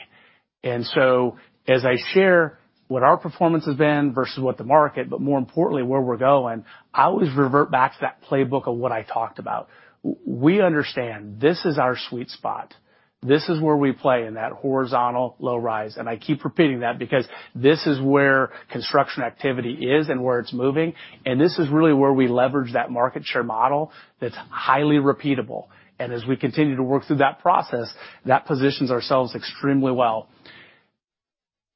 Speaker 6: As I share what our performance has been versus what the market, but more importantly, where we're going, I always revert back to that playbook of what I talked about. We understand this is our sweet spot. This is where we play in that horizontal low rise. I keep repeating that because this is where construction activity is and where it's moving, and this is really where we leverage that market share model that's highly repeatable. As we continue to work through that process, that positions ourselves extremely well.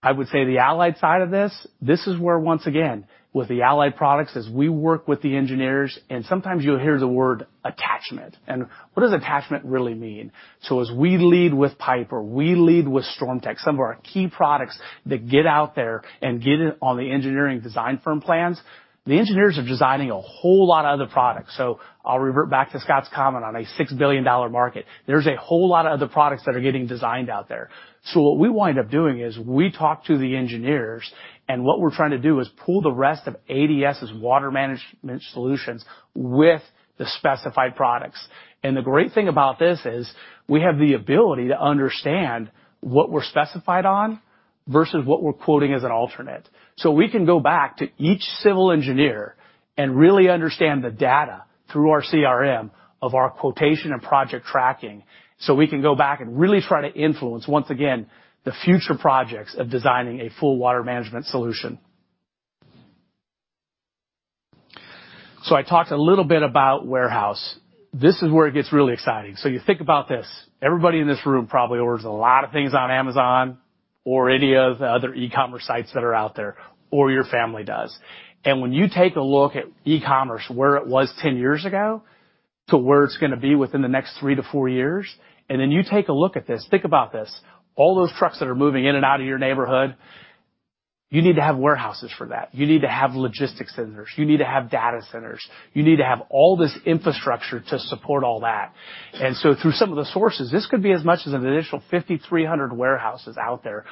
Speaker 6: I would say the allied side of this. This is where, once again, with the allied products, as we work with the engineers, and sometimes you'll hear the word attachment. What does attachment really mean? As we lead with pipe or we lead with StormTech, some of our key products that get out there and get in on the engineering design firm plans, the engineers are designing a whole lot of other products. I'll revert back to Scott's comment on a $6 billion market. There's a whole lot of other products that are getting designed out there. What we wind up doing is we talk to the engineers, and what we're trying to do is pull the rest of ADS's water management solutions with the specified products. The great thing about this is we have the ability to understand what we're specified on versus what we're quoting as an alternate. We can go back to each civil engineer and really understand the data through our CRM of our quotation and project tracking, so we can go back and really try to influence, once again, the future projects of designing a full water management solution. I talked a little bit about warehouse. This is where it gets really exciting. You think about this. Everybody in this room probably orders a lot of things on Amazon or any of the other e-commerce sites that are out there, or your family does. When you take a look at e-commerce, where it was 10 years ago to where it's gonna be within the next three to four years, and then you take a look at this, think about this. All those trucks that are moving in and out of your neighborhood, you need to have warehouses for that. You need to have logistics centers. You need to have data centers. You need to have all this infrastructure to support all that. Through some of the sources, this could be as much as an additional 5,300 warehouses out there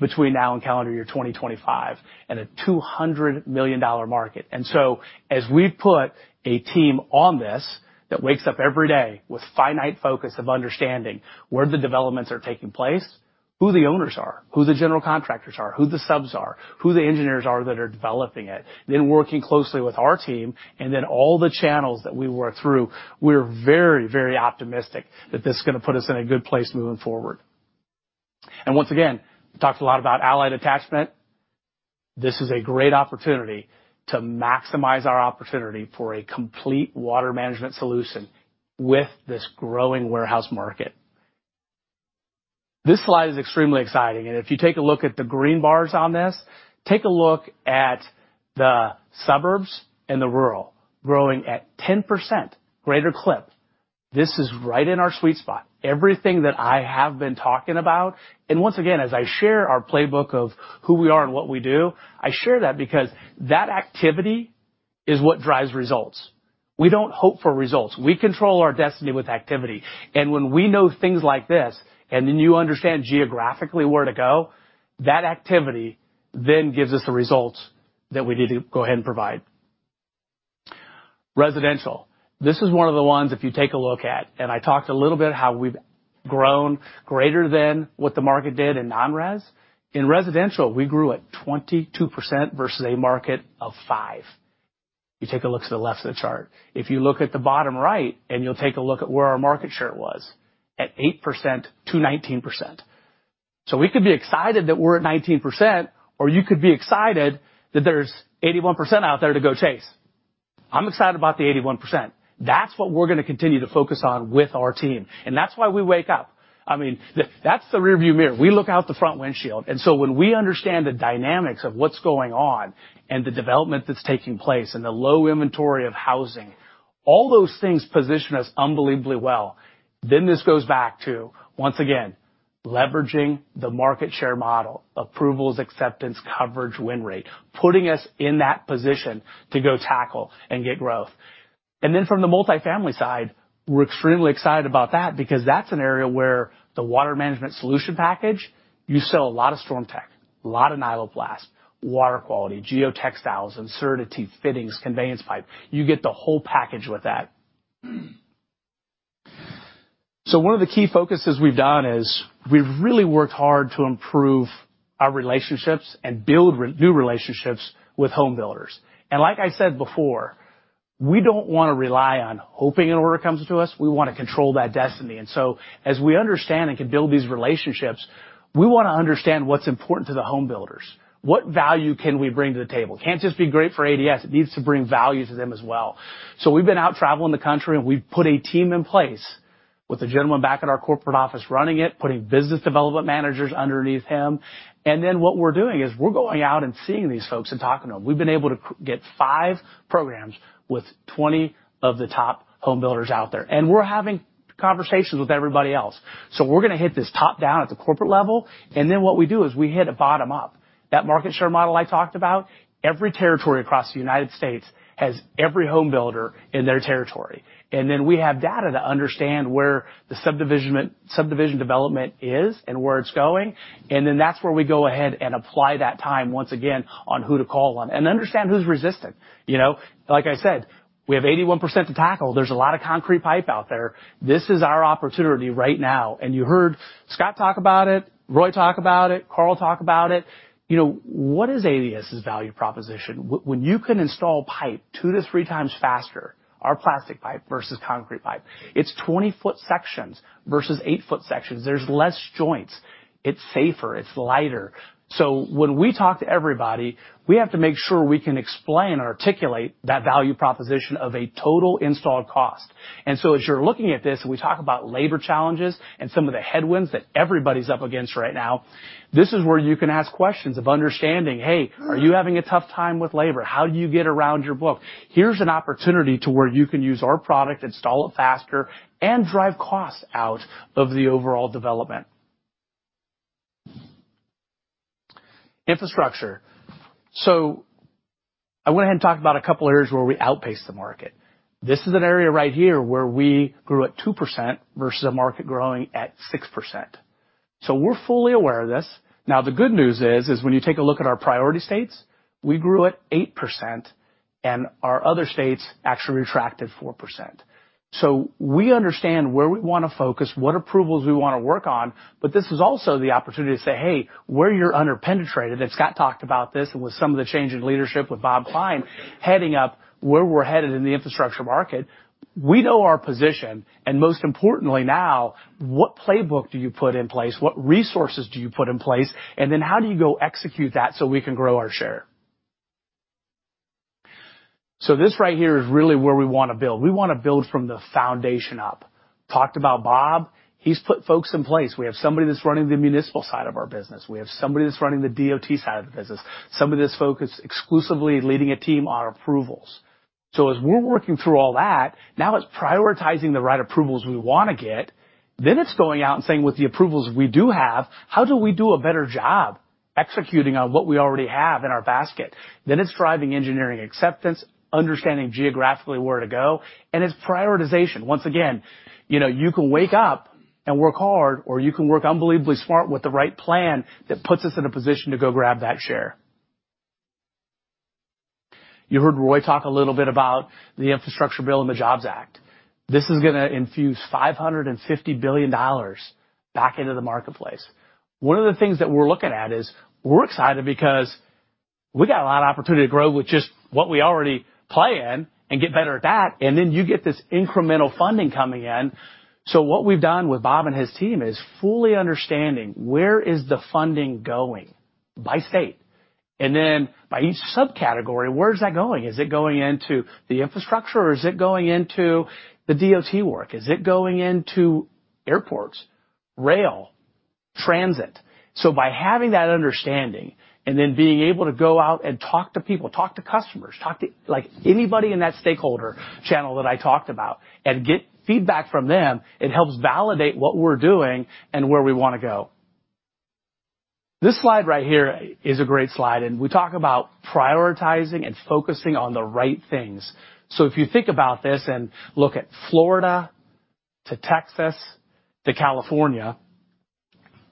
Speaker 6: between now and calendar year 2025 and a $200 million market. As we put a team on this that wakes up every day with finite focus of understanding where the developments are taking place, who the owners are, who the general contractors are, who the subs are, who the engineers are that are developing it, then working closely with our team and then all the channels that we work through, we're very, very optimistic that this is gonna put us in a good place moving forward. Once again, talked a lot about allied attachment. This is a great opportunity to maximize our opportunity for a complete water management solution with this growing warehouse market. This slide is extremely exciting. If you take a look at the green bars on this, take a look at the suburbs and the rural growing at 10% greater clip. This is right in our sweet spot. Everything that I have been talking about. Once again, as I share our playbook of who we are and what we do, I share that because that activity is what drives results. We don't hope for results. We control our destiny with activity. When we know things like this, and then you understand geographically where to go, that activity then gives us the results that we need to go ahead and provide. Residential. This is one of the ones, if you take a look at, and I talked a little bit how we've grown greater than what the market did in non-res. In residential, we grew at 22% versus a market of 5%. You take a look to the left of the chart. If you look at the bottom right, you'll take a look at where our market share was, at 8%-19%. We could be excited that we're at 19%, or you could be excited that there's 81% out there to go chase. I'm excited about the 81%. That's what we're gonna continue to focus on with our team. That's why we wake up. I mean, that's the rearview mirror. We look out the front windshield. When we understand the dynamics of what's going on and the development that's taking place and the low inventory of housing, all those things position us unbelievably well. This goes back to, once again, leveraging the market share model, approvals, acceptance, coverage, win rate, putting us in that position to go tackle and get growth. Then from the multifamily side, we're extremely excited about that because that's an area where the water management solution package, you sell a lot of StormTech, a lot of Nyloplast, water quality, geotextiles, Inserta Tee fittings, conveyance pipe. You get the whole package with that. One of the key focuses we've done is we've really worked hard to improve our relationships and build new relationships with home builders. Like I said before, we don't wanna rely on hoping an order comes to us. We wanna control that destiny. As we understand and can build these relationships, we wanna understand what's important to the home builders. What value can we bring to the table? It can't just be great for ADS, it needs to bring value to them as well. We've been out traveling the country, and we've put a team in place with a gentleman back at our corporate office running it, putting business development managers underneath him. Then what we're doing is we're going out and seeing these folks and talking to them. We've been able to get five programs with 20 of the top home builders out there, and we're having conversations with everybody else. We're gonna hit this top-down at the corporate level, and then what we do is we hit a bottom up. That market share model I talked about, every territory across the United States has every home builder in their territory. We have data to understand where the subdivision development is and where it's going, and then that's where we go ahead and apply that time once again on who to call on and understand who's resistant. You know? Like I said, we have 81% to tackle. There's a lot of concrete pipe out there. This is our opportunity right now. You heard Scott talk about it, Roy talk about it, Carl talk about it. You know, what is ADS's value proposition? When you can install pipe two to three times faster, our plastic pipe versus concrete pipe, it's 20-foot sections versus 8-foot sections. There's less joints. It's safer. It's lighter. So when we talk to everybody, we have to make sure we can explain or articulate that value proposition of a total installed cost. As you're looking at this and we talk about labor challenges and some of the headwinds that everybody's up against right now, this is where you can ask questions of understanding, "Hey, are you having a tough time with labor? How do you get around your book? Here's an opportunity to where you can use our product, install it faster, and drive costs out of the overall development." Infrastructure. I went ahead and talked about a couple areas where we outpace the market. This is an area right here where we grew at 2% versus a market growing at 6%. We're fully aware of this. Now the good news is, when you take a look at our priority states, we grew at 8% and our other states actually retracted 4%. We understand where we wanna focus, what approvals we wanna work on, but this is also the opportunity to say, "Hey, where you're under-penetrated," and Scott talked about this with some of the change in leadership with Bob Klein heading up where we're headed in the infrastructure market. We know our position and most importantly now, what playbook do you put in place, what resources do you put in place, and then how do you go execute that so we can grow our share? This right here is really where we wanna build. We wanna build from the foundation up. Talked about Bob. He's put folks in place. We have somebody that's running the municipal side of our business. We have somebody that's running the DOT side of the business, somebody that's focused exclusively leading a team on approvals. As we're working through all that, now it's prioritizing the right approvals we wanna get. It's going out and saying, with the approvals we do have, how do we do a better job executing on what we already have in our basket? It's driving engineering acceptance, understanding geographically where to go, and it's prioritization. Once again, you know, you can wake up and work hard or you can work unbelievably smart with the right plan that puts us in a position to go grab that share. You heard Roy talk a little bit about the Infrastructure Bill and the Jobs Act. This is gonna infuse $550 billion back into the marketplace. One of the things that we're looking at is we're excited because we got a lot of opportunity to grow with just what we already play in and get better at that, and then you get this incremental funding coming in. What we've done with Bob and his team is fully understanding where is the funding going by state, and then by each subcategory, where is that going? Is it going into the infrastructure, or is it going into the DOT work? Is it going into airports, rail, transit? By having that understanding and then being able to go out and talk to people, talk to customers, talk to, like anybody in that stakeholder channel that I talked about and get feedback from them, it helps validate what we're doing and where we wanna go. This slide right here is a great slide, and we talk about prioritizing and focusing on the right things. If you think about this and look at Florida to Texas to California,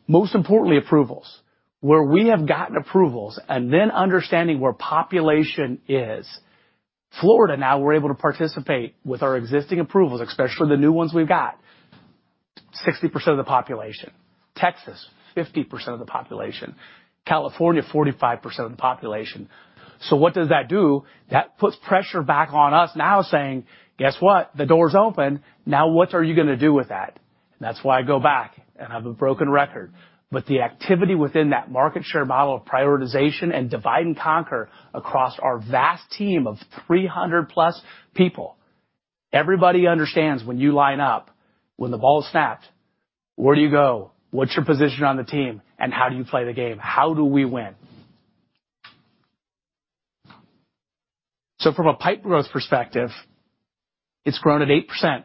Speaker 6: most importantly, approvals where we have gotten approvals and then understanding where population is. Florida, now we're able to participate with our existing approvals, especially the new ones we've got, 60% of the population. Texas, 50% of the population. California, 45% of the population. What does that do? That puts pressure back on us now saying, "Guess what? The door's open. Now what are you gonna do with that?" That's why I go back and have a broken record. The activity within that market share model of prioritization and divide and conquer across our vast team of 300+ people, everybody understands when you line up, when the ball is snapped, where do you go, what's your position on the team, and how do you play the game? How do we win? From a pipe growth perspective, it's grown at 8%.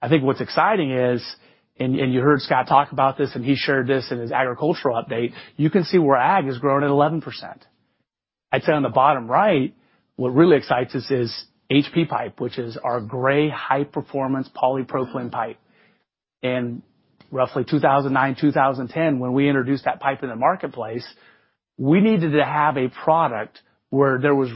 Speaker 6: I think what's exciting is, and you heard Scott talk about this, and he shared this in his agricultural update, you can see where ag has grown at 11%. I'd say on the bottom right, what really excites us is HP pipe, which is our gray, high-performance polypropylene pipe. Roughly 2009, 2010, when we introduced that pipe in the marketplace, we needed to have a product where there was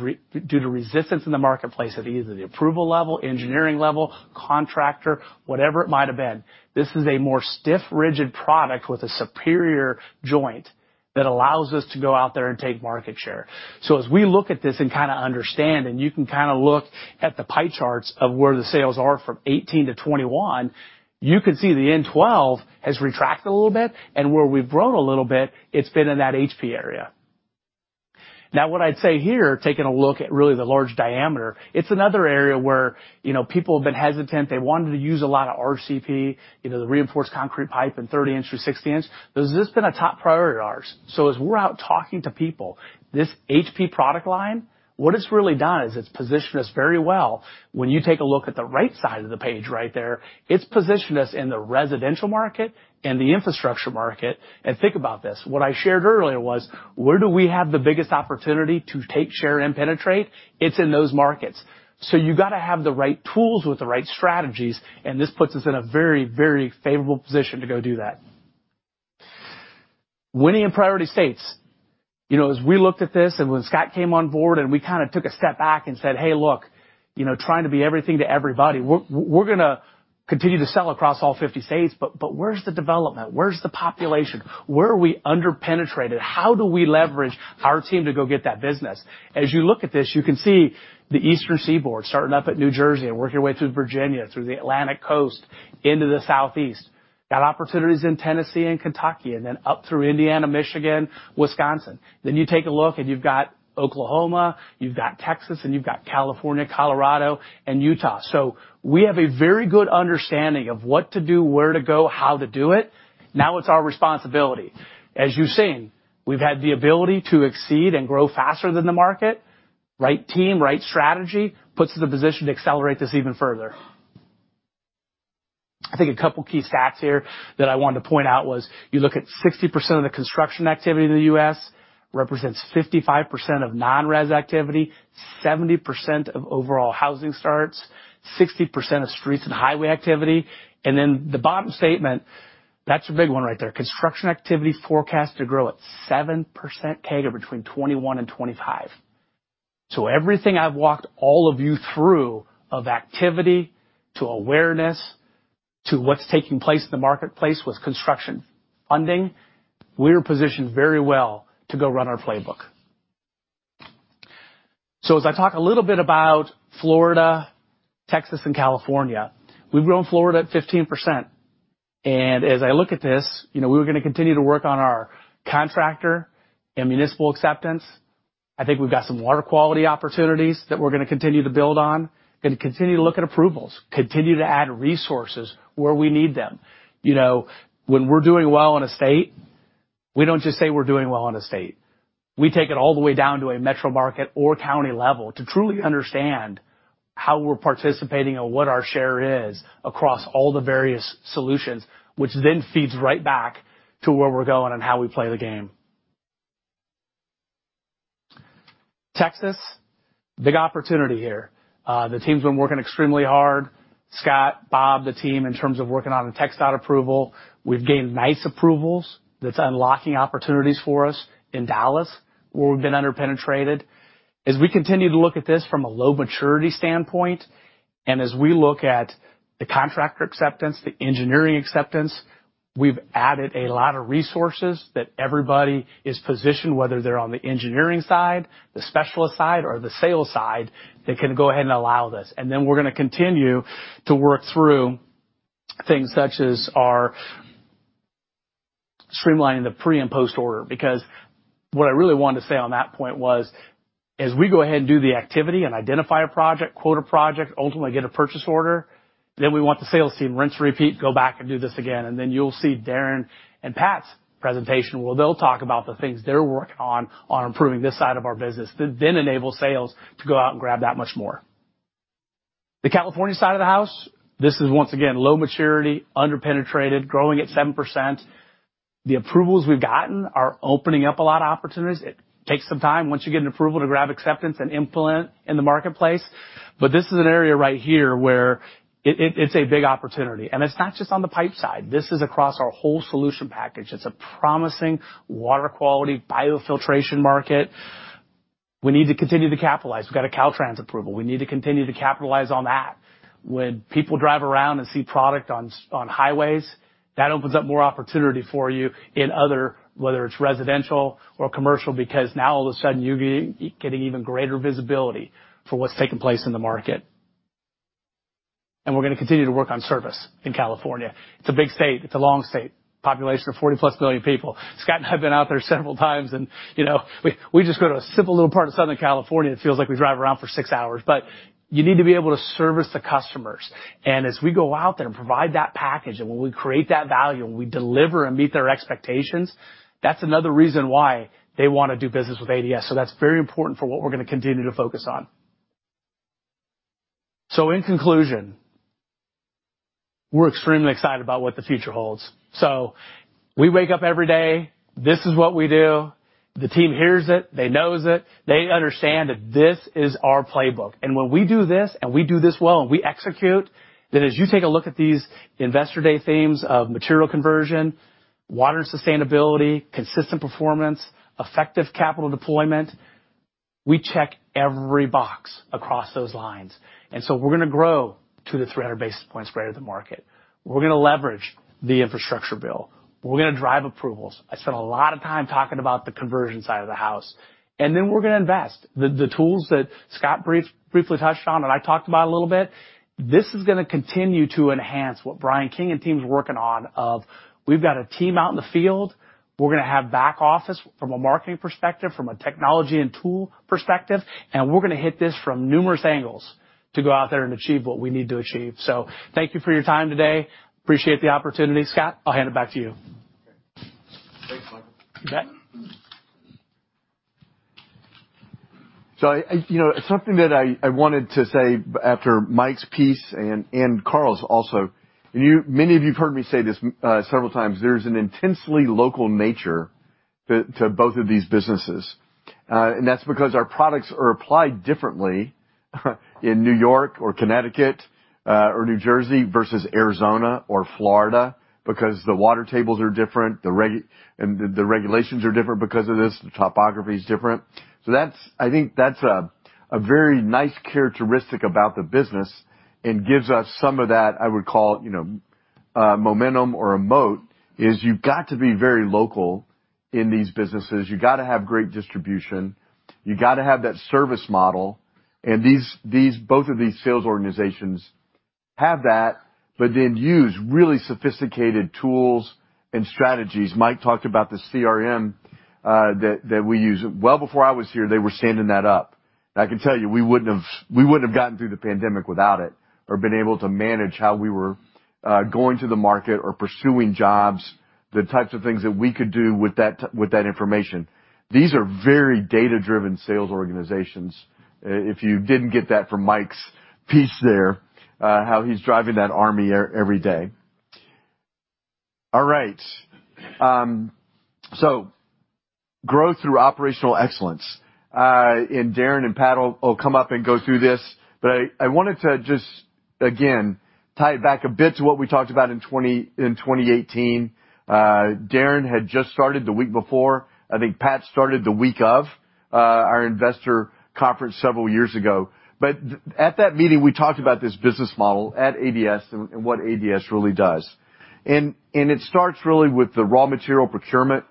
Speaker 6: due to resistance in the marketplace at either the approval level, engineering level, contractor, whatever it might have been. This is a more stiff, rigid product with a superior joint that allows us to go out there and take market share. As we look at this and kind of understand, and you can kind of look at the pie charts of where the sales are from 2018 to 2021, you can see the N-12 has retracted a little bit, and where we've grown a little bit, it's been in that HP area. Now what I'd say here, taking a look at really the large diameter, it's another area where, you know, people have been hesitant. They wanted to use a lot of RCP, you know, the reinforced concrete pipe in 30-inch or 60-inch. This has been a top priority of ours. As we're out talking to people, this HP product line, what it's really done is it's positioned us very well. When you take a look at the right side of the page right there, it's positioned us in the residential market and the infrastructure market. Think about this. What I shared earlier was, where do we have the biggest opportunity to take share and penetrate? It's in those markets. You got to have the right tools with the right strategies, and this puts us in a very, very favorable position to go do that. Winning in priority states. You know, as we looked at this and when Scott came on board, and we kind of took a step back and said, "Hey, look, you know, trying to be everything to everybody, we're gonna continue to sell across all 50 states, but where's the development? Where's the population? Where are we under-penetrated? How do we leverage our team to go get that business?" As you look at this, you can see the Eastern Seaboard starting up at New Jersey and work your way through Virginia, through the Atlantic Coast into the Southeast. Got opportunities in Tennessee and Kentucky, and then up through Indiana, Michigan, Wisconsin. Then you take a look and you've got Oklahoma, you've got Texas, and you've got California, Colorado, and Utah. So we have a very good understanding of what to do, where to go, how to do it. Now it's our responsibility. As you've seen, we've had the ability to exceed and grow faster than the market. Right team, right strategy puts us in a position to accelerate this even further. I think a couple key stats here that I wanted to point out was you look at 60% of the construction activity in the U.S. represents 55% of non-res activity, 70% of overall housing starts, 60% of streets and highway activity. Then the bottom statement, that's a big one right there. Construction activity forecast to grow at 7% CAGR between 2021 and 2025. Everything I've walked all of you through of activity, to awareness, to what's taking place in the marketplace with construction funding, we are positioned very well to go run our playbook. As I talk a little bit about Florida, Texas, and California, we've grown Florida at 15%. As I look at this, you know, we were gonna continue to work on our contractor and municipal acceptance. I think we've got some water quality opportunities that we're gonna continue to build on. Gonna continue to look at approvals, continue to add resources where we need them. You know, when we're doing well in a state, we don't just say we're doing well in a state. We take it all the way down to a metro market or county level to truly understand how we're participating and what our share is across all the various solutions, which then feeds right back to where we're going and how we play the game. Texas, big opportunity here. The team's been working extremely hard. Scott, Bob, the team in terms of working on the TxDOT approval. We've gained nice approvals. That's unlocking opportunities for us in Dallas, where we've been under-penetrated. As we continue to look at this from a low maturity standpoint, and as we look at the contractor acceptance, the engineering acceptance, we've added a lot of resources that everybody is positioned, whether they're on the engineering side, the specialist side, or the sales side, that can go ahead and allow this. Then we're gonna continue to work through things such as our streamlining the pre- and post-order. Because what I really wanted to say on that point was, as we go ahead and do the activity and identify a project, quote a project, ultimately get a purchase order, then we want the sales team rinse and repeat, go back and do this again. You'll see Darin and Pat's presentation where they'll talk about the things they're working on improving this side of our business that then enable sales to go out and grab that much more. The California side of the house, this is once again low maturity, under-penetrated, growing at 7%. The approvals we've gotten are opening up a lot of opportunities. It takes some time once you get an approval to grab acceptance and implement in the marketplace. This is an area right here where it's a big opportunity. It's not just on the pipe side. This is across our whole solution package. It's a promising water quality biofiltration market. We need to continue to capitalize. We've got a Caltrans approval. We need to continue to capitalize on that. When people drive around and see product on highways, that opens up more opportunity for you in other, whether it's residential or commercial, because now all of a sudden you're getting even greater visibility for what's taking place in the market. We're gonna continue to work on service in California. It's a big state. It's a long state. Population of 40+ million people. Scott and I've been out there several times and, you know, we just go to a simple little part of Southern California, it feels like we drive around for six hours. You need to be able to service the customers. As we go out there and provide that package and when we create that value and we deliver and meet their expectations, that's another reason why they wanna do business with ADS. That's very important for what we're gonna continue to focus on. In conclusion, we're extremely excited about what the future holds. We wake up every day, this is what we do. The team hears it, they knows it, they understand that this is our playbook. When we do this and we do this well, and we execute, then as you take a look at these investor day themes of material conversion, water sustainability, consistent performance, effective capital deployment, we check every box across those lines. We're gonna grow to the 300 basis points greater than market. We're gonna leverage the Infrastructure Bill. We're gonna drive approvals. I spent a lot of time talking about the conversion side of the house. We're gonna invest. The tools that Scott briefly touched on and I talked about a little bit. This is gonna continue to enhance what Brian King and team's working on where we've got a team out in the field. We're gonna have back office from a marketing perspective, from a technology and tool perspective, and we're gonna hit this from numerous angles to go out there and achieve what we need to achieve. Thank you for your time today. Appreciate the opportunity. Scott, I'll hand it back to you.
Speaker 1: Okay. Thanks, Mike.
Speaker 6: You bet.
Speaker 1: I wanted to say after Mike's piece and Carl's also. Many of you have heard me say this several times. There's an intensely local nature to both of these businesses. That's because our products are applied differently in New York or Connecticut or New Jersey versus Arizona or Florida because the water tables are different, the regulations are different because of this, the topography is different. I think that's a very nice characteristic about the business and gives us some of that. I would call it, you know, momentum or a moat, is you've got to be very local in these businesses. You've got to have great distribution. You've got to have that service model. These both of these sales organizations have that, but then use really sophisticated tools and strategies. Mike talked about the CRM that we use. Well, before I was here, they were standing that up. I can tell you, we wouldn't have gotten through the pandemic without it or been able to manage how we were going to the market or pursuing jobs, the types of things that we could do with that information. These are very data-driven sales organizations, if you didn't get that from Mike's piece there, how he's driving that army every day. All right. Growth through operational excellence. Darin and Pat will come up and go through this. I wanted to just again tie it back a bit to what we talked about in 2018. Darin had just started the week before. I think Pat started the week of our investor conference several years ago. At that meeting, we talked about this business model at ADS and what ADS really does. It starts really with the raw material procurement,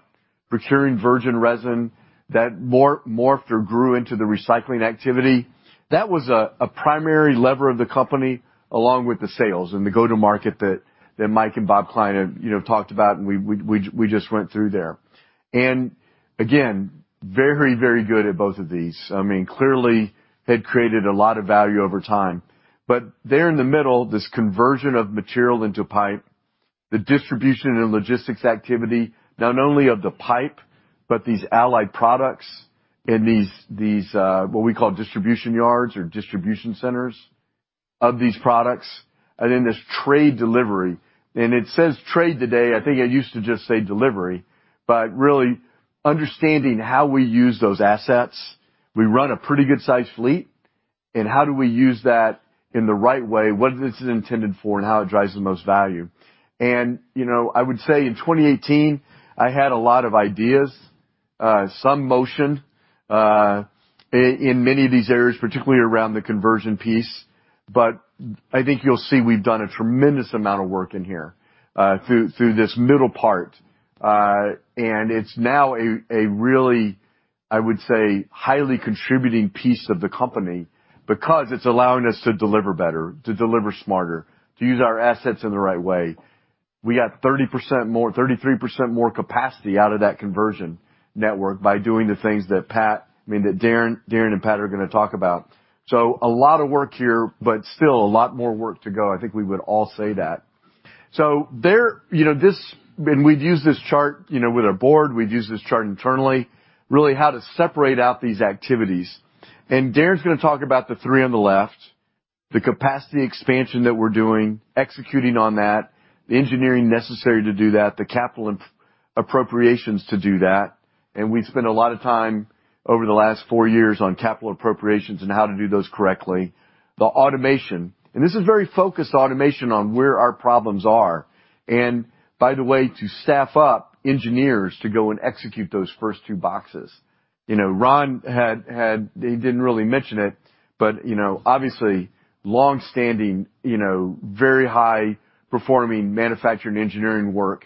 Speaker 1: procuring virgin resin that morphed or grew into the recycling activity. That was a primary lever of the company, along with the sales and the go-to-market that Mike and Bob Klein have, you know, talked about and we just went through there. Again, very good at both of these. I mean, clearly had created a lot of value over time. There in the middle, this conversion of material into pipe, the distribution and logistics activity, not only of the pipe, but these allied products and these what we call distribution yards or distribution centers of these products. This trade delivery, and it says trade today. I think it used to just say delivery. Really understanding how we use those assets, we run a pretty good size fleet, and how do we use that in the right way? What is this intended for and how it drives the most value. You know, I would say in 2018, I had a lot of ideas, some motion, in many of these areas, particularly around the conversion piece. I think you'll see we've done a tremendous amount of work in here, through this middle part. It's now a really, I would say, highly contributing piece of the company because it's allowing us to deliver better, to deliver smarter, to use our assets in the right way. We got 33% more capacity out of that conversion network by doing the things that, I mean, Darin and Pat are gonna talk about. A lot of work here, but still a lot more work to go. I think we would all say that. There, you know, this and we'd use this chart, you know, with our board, we'd use this chart internally, really how to separate out these activities. Darin's gonna talk about the three on the left, the capacity expansion that we're doing, executing on that, the engineering necessary to do that, the capital appropriations to do that. We spent a lot of time over the last four years on capital appropriations and how to do those correctly. The automation. This is very focused automation on where our problems are. By the way, to staff up engineers to go and execute those first two boxes. You know, Ron had, he didn't really mention it, but you know, obviously long-standing, you know, very high-performing manufacturing engineering work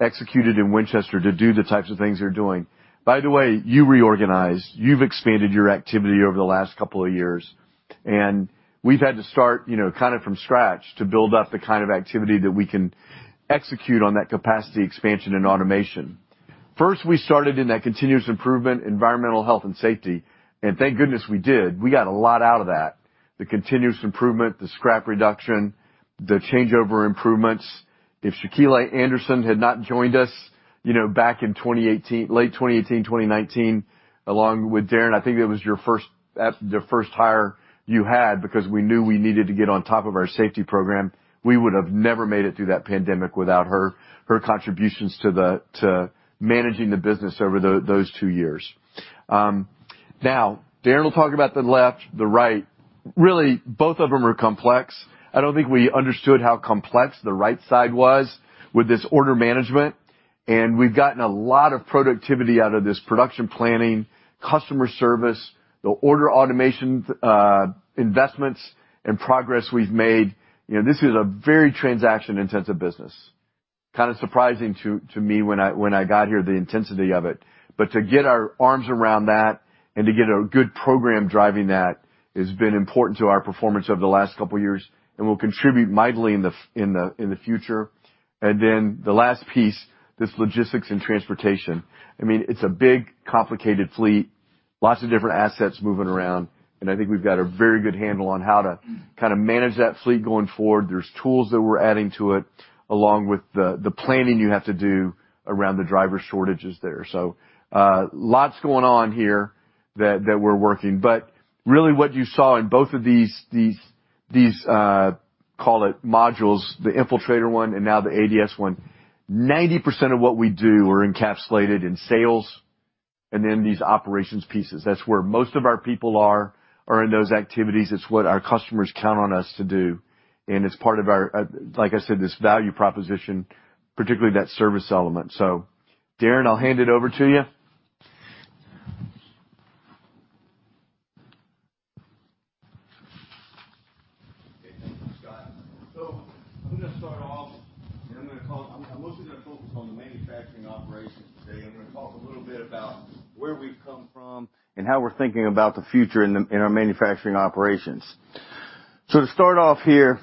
Speaker 1: executed in Winchester to do the types of things they're doing. By the way, you reorganized, you've expanded your activity over the last couple of years, and we've had to start, you know, kind of from scratch to build up the kind of activity that we can execute on that capacity expansion and automation. First, we started in that continuous improvement, environmental health and safety. Thank goodness we did. We got a lot out of that. The continuous improvement, the scrap reduction, the changeover improvements. If Shaquila Anderson had not joined us, you know, back in 2018, late 2018, 2019, along with Darin, I think that was your first, the first hire you had because we knew we needed to get on top of our safety program, we would have never made it through that pandemic without her contributions to managing the business over those two years. Now, Darin will talk about the left, the right. Really, both of them are complex. I don't think we understood how complex the right side was with this order management, and we've gotten a lot of productivity out of this production planning, customer service, the order automation, investments and progress we've made. You know, this is a very transaction-intensive business. Kind of surprising to me when I got here, the intensity of it. To get our arms around that and to get a good program driving that has been important to our performance over the last couple of years and will contribute mightily in the future. The last piece, this logistics and transportation. I mean, it's a big complicated fleet, lots of different assets moving around, and I think we've got a very good handle on how to kinda manage that fleet going forward. There's tools that we're adding to it, along with the planning you have to do around the driver shortages there. Lots going on here that we're working, but really what you saw in both of these modules, the Infiltrator one and now the ADS one, 90% of what we do are encapsulated in sales and then these operations pieces. That's where most of our people are in those activities. It's what our customers count on us to do, and it's part of our, like I said, this value proposition, particularly that service element. Darin, I'll hand it over to you.
Speaker 7: Okay, thank you, Scott. I'm gonna start off and I'm gonna talk, I'm mostly gonna focus on the manufacturing operations today. I'm gonna talk a little bit about where we've come from and how we're thinking about the future in our manufacturing operations. To start off here,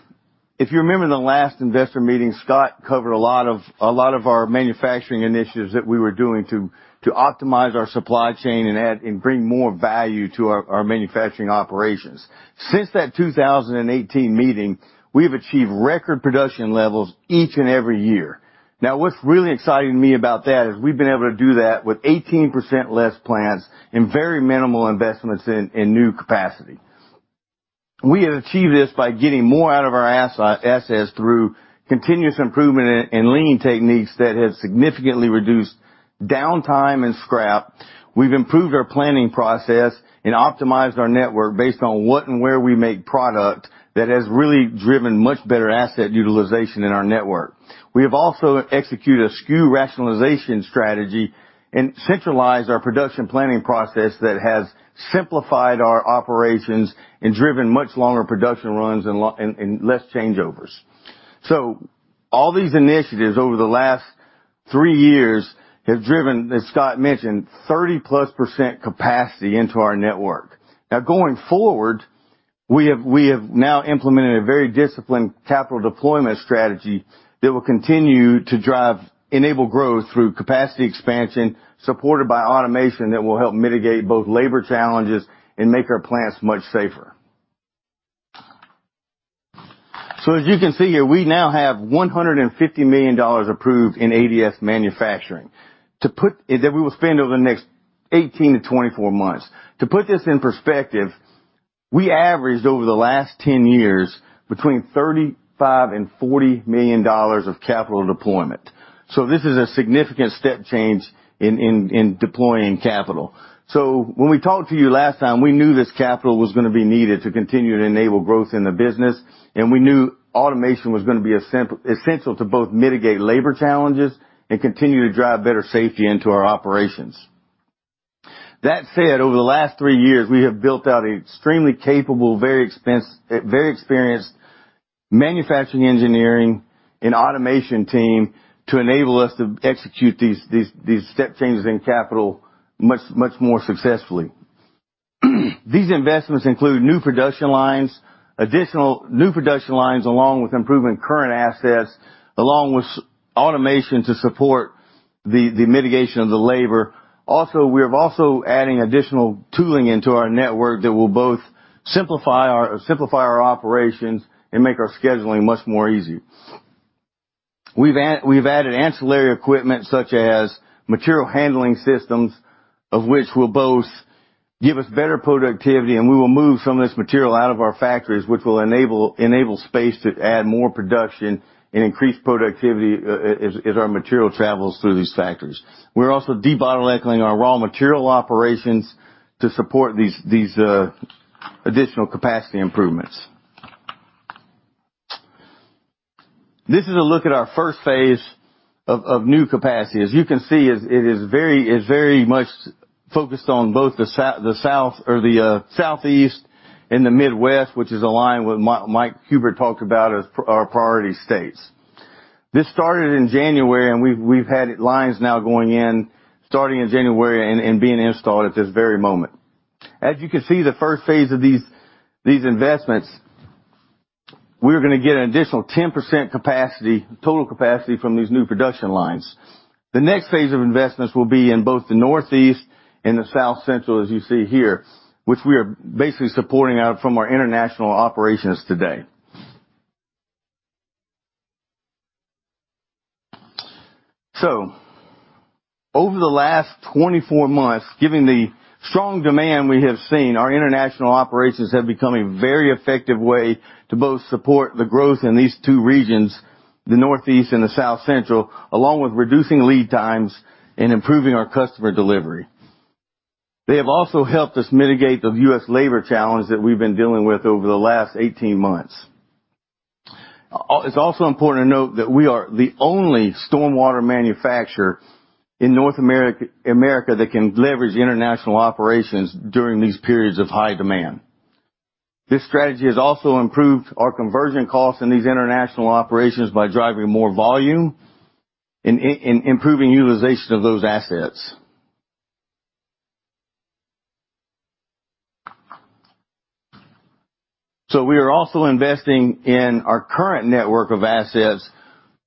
Speaker 7: if you remember in the last investor meeting, Scott covered a lot of our manufacturing initiatives that we were doing to optimize our supply chain and add and bring more value to our manufacturing operations. Since that 2018 meeting, we have achieved record production levels each and every year. Now, what's really exciting to me about that is we've been able to do that with 18% less plants and very minimal investments in new capacity. We have achieved this by getting more out of our assets through continuous improvement and lean techniques that have significantly reduced downtime and scrap. We've improved our planning process and optimized our network based on what and where we make product that has really driven much better asset utilization in our network. We have also executed a SKU rationalization strategy and centralized our production planning process that has simplified our operations and driven much longer production runs and less changeovers. All these initiatives over the last three years have driven, as Scott mentioned, 30%+ capacity into our network. Now going forward, we have now implemented a very disciplined capital deployment strategy that will continue to drive enabled growth through capacity expansion, supported by automation that will help mitigate both labor challenges and make our plants much safer. As you can see here, we now have $150 million approved in ADS manufacturing that we will spend over the next 18-24 months. To put this in perspective, we averaged over the last 10 years between $35 million-$40 million of capital deployment. This is a significant step change in deploying capital. When we talked to you last time, we knew this capital was gonna be needed to continue to enable growth in the business, and we knew automation was gonna be essential to both mitigate labor challenges and continue to drive better safety into our operations. That said, over the last three years, we have built out an extremely capable, very experienced manufacturing engineering and automation team to enable us to execute these step changes in capital much more successfully. These investments include new production lines, additional new production lines along with improving current assets, along with automation to support the mitigation of the labor. Also, we're also adding additional tooling into our network that will both simplify our operations and make our scheduling much more easy. We've added ancillary equipment such as material handling systems, of which will both give us better productivity, and we will move some of this material out of our factories, which will enable space to add more production and increase productivity, as our material travels through these factories. We're also debottlenecking our raw material operations to support additional capacity improvements. This is a look at our first phase of new capacity. As you can see, it is very much focused on both the South or the Southeast and the Midwest, which is aligned with what Mike Huebert talked about as our priority states. This started in January, and we've had lines now going in, starting in January and being installed at this very moment. As you can see, the first phase of these investments, we're gonna get an additional 10% capacity, total capacity from these new production lines. The next phase of investments will be in both the Northeast and the South Central, as you see here, which we are basically supporting out from our international operations today. Over the last 24 months, given the strong demand we have seen, our international operations have become a very effective way to both support the growth in these two regions. The Northeast and the South Central, along with reducing lead times and improving our customer delivery. They have also helped us mitigate the U.S. labor challenge that we've been dealing with over the last 18 months. It's also important to note that we are the only stormwater manufacturer in North America that can leverage international operations during these periods of high demand. This strategy has also improved our conversion costs in these international operations by driving more volume and improving utilization of those assets. We are also investing in our current network of assets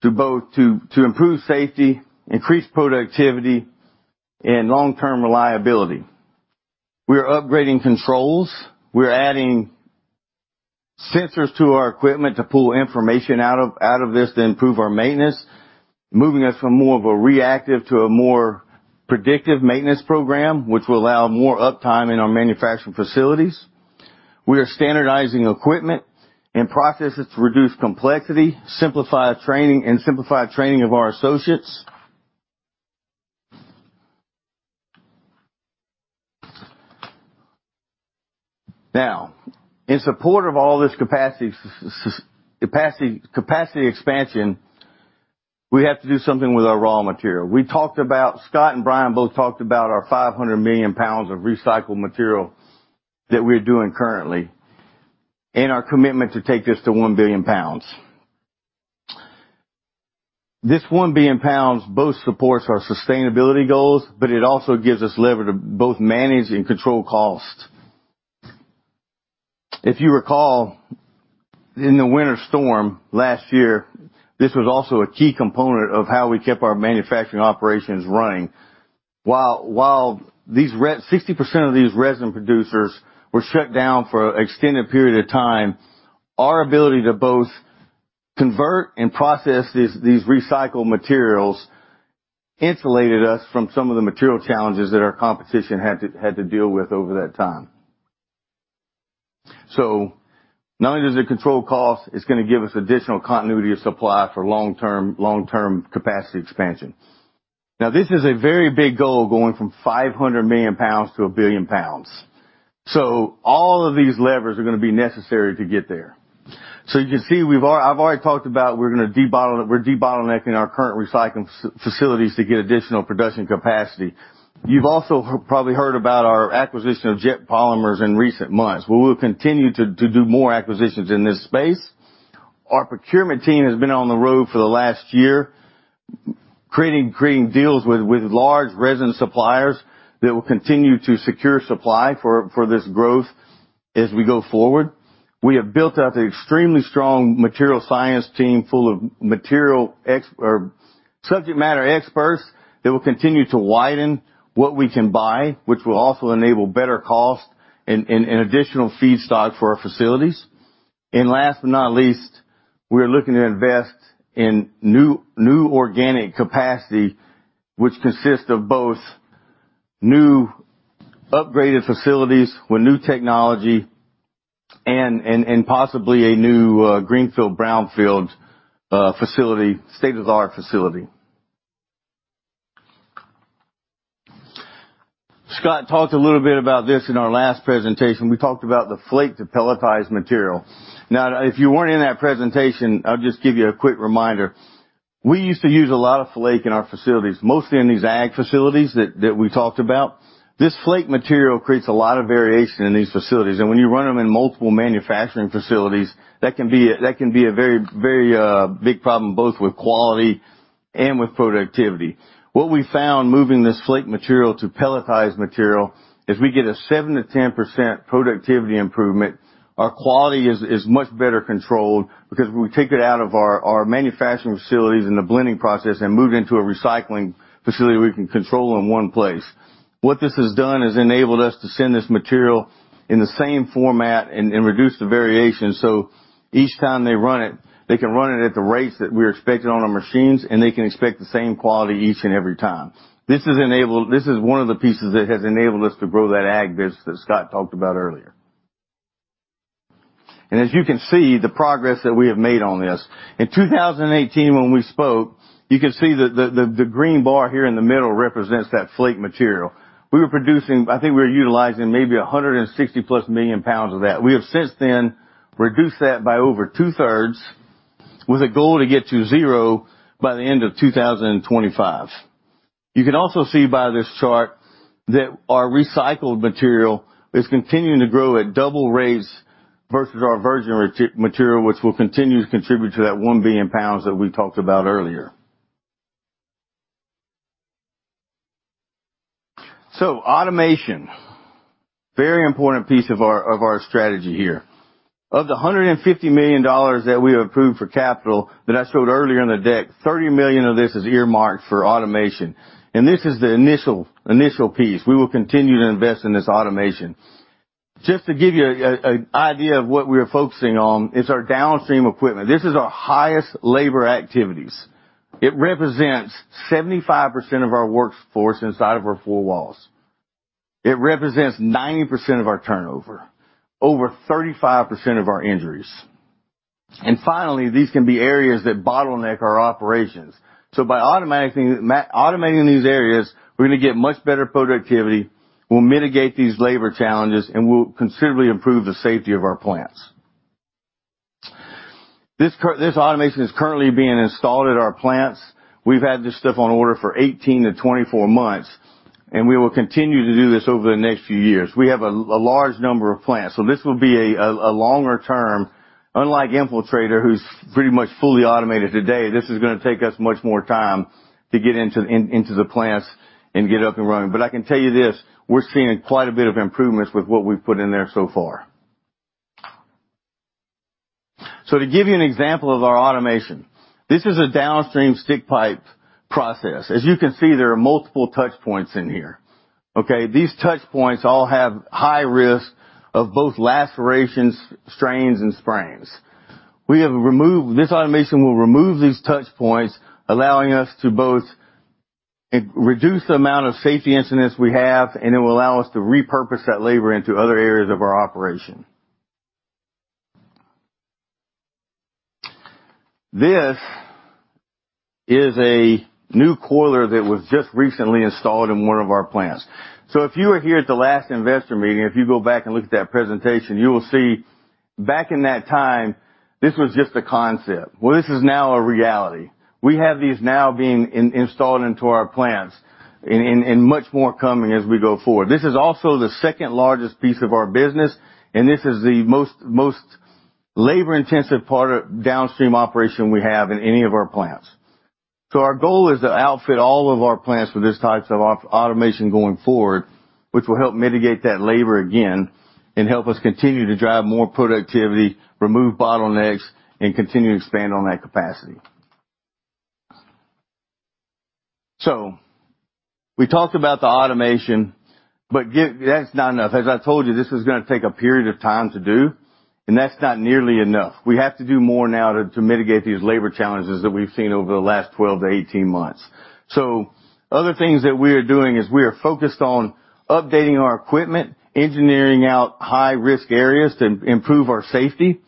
Speaker 7: to both improve safety, increase productivity, and long-term reliability. We are upgrading controls. We're adding sensors to our equipment to pull information out of this to improve our maintenance, moving us from more of a reactive to a more predictive maintenance program, which will allow more uptime in our manufacturing facilities. We are standardizing equipment and processes to reduce complexity, simplify training of our associates. Now, in support of all this capacity expansion, we have to do something with our raw material. We talked about Scott and Brian both talked about our 500 million pounds of recycled material that we're doing currently and our commitment to take this to 1 billion pounds. This 1 billion pounds both supports our sustainability goals, but it also gives us leverage to both manage and control costs. If you recall, in the winter storm last year, this was also a key component of how we kept our manufacturing operations running. While these resin producers were shut down for an extended period of time, our ability to both convert and process these recycled materials insulated us from some of the material challenges that our competition had to deal with over that time. Not only does it control cost, it's gonna give us additional continuity of supply for long-term capacity expansion. Now, this is a very big goal going from 500 million pounds to 1 billion pounds. All of these levers are gonna be necessary to get there. You can see I've already talked about we're de-bottlenecking our current recycling facilities to get additional production capacity. You've also probably heard about our acquisition of Jet Polymer in recent months. We will continue to do more acquisitions in this space. Our procurement team has been on the road for the last year, creating deals with large resin suppliers that will continue to secure supply for this growth as we go forward. We have built out an extremely strong material science team full of material or subject matter experts that will continue to widen what we can buy, which will also enable better cost and additional feedstock for our facilities. Last but not least, we're looking to invest in new organic capacity, which consists of both new upgraded facilities with new technology and possibly a new greenfield/brownfield facility, state-of-the-art facility. Scott talked a little bit about this in our last presentation. We talked about the flake to pelletized material. Now, if you weren't in that presentation, I'll just give you a quick reminder. We used to use a lot of flake in our facilities, mostly in these ag facilities that we talked about. This flake material creates a lot of variation in these facilities, and when you run them in multiple manufacturing facilities, that can be a very big problem, both with quality and with productivity. What we found moving this flake material to pelletized material is we get a 7%-10% productivity improvement. Our quality is much better controlled because we take it out of our manufacturing facilities in the blending process and move it into a recycling facility we can control in one place. What this has done is enabled us to send this material in the same format and reduce the variation. Each time they run it, they can run it at the rates that we're expecting on our machines, and they can expect the same quality each and every time. This is one of the pieces that has enabled us to grow that ag business that Scott talked about earlier. As you can see, the progress that we have made on this. In 2018, when we spoke, you could see the green bar here in the middle represents that flake material. I think we were utilizing maybe 160+ million pounds of that. We have since then reduced that by over two-thirds with a goal to get to zero by the end of 2025. You can also see by this chart that our recycled material is continuing to grow at double rates versus our virgin material, which will continue to contribute to that 1 billion pounds that we talked about earlier. Automation, very important piece of our strategy here. Of the $150 million that we have approved for capital that I showed earlier in the deck, $30 million of this is earmarked for automation, and this is the initial piece. We will continue to invest in this automation. Just to give you an idea of what we're focusing on is our downstream equipment. This is our highest labor activities. It represents 75% of our workforce inside of our four walls. It represents 90% of our turnover, over 35% of our injuries. Finally, these can be areas that bottleneck our operations. By automating these areas, we're gonna get much better productivity, we'll mitigate these labor challenges, and we'll considerably improve the safety of our plants. This automation is currently being installed at our plants. We've had this stuff on order for 18-24 months, and we will continue to do this over the next few years. We have a large number of plants, so this will be a longer term. Unlike Infiltrator, who's pretty much fully automated today, this is gonna take us much more time to get into the plants and get up and running. I can tell you this, we're seeing quite a bit of improvements with what we've put in there so far. To give you an example of our automation, this is a downstream stick pipe process. As you can see, there are multiple touch points in here, okay? These touch points all have high risk of both lacerations, strains, and sprains. This automation will remove these touch points, allowing us to both reduce the amount of safety incidents we have, and it will allow us to repurpose that labor into other areas of our operation. This is a new coiler that was just recently installed in one of our plants. If you were here at the last investor meeting, if you go back and look at that presentation, you will see back in that time, this was just a concept. Well, this is now a reality. We have these now being installed into our plants and much more coming as we go forward. This is also the second largest piece of our business, and this is the most labor-intensive part of downstream operation we have in any of our plants. Our goal is to outfit all of our plants with these types of automation going forward, which will help mitigate that labor again and help us continue to drive more productivity, remove bottlenecks, and continue to expand on that capacity. We talked about the automation, but that's not enough. As I told you, this is gonna take a period of time to do, and that's not nearly enough. We have to do more now to mitigate these labor challenges that we've seen over the last 12-18 months. Other things that we are doing is we are focused on updating our equipment, engineering out high-risk areas to improve our safety.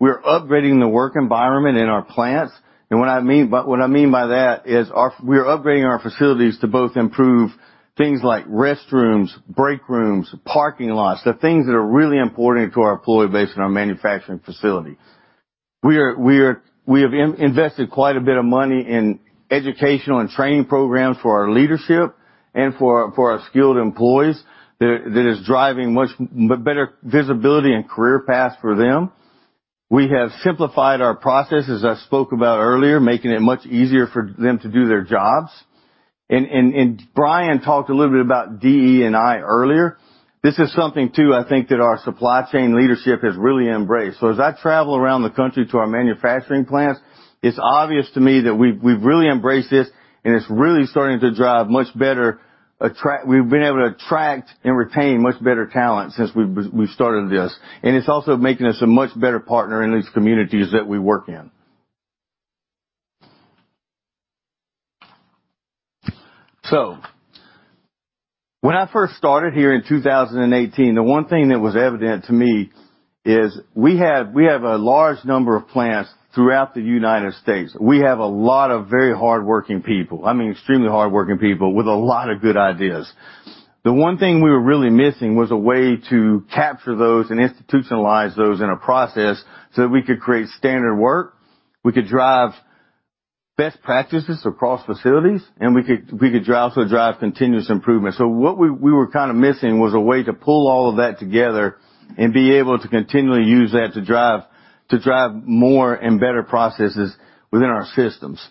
Speaker 7: We're upgrading the work environment in our plants. What I mean by that is we are upgrading our facilities to both improve things like restrooms, break rooms, parking lots, the things that are really important to our employee base and our manufacturing facility. We have invested quite a bit of money in educational and training programs for our leadership and for our skilled employees that is driving much better visibility and career paths for them. We have simplified our processes, as I spoke about earlier, making it much easier for them to do their jobs. Brian talked a little bit about DE&I earlier. This is something too, I think, that our supply chain leadership has really embraced. As I travel around the country to our manufacturing plants, it's obvious to me that we've really embraced this, and it's really starting to drive much better, we've been able to attract and retain much better talent since we've started this. It's also making us a much better partner in these communities that we work in. When I first started here in 2018, the one thing that was evident to me is we have a large number of plants throughout the United States. We have a lot of very hardworking people. I mean, extremely hardworking people with a lot of good ideas. The one thing we were really missing was a way to capture those and institutionalize those in a process so that we could create standard work, we could drive best practices across facilities, and we could also drive continuous improvement. What we were kinda missing was a way to pull all of that together and be able to continually use that to drive more and better processes within our systems.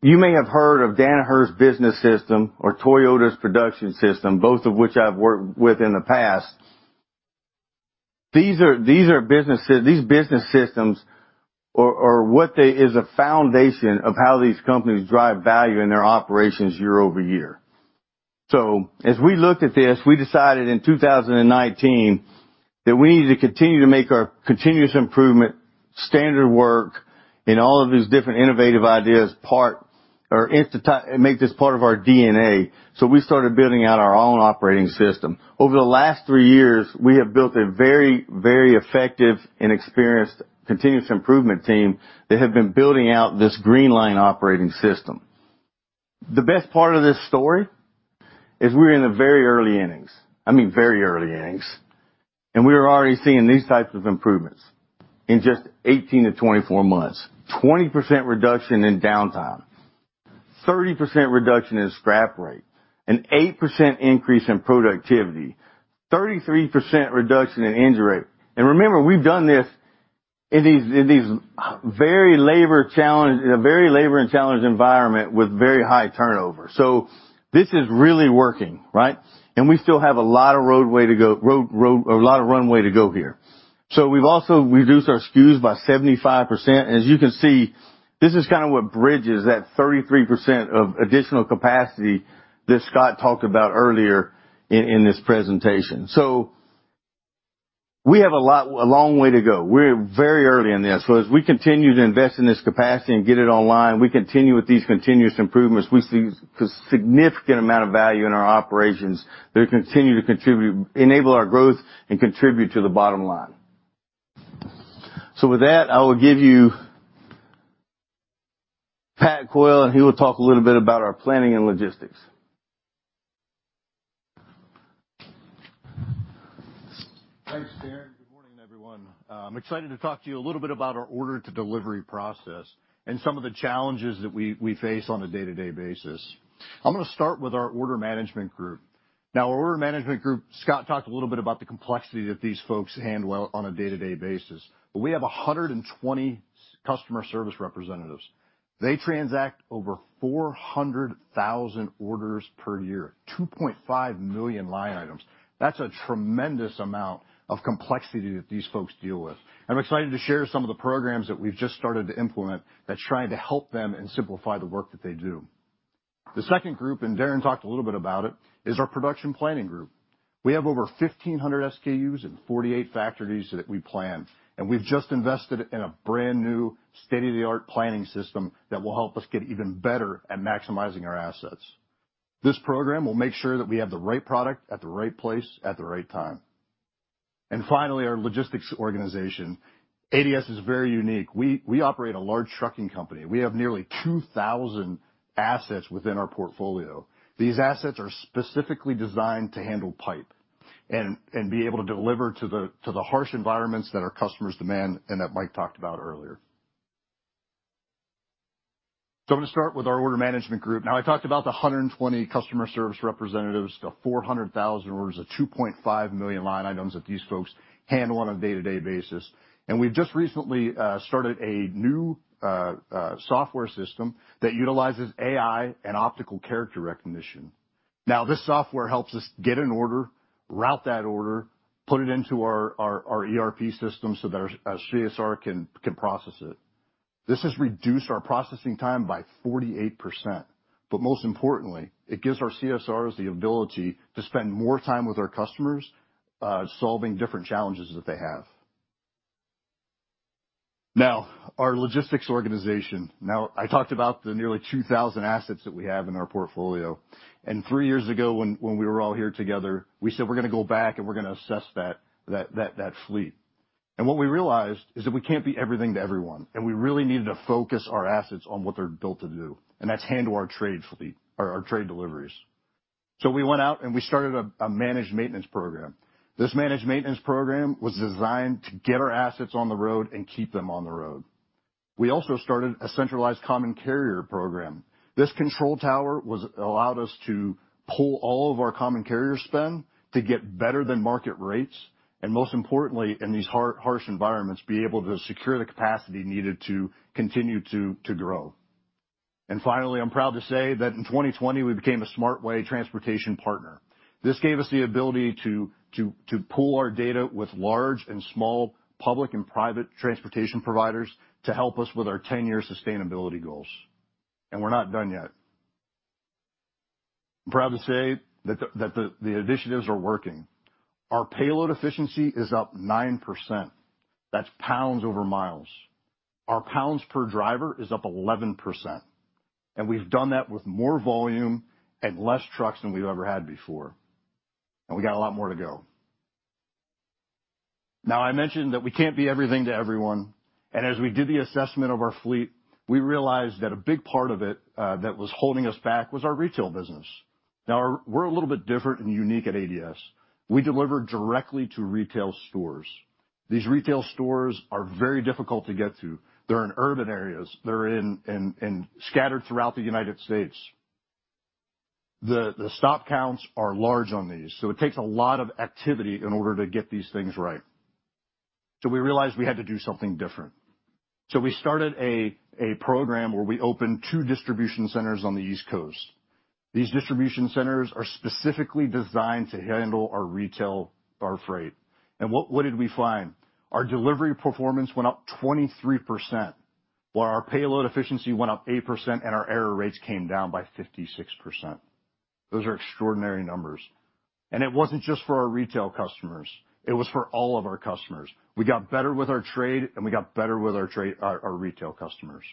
Speaker 7: You may have heard of Danaher's business system or Toyota's production system, both of which I've worked with in the past. These business systems or what they is a foundation of how these companies drive value in their operations year over year. As we looked at this, we decided in 2019 that we need to continue to make our continuous improvement standard work and all of these different innovative ideas make this part of our DNA. We started building out our own operating system. Over the last three years, we have built a very, very effective and experienced continuous improvement team that have been building out this Greenline operating system. The best part of this story is we're in the very early innings. I mean very early innings. We're already seeing these types of improvements in just 18-24 months. 20% reduction in downtime, 30% reduction in scrap rate, an 8% increase in productivity, 33% reduction in injury rate. Remember, we've done this in these very labor and challenge environment with very high turnover. This is really working, right? We still have a lot of runway to go here. We've also reduced our SKUs by 75%. As you can see, this is kinda what bridges that 33% of additional capacity that Scott talked about earlier in this presentation. We have a long way to go. We're very early in this. We continue to invest in this capacity and get it online, we continue with these continuous improvements, we see significant amount of value in our operations that enable our growth and contribute to the bottom line. With that, I will give you Pat Coyle, and he will talk a little bit about our planning and logistics.
Speaker 8: Thanks, Darin. Good morning, everyone. Excited to talk to you a little bit about our order-to-delivery process and some of the challenges that we face on a day-to-day basis. I'm gonna start with our order management group. Now, our order management group, Scott talked a little bit about the complexity that these folks handle on a day-to-day basis. We have 120 customer service representatives. They transact over 400,000 orders per year, 2.5 million line items. That's a tremendous amount of complexity that these folks deal with. I'm excited to share some of the programs that we've just started to implement that's trying to help them and simplify the work that they do. The second group, and Darin talked a little bit about it, is our production planning group. We have over 1,500 SKUs and 48 factories that we plan, and we've just invested in a brand-new state-of-the-art planning system that will help us get even better at maximizing our assets. This program will make sure that we have the right product at the right place at the right time. Finally, our logistics organization. ADS is very unique. We operate a large trucking company. We have nearly 2,000 assets within our portfolio. These assets are specifically designed to handle pipe and be able to deliver to the harsh environments that our customers demand and that Mike talked about earlier. I'm gonna start with our order management group. Now, I talked about the 120 customer service representatives, the 400,000 orders, the 2.5 million line items that these folks handle on a day-to-day basis. We've just recently started a new software system that utilizes AI and optical character recognition. This software helps us get an order, route that order, put it into our ERP system so that our CSR can process it. This has reduced our processing time by 48%, but most importantly, it gives our CSRs the ability to spend more time with our customers solving different challenges that they have. Now, our logistics organization. Now I talked about the nearly 2,000 assets that we have in our portfolio, and three years ago when we were all here together, we said we're gonna go back and we're gonna assess that fleet. What we realized is that we can't be everything to everyone, and we really needed to focus our assets on what they're built to do, and that's handle our trade fleet or our trade deliveries. We went out, and we started a managed maintenance program. This managed maintenance program was designed to get our assets on the road and keep them on the road. We also started a centralized common carrier program. This control tower allowed us to pull all of our common carrier spend to get better than market rates, and most importantly, in these harsh environments, be able to secure the capacity needed to continue to grow. Finally, I'm proud to say that in 2020 we became a SmartWay Transport Partner. This gave us the ability to pool our data with large and small public and private transportation providers to help us with our 10-year sustainability goals. We're not done yet. I'm proud to say that the initiatives are working. Our payload efficiency is up 9%. That's pounds over miles. Our pounds per driver is up 11%, and we've done that with more volume and less trucks than we've ever had before. We got a lot more to go. Now, I mentioned that we can't be everything to everyone, and as we did the assessment of our fleet, we realized that a big part of it that was holding us back was our retail business. Now we're a little bit different and unique at ADS. We deliver directly to retail stores. These retail stores are very difficult to get to. They're in urban areas. They're scattered throughout the United States. The stop counts are large on these, so it takes a lot of activity in order to get these things right. We realized we had to do something different, so we started a program where we opened two distribution centers on the East Coast. These distribution centers are specifically designed to handle our retail bulk freight. What did we find? Our delivery performance went up 23%, while our payload efficiency went up 8% and our error rates came down by 56%. Those are extraordinary numbers. It wasn't just for our retail customers; it was for all of our customers. We got better with our trade and our retail customers.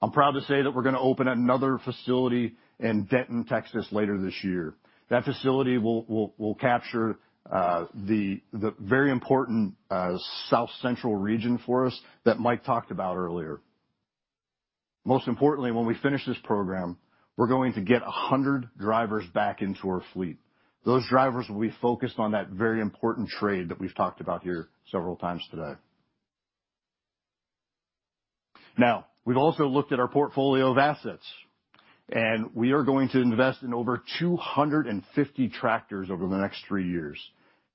Speaker 8: I'm proud to say that we're gonna open another facility in Denton, Texas, later this year. That facility will capture the very important south central region for us that Mike talked about earlier. Most importantly, when we finish this program, we're going to get 100 drivers back into our fleet. Those drivers will be focused on that very important trade that we've talked about here several times today. Now, we've also looked at our portfolio of assets, and we are going to invest in over 250 tractors over the next three years.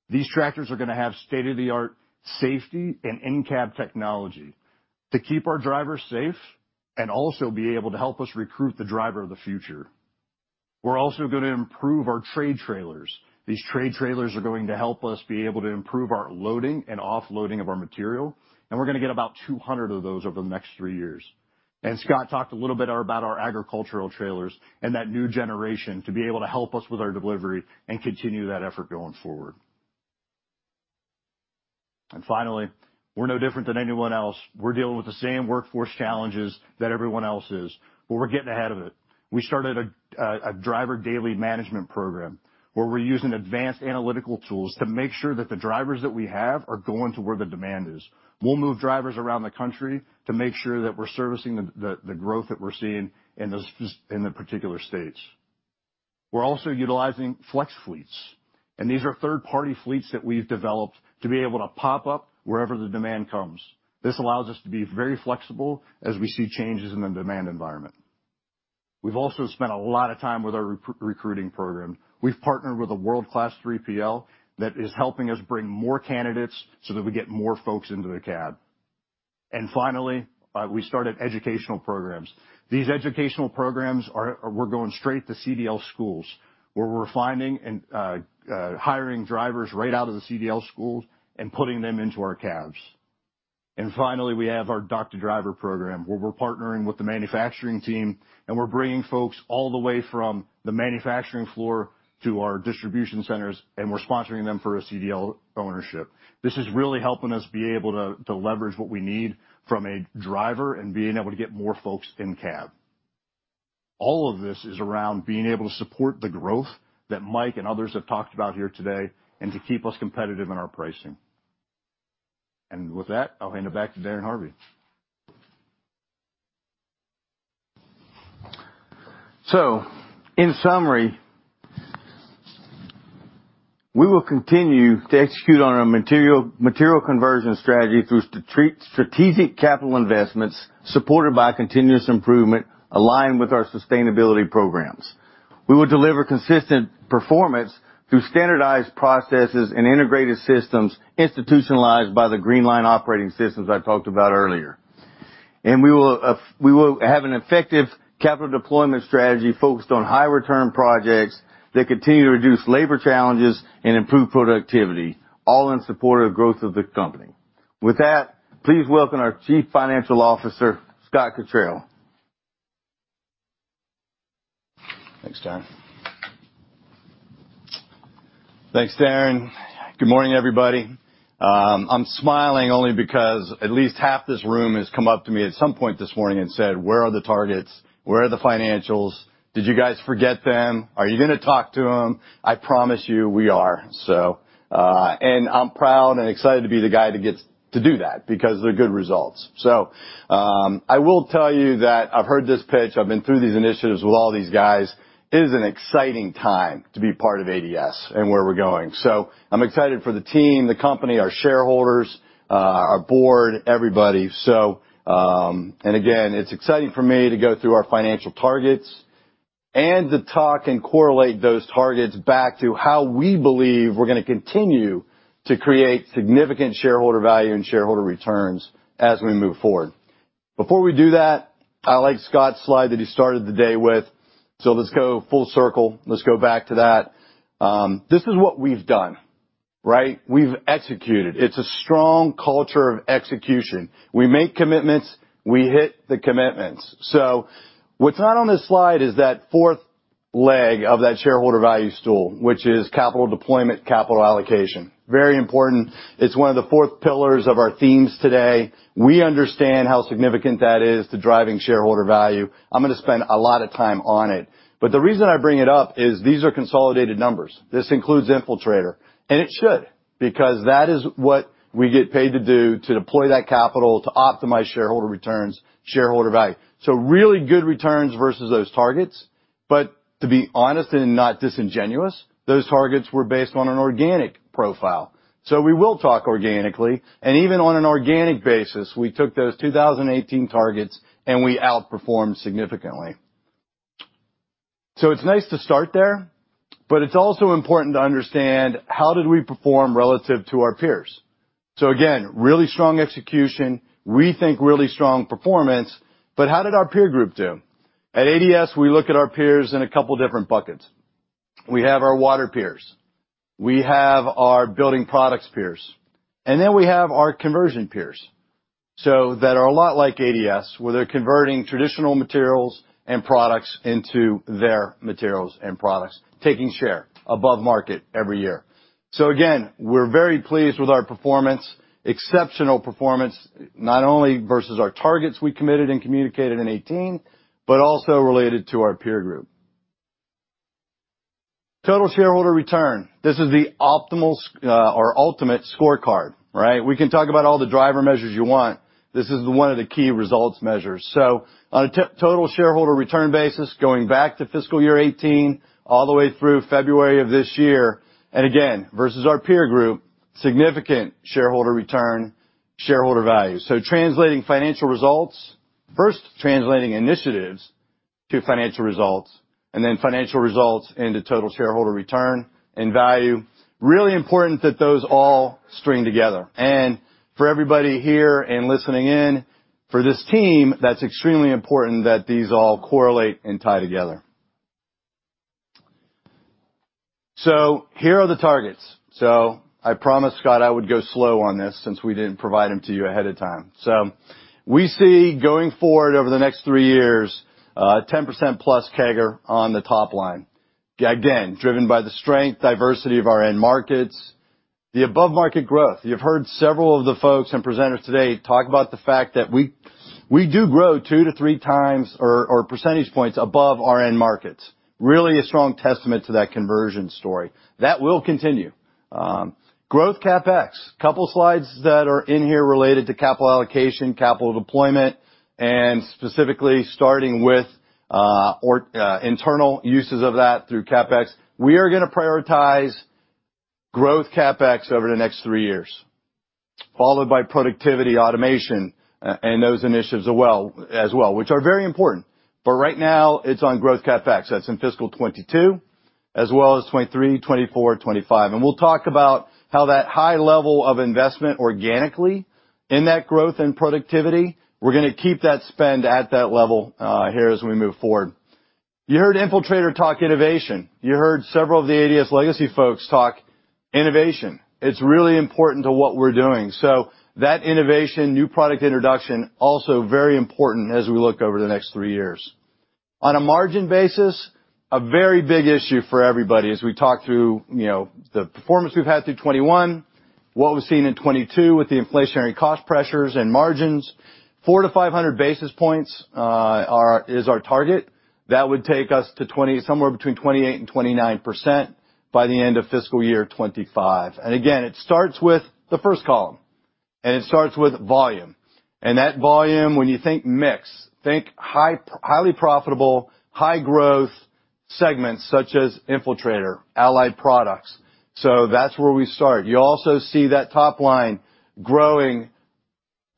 Speaker 8: These tractors are gonna have state-of-the-art safety and in-cab technology to keep our drivers safe and also be able to help us recruit the driver of the future. We're also gonna improve our trade trailers. These trade trailers are going to help us be able to improve our loading and offloading of our material, and we're gonna get about 200 of those over the next three years. Scott talked a little bit earlier about our agricultural trailers and that new generation to be able to help us with our delivery and continue that effort going forward. Finally, we're no different than anyone else. We're dealing with the same workforce challenges that everyone else is, but we're getting ahead of it. We started a driver daily management program where we're using advanced analytical tools to make sure that the drivers that we have are going to where the demand is. We'll move drivers around the country to make sure that we're servicing the growth that we're seeing in the particular states. We're also utilizing flex fleets, and these are third-party fleets that we've developed to be able to pop up wherever the demand comes. This allows us to be very flexible as we see changes in the demand environment. We've also spent a lot of time with our recruiting program. We've partnered with a world-class 3PL that is helping us bring more candidates so that we get more folks into the cab. Finally, we started educational programs. These educational programs. We're going straight to CDL schools, where we're finding and hiring drivers right out of the CDL schools and putting them into our cabs. Finally, we have our Dock to Driver program, where we're partnering with the manufacturing team, and we're bringing folks all the way from the manufacturing floor to our distribution centers, and we're sponsoring them for a CDL license. This is really helping us be able to leverage what we need from a driver and being able to get more folks in cab. All of this is around being able to support the growth that Mike and others have talked about here today and to keep us competitive in our pricing. With that, I'll hand it back to Darin Harvey.
Speaker 7: In summary, we will continue to execute on our material conversion strategy through strategic capital investments supported by continuous improvement aligned with our sustainability programs. We will deliver consistent performance through standardized processes and integrated systems institutionalized by the Greenline operating system I talked about earlier. We will have an effective capital deployment strategy focused on high-return projects that continue to reduce labor challenges and improve productivity, all in support of growth of the company. With that, please welcome our Chief Financial Officer, Scott Cottrill.
Speaker 9: Thanks, Darin. Good morning, everybody. I'm smiling only because at least half this room has come up to me at some point this morning and said, "Where are the targets? Where are the financials? Did you guys forget them? Are you gonna talk to them?" I promise you, we are. I'm proud and excited to be the guy that gets to do that because they're good results. I will tell you that I've heard this pitch, I've been through these initiatives with all these guys. It is an exciting time to be part of ADS and where we're going. I'm excited for the team, the company, our shareholders, our board, everybody. It's exciting for me to go through our financial targets and to talk and correlate those targets back to how we believe we're gonna continue to create significant shareholder value and shareholder returns as we move forward. Before we do that, I like Scott's slide that he started the day with, so let's go full circle. Let's go back to that. This is what we've done, right? We've executed. It's a strong culture of execution. We make commitments. We hit the commitments. What's not on this slide is that fourth leg of that shareholder value stool, which is capital deployment, capital allocation. Very important. It's one of the fourth pillars of our themes today. We understand how significant that is to driving shareholder value. I'm gonna spend a lot of time on it. The reason I bring it up is these are consolidated numbers. This includes Infiltrator, and it should, because that is what we get paid to do, to deploy that capital, to optimize shareholder returns, shareholder value. Really good returns versus those targets. To be honest and not disingenuous, those targets were based on an organic profile. We will talk organically. Even on an organic basis, we took those 2018 targets, and we outperformed significantly. It's nice to start there, but it's also important to understand how did we perform relative to our peers. Again, really strong execution. We think really strong performance, but how did our peer group do? At ADS, we look at our peers in a couple different buckets. We have our water peers. We have our building products peers. Then we have our conversion peers. They are a lot like ADS, where they're converting traditional materials and products into their materials and products, taking share above market every year. Again, we're very pleased with our performance, exceptional performance, not only versus our targets we committed and communicated in 2018, but also related to our peer group. Total shareholder return. This is the optimal or ultimate scorecard, right? We can talk about all the driver measures you want. This is one of the key results measures. On a total shareholder return basis, going back to fiscal year 2018 all the way through February of this year, and again, versus our peer group, significant shareholder return, shareholder value. Translating financial results, first translating initiatives to financial results, and then financial results into total shareholder return and value, really important that those all string together. For everybody here and listening in, for this team, that's extremely important that these all correlate and tie together. Here are the targets. I promised Scott I would go slow on this since we didn't provide them to you ahead of time. We see going forward over the next three years, 10%+ CAGR on the top line, again, driven by the strength, diversity of our end markets, the above-market growth. You've heard several of the folks and presenters today talk about the fact that we do grow two to three times or percentage points above our end markets. Really a strong testament to that conversion story. That will continue. Growth CapEx. Couple slides that are in here related to capital allocation, capital deployment, and specifically starting with internal uses of that through CapEx. We are gonna prioritize growth CapEx over the next three years, followed by productivity, automation, and those initiatives as well, which are very important. Right now it's on growth CapEx. That's in fiscal 2022 as well as 2023, 2024, 2025. We'll talk about how that high level of investment organically in that growth and productivity, we're gonna keep that spend at that level here as we move forward. You heard Infiltrator talk innovation. You heard several of the ADS legacy folks talk innovation. It's really important to what we're doing. That innovation, new product introduction, also very important as we look over the next three years. On a margin basis, a very big issue for everybody as we talk through, you know, the performance we've had through 2021, what we've seen in 2022 with the inflationary cost pressures and margins, 400-500 basis points is our target. That would take us to 20% somewhere between 28%-29% by the end of fiscal year 2025. It starts with the first column, and it starts with volume. That volume, when you think mix, think highly profitable, high-growth segments such as Infiltrator, Allied Products. That's where we start. You also see that top line growing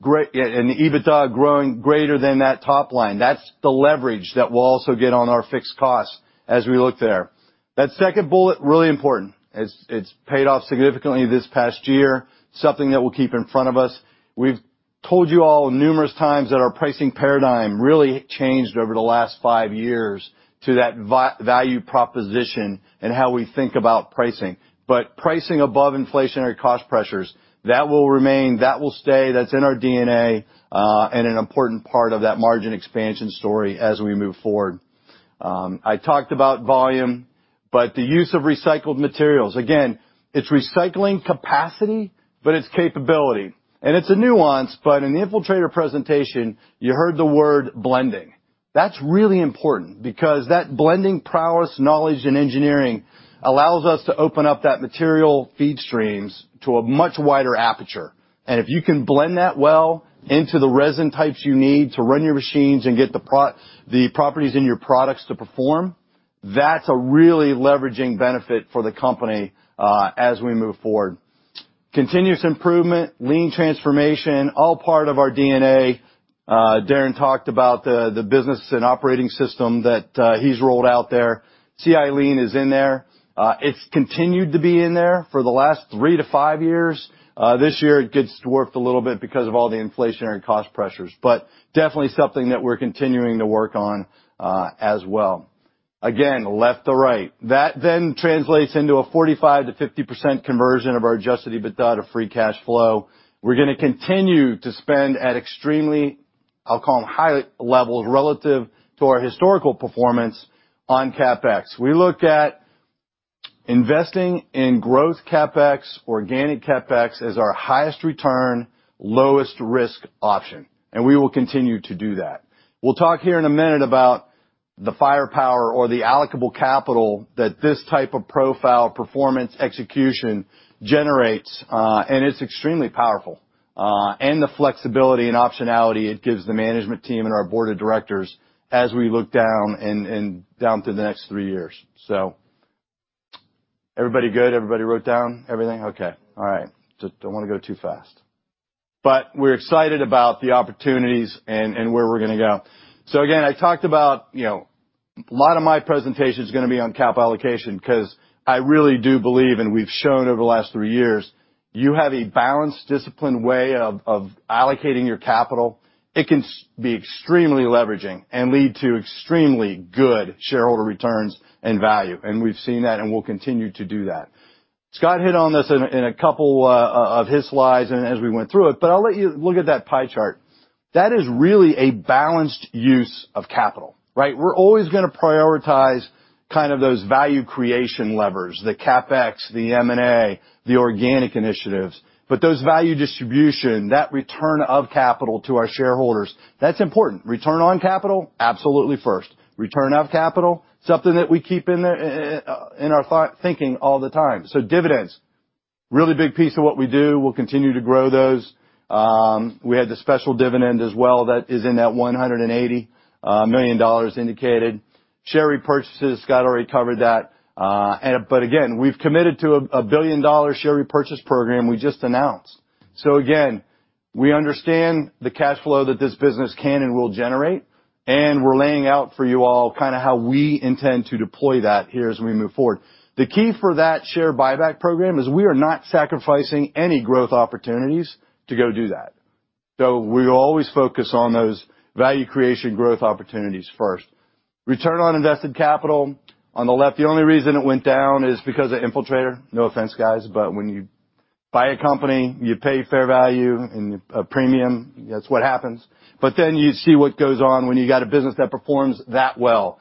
Speaker 9: great and the EBITDA growing greater than that top line. That's the leverage that we'll also get on our fixed costs as we look there. That second bullet, really important, as it's paid off significantly this past year, something that we'll keep in front of us. We've told you all numerous times that our pricing paradigm really changed over the last five years to that value proposition and how we think about pricing. Pricing above inflationary cost pressures, that will remain, that will stay, that's in our DNA, and an important part of that margin expansion story as we move forward. I talked about volume, but the use of recycled materials. Again, it's recycling capacity, but it's capability. It's a nuance, but in the Infiltrator presentation, you heard the word blending. That's really important because that blending prowess, knowledge, and engineering allows us to open up that material feed streams to a much wider aperture. If you can blend that well into the resin types you need to run your machines and get the properties in your products to perform, that's a really leveraging benefit for the company, as we move forward. Continuous improvement, lean transformation, all part of our DNA. Darin talked about the business and operating system that he's rolled out there. CI Lean is in there. It's continued to be in there for the last three to five years. This year it gets dwarfed a little bit because of all the inflationary cost pressures, but definitely something that we're continuing to work on, as well. Again, left to right. That then translates into a 45%-50% conversion of our adjusted EBITDA to free cash flow. We're gonna continue to spend at extremely, I'll call them, high levels relative to our historical performance on CapEx. We look at investing in growth CapEx, organic CapEx, as our highest return, lowest risk option, and we will continue to do that. We'll talk here in a minute about the firepower or the allocable capital that this type of profile performance execution generates, and it's extremely powerful, and the flexibility and optionality it gives the management team and our board of directors as we look down and down through the next three years. Everybody good? Everybody wrote down everything? Okay. All right. Just don't want to go too fast. We're excited about the opportunities and where we're gonna go. Again, I talked about, you know, a lot of my presentation is gonna be on capital allocation because I really do believe, and we've shown over the last three years, you have a balanced, disciplined way of allocating your capital, it can be extremely leveraging and lead to extremely good shareholder returns and value. We've seen that, and we'll continue to do that. Scott hit on this in a couple of his slides and as we went through it, but I'll let you look at that pie chart. That is really a balanced use of capital, right? We're always gonna prioritize kind of those value creation levers, the CapEx, the M&A, the organic initiatives. Those value distribution, that return of capital to our shareholders, that's important. Return on capital, absolutely first. Return of capital, something that we keep in our thinking all the time. Dividends, really big piece of what we do. We'll continue to grow those. We had the special dividend as well that is in that $180 million indicated. Share repurchases, Scott already covered that. Again, we've committed to a billion-dollar share repurchase program we just announced. Again, we understand the cash flow that this business can and will generate, and we're laying out for you all kind of how we intend to deploy that here as we move forward. The key for that share buyback program is we are not sacrificing any growth opportunities to go do that. We always focus on those value creation growth opportunities first. Return on invested capital on the left, the only reason it went down is because of Infiltrator. No offense, guys, but when you buy a company, you pay fair value and a premium. That's what happens. You see what goes on when you got a business that performs that well,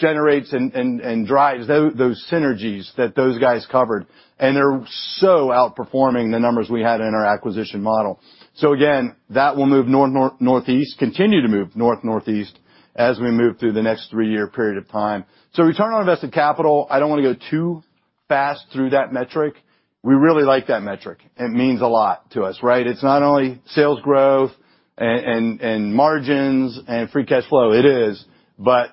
Speaker 9: generates and drives those synergies that those guys covered. They're so outperforming the numbers we had in our acquisition model. That will move northeast, continue to move northeast as we move through the next three-year period of time. Return on invested capital, I don't wanna go too fast through that metric. We really like that metric. It means a lot to us, right? It's not only sales growth and margins and free cash flow. It is, but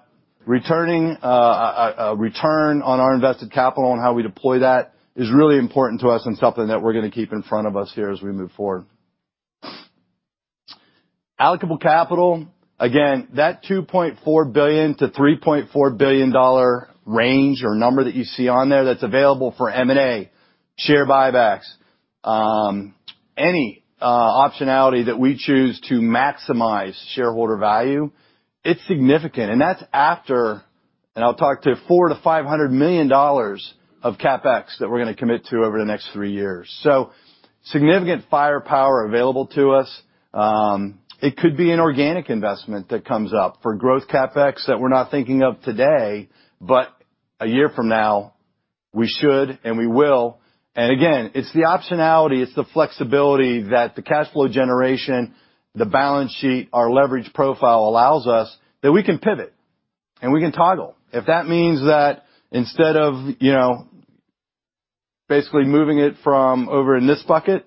Speaker 9: a return on our invested capital and how we deploy that is really important to us and something that we're gonna keep in front of us here as we move forward. Allocable capital. Again, that $2.4 billion-$3.4 billion range or number that you see on there that's available for M&A, share buybacks, any optionality that we choose to maximize shareholder value, it's significant. That's after, and I'll talk about $400 million-$500 million of CapEx that we're gonna commit to over the next three years. Significant firepower available to us. It could be an organic investment that comes up for growth CapEx that we're not thinking of today, but a year from now, we should, and we will. It's the optionality, it's the flexibility that the cash flow generation, the balance sheet, our leverage profile allows us that we can pivot and we can toggle. If that means that instead of basically moving it from over in this bucket,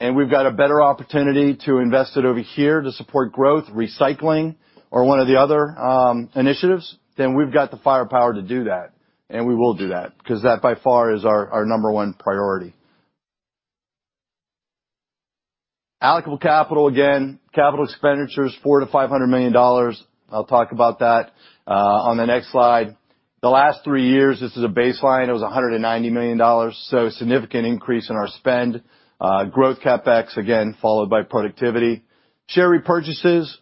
Speaker 9: and we've got a better opportunity to invest it over here to support growth, recycling or one of the other initiatives, then we've got the firepower to do that, and we will do that because that by far is our number one priority. Allocable capital, again, capital expenditures, $400 million-$500 million. I'll talk about that on the next slide. The last three years, this is a baseline, it was $190 million, so a significant increase in our spend. Growth CapEx, again, followed by productivity. Share repurchases,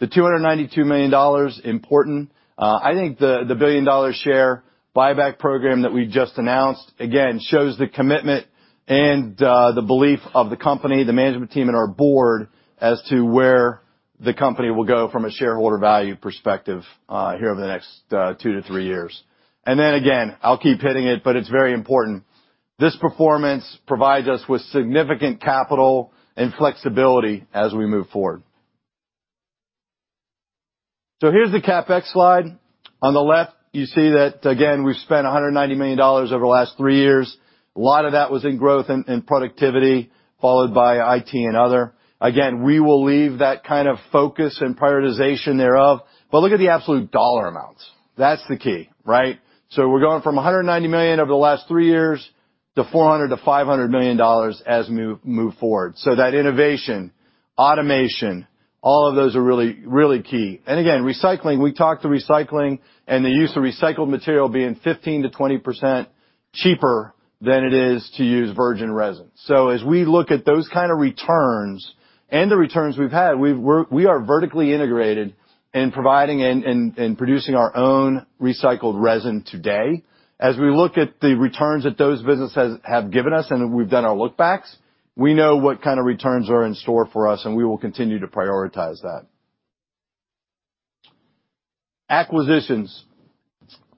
Speaker 9: the $292 million, important. I think the billion-dollar share buyback program that we just announced, again, shows the commitment and the belief of the company, the management team and our board as to where the company will go from a shareholder value perspective, here over the next two to three years. Then again, I'll keep hitting it, but it's very important. This performance provides us with significant capital and flexibility as we move forward. Here's the CapEx slide. On the left, you see that again, we've spent $190 million over the last three years. A lot of that was in growth and productivity, followed by IT and other. Again, we will leave that kind of focus and prioritization thereof. But look at the absolute dollar amounts. That's the key, right? We're going from $190 million over the last three years to $400 million-$500 million as we move forward. That innovation, automation, all of those are really, really key. Again, recycling, we talked about the recycling and the use of recycled material being 15%-20% cheaper than it is to use virgin resin. As we look at those kinda returns and the returns we've had, we are vertically integrated in providing and producing our own recycled resin today. As we look at the returns that those businesses have given us and we've done our look-backs, we know what kinda returns are in store for us, and we will continue to prioritize that. Acquisitions.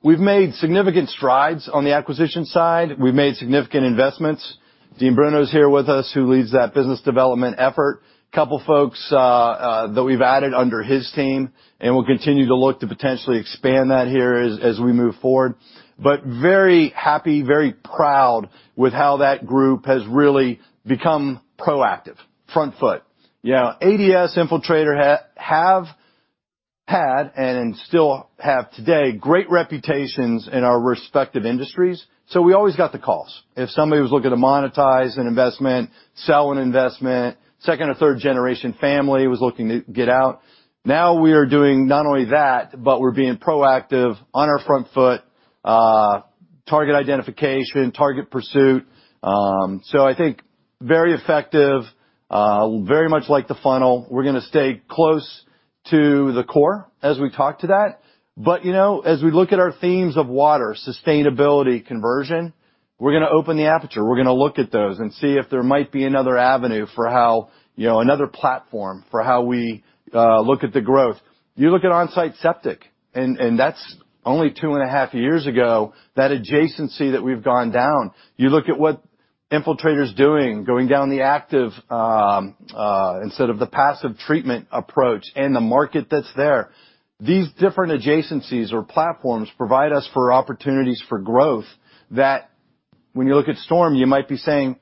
Speaker 9: We've made significant strides on the acquisition side. We've made significant investments. Dean Bruno is here with us who leads that business development effort. A couple of folks that we've added under his team, and we'll continue to look to potentially expand that here as we move forward. Very happy, very proud with how that group has really become proactive, front foot. You know, ADS, Infiltrator have had and still have today great reputations in our respective industries, so we always got the calls. If somebody was looking to monetize an investment, sell an investment, second or third generation family was looking to get out. Now we are doing not only that, but we're being proactive on our front foot, target identification, target pursuit. I think very effective, very much like the funnel. We're gonna stay close to the core as we talk to that. You know, as we look at our themes of water, sustainability, conversion, we're gonna open the aperture. We're gonna look at those and see if there might be another avenue for how, you know, another platform for how we look at the growth. You look at on-site septic, and that's only two and a half years ago, that adjacency that we've gone down. You look at what Infiltrator's doing, going down the active instead of the passive treatment approach and the market that's there. These different adjacencies or platforms provide us for opportunities for growth that when you look at Storm, you might be saying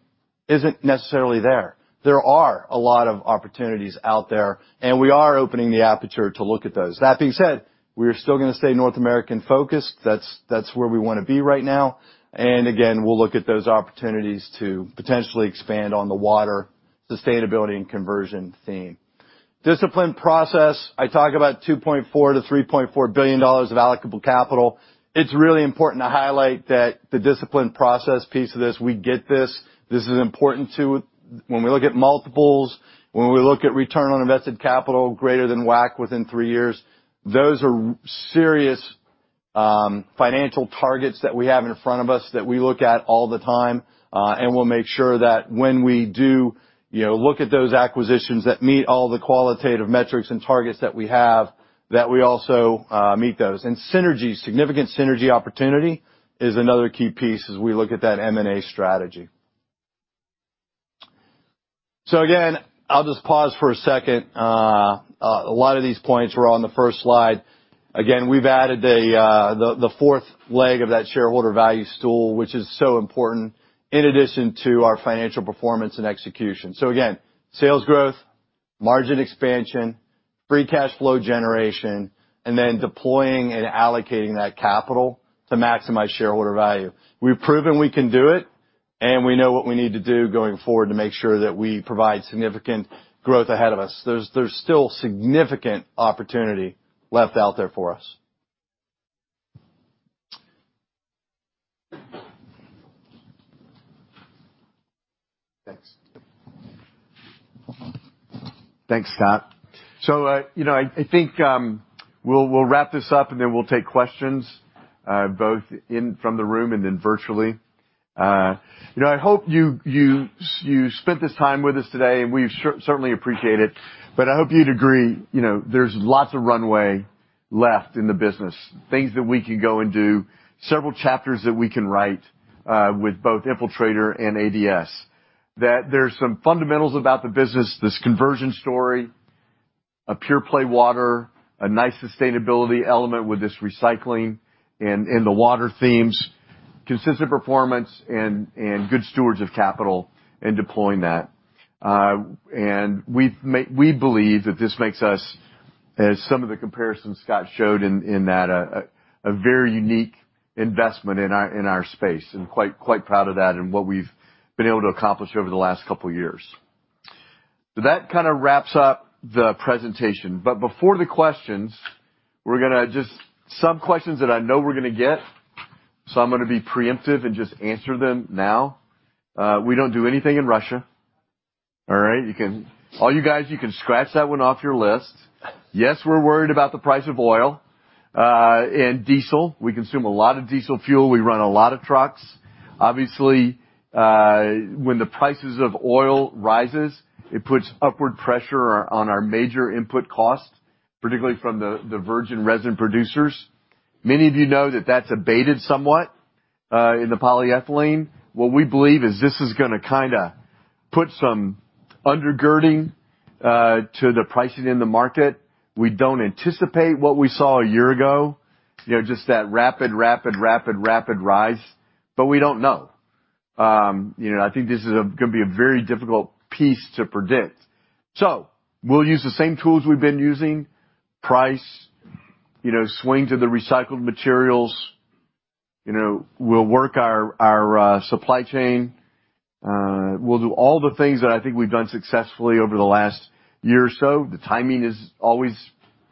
Speaker 9: isn't necessarily there. There are a lot of opportunities out there, and we are opening the aperture to look at those. That being said, we're still gonna stay North American-focused. That's where we wanna be right now. Again, we'll look at those opportunities to potentially expand on the water sustainability and conversion theme. Disciplined process. I talk about $2.4 billion-$3.4 billion of allocable capital. It's really important to highlight that the disciplined process piece of this, we get this. This is important, too. When we look at multiples, when we look at return on invested capital greater than WACC within three years, those are serious financial targets that we have in front of us that we look at all the time. We'll make sure that when we do, you know, look at those acquisitions that meet all the qualitative metrics and targets that we have, that we also meet those. Synergies, significant synergy opportunity is another key piece as we look at that M&A strategy. Again, I'll just pause for a second. A lot of these points were on the first slide. Again, we've added the fourth leg of that shareholder value stool, which is so important in addition to our financial performance and execution. Again, sales growth, margin expansion, free cash flow generation, and then deploying and allocating that capital to maximize shareholder value. We've proven we can do it, and we know what we need to do going forward to make sure that we provide significant growth ahead of us. There's still significant opportunity left out there for us.
Speaker 1: Thanks. Thanks, Scott. You know, I think we'll wrap this up, and then we'll take questions both in from the room and then virtually. You know, I hope you spent this time with us today, and we certainly appreciate it. I hope you'd agree, you know, there's lots of runway left in the business, things that we can go and do, several chapters that we can write with both Infiltrator and ADS. That there's some fundamentals about the business, this conversion story, a pure play water, a nice sustainability element with this recycling and the water themes, consistent performance and good stewards of capital and deploying that. We believe that this makes us, as some of the comparisons Scott showed in that a very unique investment in our space, and quite proud of that and what we've been able to accomplish over the last couple of years. That kinda wraps up the presentation. Before the questions, we're gonna some questions that I know we're gonna get, so I'm gonna be preemptive and just answer them now. We don't do anything in Russia. All right. All you guys, you can scratch that one off your list. Yes, we're worried about the price of oil and diesel. We consume a lot of diesel fuel. We run a lot of trucks. Obviously, when the prices of oil rises, it puts upward pressure on our major input costs, particularly from the virgin resin producers. Many of you know that that's abated somewhat in the polyethylene. What we believe is this is gonna kinda put some undergirding to the pricing in the market. We don't anticipate what we saw a year ago, you know, just that rapid rise. We don't know. You know, I think this is gonna be a very difficult piece to predict. We'll use the same tools we've been using: price, you know, swing to the recycled materials. You know, we'll work our supply chain. We'll do all the things that I think we've done successfully over the last year or so. The timing is always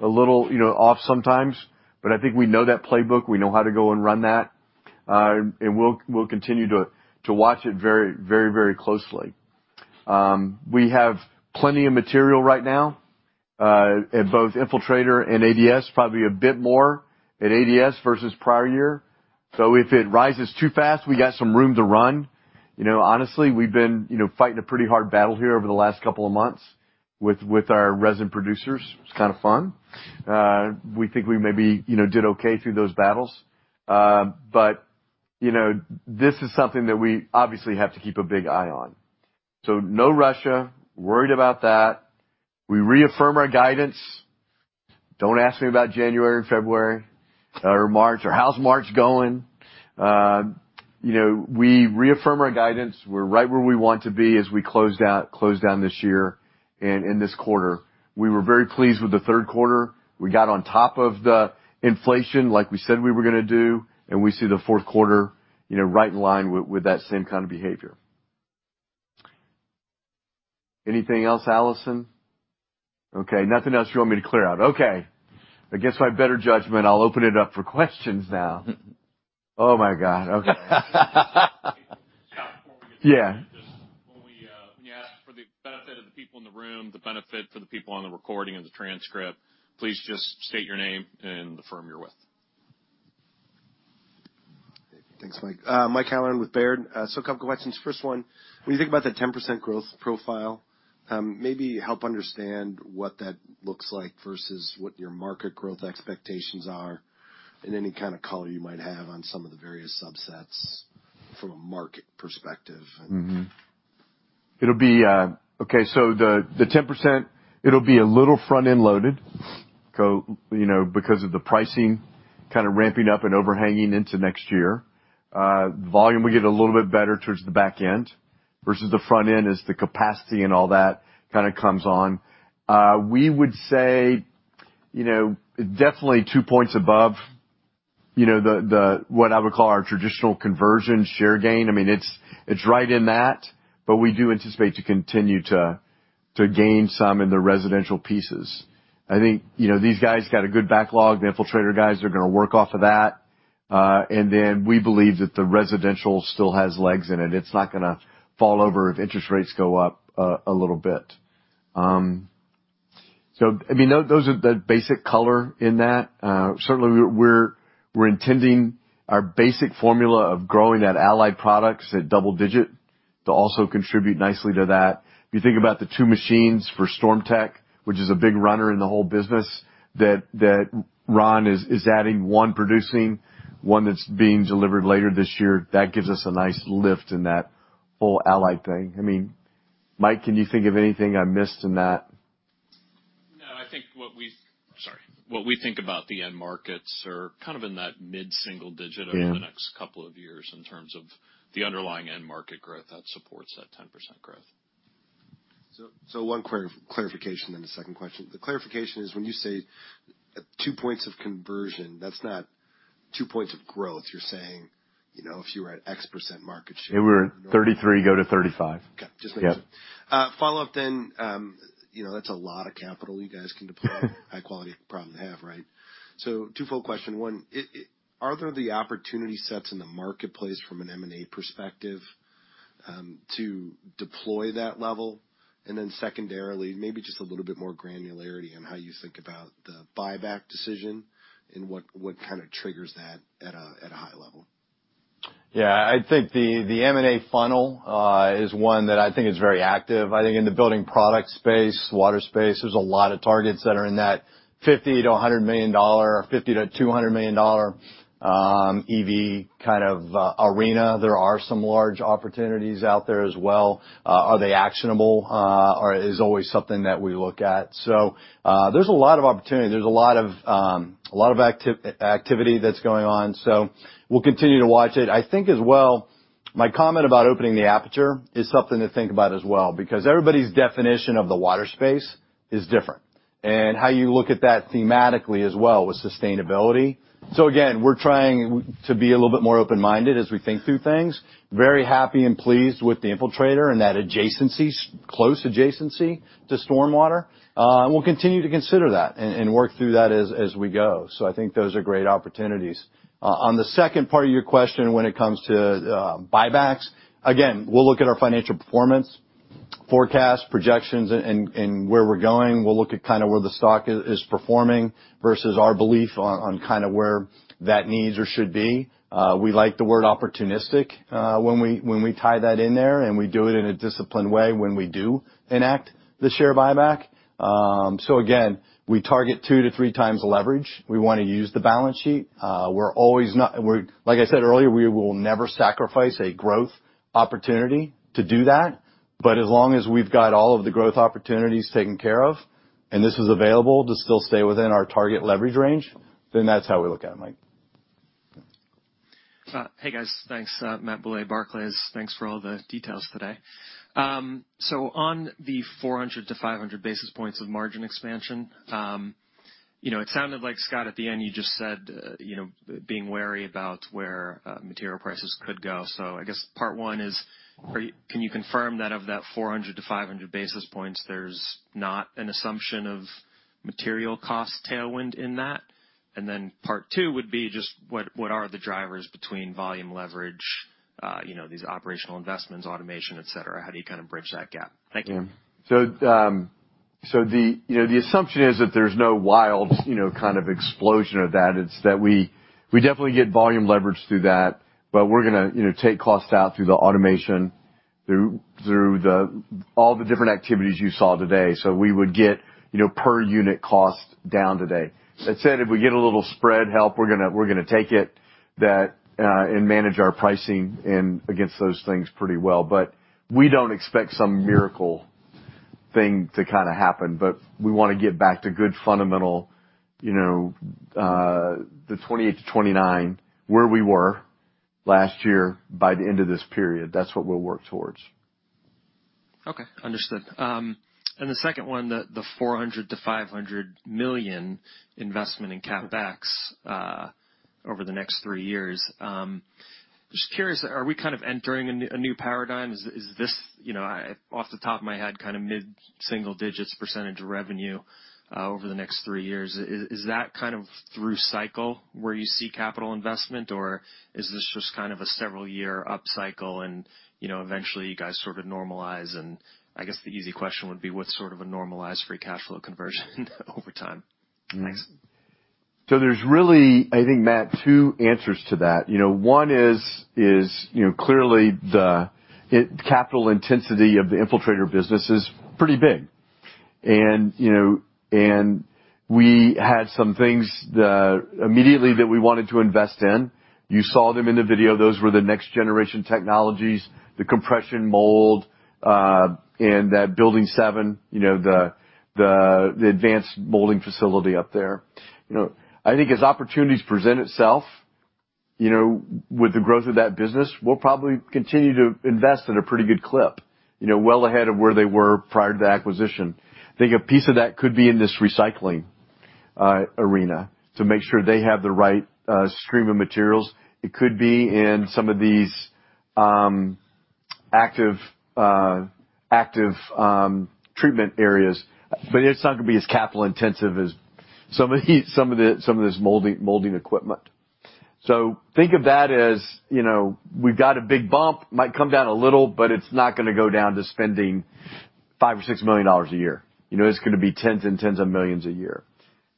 Speaker 1: a little, you know, off sometimes, but I think we know that playbook. We know how to go and run that. We'll continue to watch it very closely. We have plenty of material right now at both Infiltrator and ADS, probably a bit more at ADS versus prior year. If it rises too fast, we got some room to run. You know, honestly, we've been, you know, fighting a pretty hard battle here over the last couple of months with our resin producers. It's kinda fun. We think we maybe, you know, did okay through those battles. You know, this is something that we obviously have to keep a big eye on. No Russia. Worried about that. We reaffirm our guidance. Don't ask me about January or February or March or how's March going? You know, we reaffirm our guidance. We're right where we want to be as we closed down this year and in this quarter. We were very pleased with the third quarter. We got on top of the inflation like we said we were gonna do, and we see the fourth quarter, you know, right in line with that same kind of behavior. Anything else, Allison? Okay, nothing else you want me to clear out. Okay. Against my better judgment, I'll open it up for questions now. Oh, my God. Okay.
Speaker 10: Scott, before we get-
Speaker 1: Yeah.
Speaker 10: When you ask, for the benefit of the people in the room, the people on the recording, and the transcript, please just state your name and the firm you're with.
Speaker 11: Thanks, Mike. Mike Halloran with Baird. A couple questions. First one, when you think about the 10% growth profile, maybe help understand what that looks like versus what your market growth expectations are and any kind of color you might have on some of the various subsets from a market perspective and
Speaker 1: It'll be a little front-end loaded, you know, because of the pricing kinda ramping up and overhanging into next year. Volume, we get a little bit better towards the back end versus the front end as the capacity and all that kinda comes on. We would say, you know, definitely two points above. You know, the what I would call our traditional conversion share gain. I mean, it's right in that, but we do anticipate to continue to gain some in the residential pieces. I think, you know, these guys got a good backlog. The Infiltrator guys are gonna work off of that. We believe that the residential still has legs in it. It's not gonna fall over if interest rates go up a little bit. I mean, those are the basic color on that. Certainly we're intending our basic formula of growing that allied products at double-digit to also contribute nicely to that. If you think about the two machines for StormTech, which is a big runner in the whole business, that Ron is adding one producing one that's being delivered later this year, that gives us a nice lift in that whole allied thing. I mean, Mike, can you think of anything I missed in that?
Speaker 6: What we think about the end markets are kind of in that mid-single digit-
Speaker 1: Yeah.
Speaker 6: Over the next couple of years in terms of the underlying end market growth that supports that 10% growth.
Speaker 11: One clarification, then the second question. The clarification is when you say two points of conversion, that's not two points of growth. You're saying, you know, if you were at X% market share
Speaker 1: We're at 33%, go to 35%.
Speaker 11: Okay. Just making sure.
Speaker 1: Yeah.
Speaker 11: Follow-up, you know, that's a lot of capital you guys can deploy. High quality you probably have, right? Twofold question. One, are there the opportunity sets in the marketplace from an M&A perspective, to deploy that level? And then secondarily, maybe just a little bit more granularity on how you think about the buyback decision and what kind of triggers that at a high level.
Speaker 1: Yeah. I think the M&A funnel is one that I think is very active. I think in the building product space, water space, there's a lot of targets that are in that $50 million-$100 million or $50 million-$200 million EV kind of arena. There are some large opportunities out there as well. Whether they are actionable or not is always something that we look at. There's a lot of opportunity. There's a lot of activity that's going on, so we'll continue to watch it. I think as well, my comment about opening the aperture is something to think about as well, because everybody's definition of the water space is different and how you look at that thematically as well with sustainability. Again, we're trying to be a little bit more open-minded as we think through things. Very happy and pleased with the Infiltrator and that adjacencies, close adjacency to stormwater. We'll continue to consider that and work through that as we go. I think those are great opportunities. On the second part of your question, when it comes to buybacks, again, we'll look at our financial performance, forecast, projections and where we're going. We'll look at kind of where the stock is performing versus our belief on kind of where that needs or should be. We like the word opportunistic when we tie that in there, and we do it in a disciplined way when we do enact the share buyback. Again, we target two to three times leverage. We wanna use the balance sheet. Like I said earlier, we will never sacrifice a growth opportunity to do that. As long as we've got all of the growth opportunities taken care of, and this is available to still stay within our target leverage range, then that's how we look at it, Mike.
Speaker 12: Hey, guys. Thanks. Matthew Bouley, Barclays. Thanks for all the details today. On the 400-500 basis points of margin expansion, you know, it sounded like, Scott, at the end, you just said, you know, being wary about where material prices could go. I guess part one is, are you, can you confirm that of that 400-500 basis points, there's not an assumption of material cost tailwind in that? Then part two would be just what are the drivers between volume leverage, you know, these operational investments, automation, et cetera? How do you kind of bridge that gap? Thank you.
Speaker 1: The assumption is that there's no wild, you know, kind of explosion of that. It's that we definitely get volume leverage through that, but we're gonna, you know, take costs out through the automation, through all the different activities you saw today. We would get, you know, per unit cost down today. That said, if we get a little spread help, we're gonna take it, that and manage our pricing against those things pretty well. We don't expect some miracle thing to kinda happen, but we wanna get back to good fundamental, you know, the 28%-29%, where we were last year by the end of this period. That's what we'll work towards.
Speaker 12: Okay. Understood. The second one, the $400 million-$500 million investment in CapEx over the next three years. Just curious, are we kind of entering a new paradigm? Is this, you know, off the top of my head, kinda mid-single digits % of revenue over the next three years. Is that kind of through cycle where you see capital investment, or is this just kind of a several year upcycle and, you know, eventually you guys sort of normalize? I guess the easy question would be what's sort of a normalized free cash flow conversion over time? Thanks.
Speaker 1: There's really, I think, Matt, two answers to that. One is clearly the capital intensity of the Infiltrator business is pretty big. We had some things immediately that we wanted to invest in. You saw them in the video. Those were the next generation technologies, the compression mold, and that building seven, the advanced molding facility up there. I think as opportunities present itself with the growth of that business, we'll probably continue to invest at a pretty good clip, well ahead of where they were prior to the acquisition. I think a piece of that could be in this recycling arena to make sure they have the right stream of materials. It could be in some of these active treatment areas, but it's not gonna be as capital-intensive as some of this molding equipment. So think of that as, you know, we've got a big bump. Might come down a little, but it's not gonna go down to spending $5 million or $6 million a year. You know, it's gonna be tens and tens of millions a year.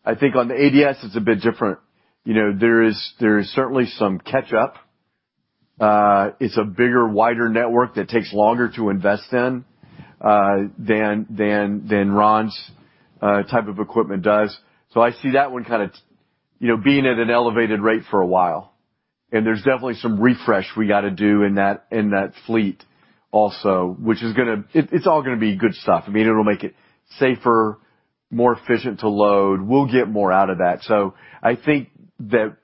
Speaker 1: I think on the ADS, it's a bit different. You know, there is certainly some catch up. It's a bigger, wider network that takes longer to invest in than Ron's type of equipment does. I see that one kinda, you know, being at an elevated rate for a while, and there's definitely some refresh we gotta do in that fleet also, which is gonna be good stuff. I mean, it'll make it safer, more efficient to load. We'll get more out of that. I think that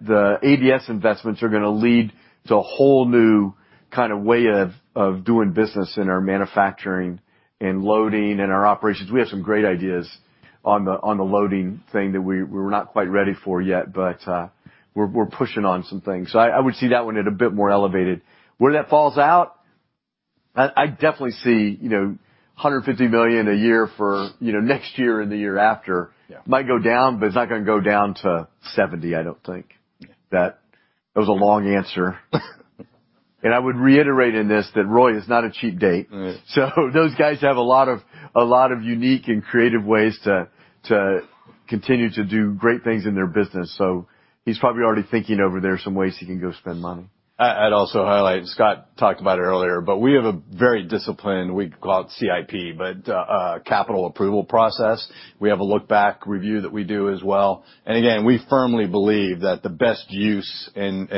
Speaker 1: the ADS investments are gonna lead to a whole new kinda way of doing business in our manufacturing and loading and our operations. We have some great ideas on the loading thing that we're not quite ready for yet, but we're pushing on some things. I would see that one at a bit more elevated. Where that falls out, I definitely see, you know, $150 million a year for, you know, next year and the year after.
Speaker 3: Yeah.
Speaker 1: Might go down, but it's not gonna go down to $70 million, I don't think. That was a long answer. I would reiterate in this that Roy is not a cheap date.
Speaker 3: Right.
Speaker 1: Those guys have a lot of unique and creative ways to continue to do great things in their business, so he's probably already thinking over there some ways he can go spend money. I'd also highlight. Scott talked about it earlier, but we have a very disciplined, we call it CIP, but a capital approval process. We have a look back review that we do as well. Again, we firmly believe that the best use and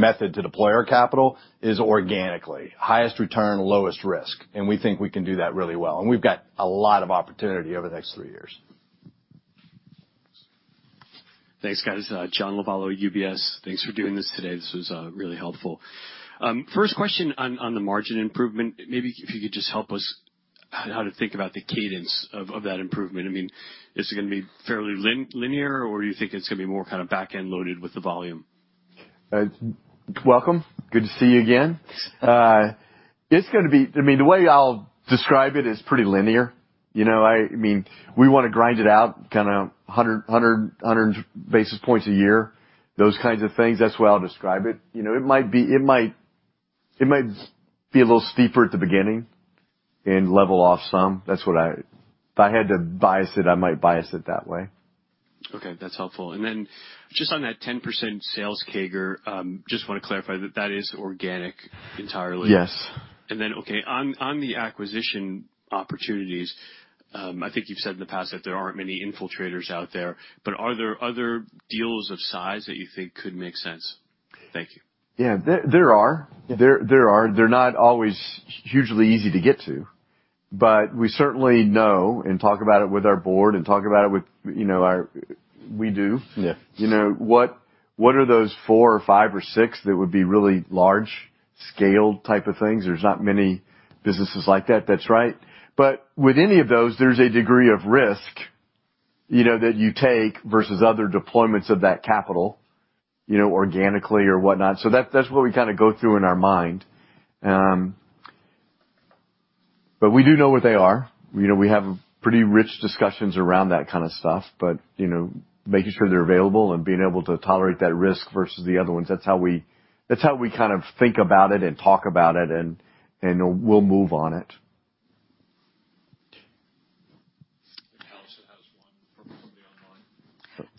Speaker 1: method to deploy our capital is organically. Highest return, lowest risk, and we think we can do that really well. We've got a lot of opportunity over the next three years.
Speaker 13: Thanks, guys. John Lovallo, UBS. Thanks for doing this today. This was really helpful. First question on the margin improvement, maybe if you could just help us how to think about the cadence of that improvement. I mean, is it gonna be fairly linear, or you think it's gonna be more kinda back-end loaded with the volume?
Speaker 1: Welcome. Good to see you again. It's gonna be. I mean, the way I'll describe it is pretty linear. You know, I mean, we wanna grind it out kinda 100 basis points a year, those kinds of things. That's the way I'll describe it. You know, it might be a little steeper at the beginning and level off some. That's what I. If I had to bias it, I might bias it that way.
Speaker 13: Okay, that's helpful. Just on that 10% sales CAGR, just wanna clarify that that is organic entirely.
Speaker 1: Yes.
Speaker 13: Okay, on the acquisition opportunities, I think you've said in the past that there aren't many Infiltrators out there, but are there other deals of size that you think could make sense? Thank you.
Speaker 1: Yeah. There are. They're not always hugely easy to get to, but we certainly know and talk about it with our board, you know, our... We do.
Speaker 9: Yeah.
Speaker 1: You know, what are those four or five or six that would be really large scaled type of things? There's not many businesses like that. That's right. With any of those, there's a degree of risk, you know, that you take versus other deployments of that capital, you know, organically or whatnot. That's what we kinda go through in our mind. We do know where they are. You know, we have pretty rich discussions around that kind of stuff. You know, making sure they're available and being able to tolerate that risk versus the other ones, that's how we kind of think about it and talk about it and we'll move on it.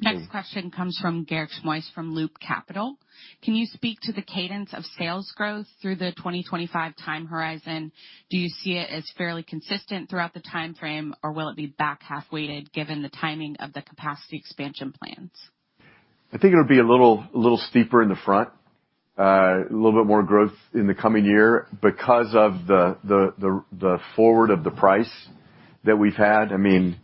Speaker 14: Next question comes from Garik Shmois from Loop Capital. Can you speak to the cadence of sales growth through the 2025 time horizon? Do you see it as fairly consistent throughout the time frame, or will it be back half-weighted given the timing of the capacity expansion plans?
Speaker 1: I think it'll be a little steeper in the front. A little bit more growth in the coming year because of the forward of the price that we've had. I mean,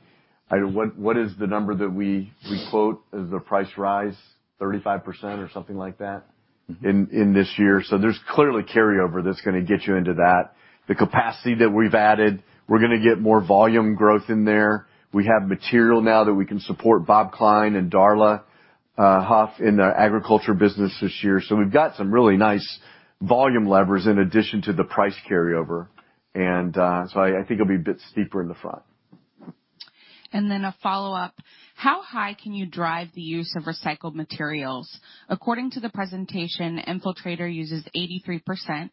Speaker 1: what is the number that we quote as the price rise? 35% or something like that in this year. There's clearly carryover that's gonna get you into that. The capacity that we've added, we're gonna get more volume growth in there. We have material now that we can support Bob Klein and Darla Huff in the agriculture business this year. We've got some really nice volume levers in addition to the price carryover and so I think it'll be a bit steeper in the front.
Speaker 14: a follow-up. How high can you drive the use of recycled materials? According to the presentation, Infiltrator uses 83%,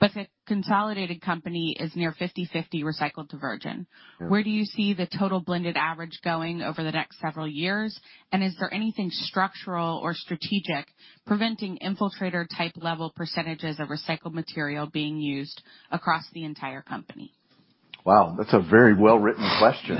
Speaker 14: but the consolidated company is near 50-50 recycled to virgin. Where do you see the total blended average going over the next several years? Is there anything structural or strategic preventing Infiltrator type level percentages of recycled material being used across the entire company?
Speaker 1: Wow, that's a very well-written question.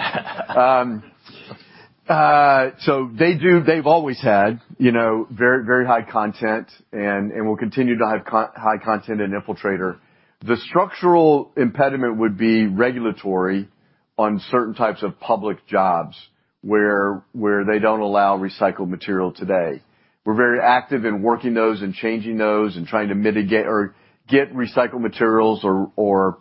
Speaker 1: They've always had, you know, very, very high content and will continue to have high content in Infiltrator. The structural impediment would be regulatory. On certain types of public jobs where they don't allow recycled material today. We're very active in working those and changing those and trying to mitigate or get recycled materials or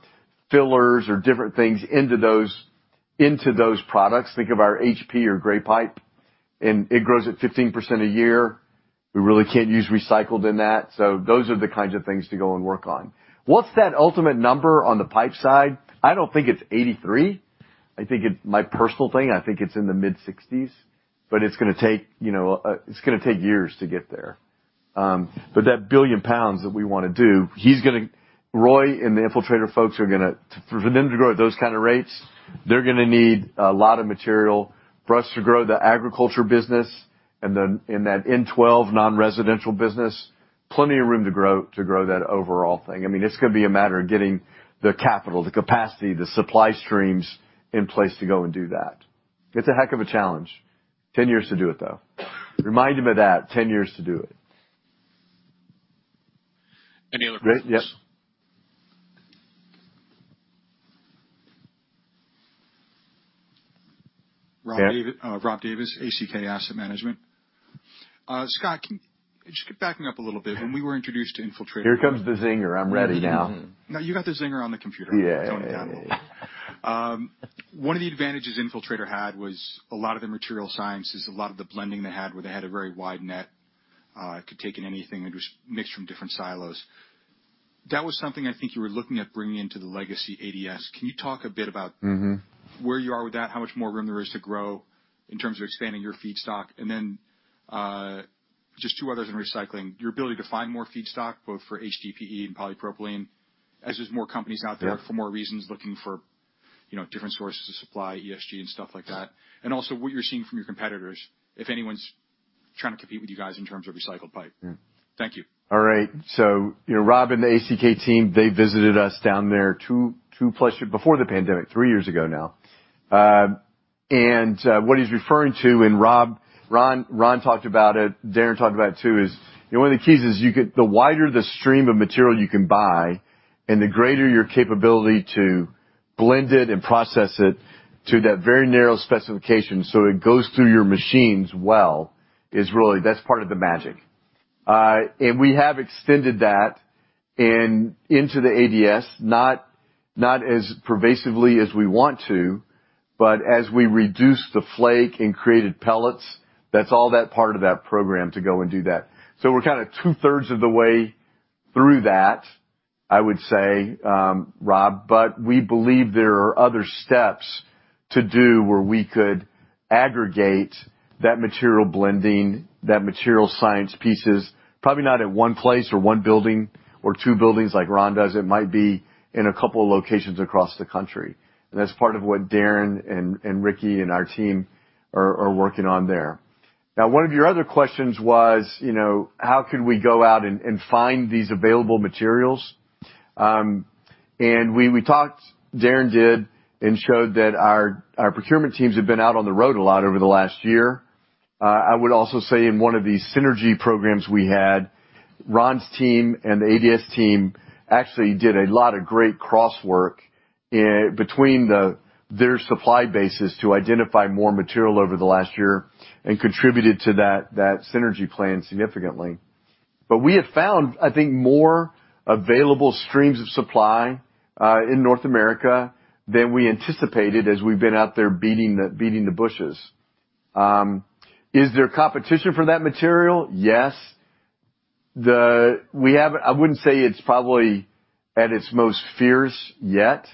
Speaker 1: fillers or different things into those products. Think of our HP or gray pipe, and it grows at 15% a year. We really can't use recycled in that. Those are the kinds of things to go and work on. What's that ultimate number on the pipe side? I don't think it's 83%. My personal thing, I think it's in the mid-sixties, but it's gonna take, you know, years to get there. That 1 billion pounds that we wanna do, Roy and the Infiltrator folks are gonna—for them to grow at those kind of rates, they're gonna need a lot of material. For us to grow the agriculture business and that N-12 non-residential business, plenty of room to grow that overall thing. I mean, it's gonna be a matter of getting the capital, the capacity, the supply streams in place to go and do that. It's a heck of a challenge. 10 years to do it, though. Remind him of that, 10 years to do it.
Speaker 9: Any other questions?
Speaker 1: Great. Yep.
Speaker 15: Rob Davis
Speaker 1: Yeah.
Speaker 15: Rob Davis, ACK Asset Management. Scott, can you just keep backing up a little bit. When we were introduced to Infiltrator-
Speaker 1: Here comes the zinger. I'm ready now. No, you got the zinger on the computer.
Speaker 15: Yeah. Don't worry about it. One of the advantages Infiltrator had was a lot of the material sciences, a lot of the blending they had, where they had a very wide net, it could take in anything. It was mixed from different silos. That was something I think you were looking at bringing into the legacy ADS. Can you talk a bit about-
Speaker 1: Mm-hmm.
Speaker 15: Where you are with that, how much more room there is to grow in terms of expanding your feedstock? Just two others in recycling. Your ability to find more feedstock, both for HDPE and polypropylene, as there's more companies out there for more reasons looking for, you know, different sources of supply, ESG and stuff like that. Also what you're seeing from your competitors, if anyone's trying to compete with you guys in terms of recycled pipe.
Speaker 1: Yeah.
Speaker 15: Thank you.
Speaker 1: All right. You know, Rob and the ACK team, they visited us down there two plus years before the pandemic, three years ago now. What he's referring to, and Rob, Ron talked about it, Darin talked about it too, is, you know, one of the keys is you get the wider the stream of material you can buy and the greater your capability to blend it and process it to that very narrow specification so it goes through your machines well, is really that's part of the magic. We have extended that into the ADS, not as pervasively as we want to, but as we reduced the flake and created pellets, that's all that part of that program to go and do that. We're kind of two-thirds of the way through that, I would say, Rob, but we believe there are other steps to do where we could aggregate that material blending, that material science pieces, probably not at one place or one building or two buildings like Ron does. It might be in a couple locations across the country. That's part of what Darin and Ricky and our team are working on there. Now, one of your other questions was, you know, how can we go out and find these available materials? We talked, Darin did, and showed that our procurement teams have been out on the road a lot over the last year. I would also say in one of the synergy programs we had, Ron's team and the ADS team actually did a lot of great cross-work between their supply bases to identify more material over the last year and contributed to that synergy plan significantly. We have found, I think, more available streams of supply in North America than we anticipated as we've been out there beating the bushes. Is there competition for that material? Yes. We haven't. I wouldn't say it's probably at its most fierce yet,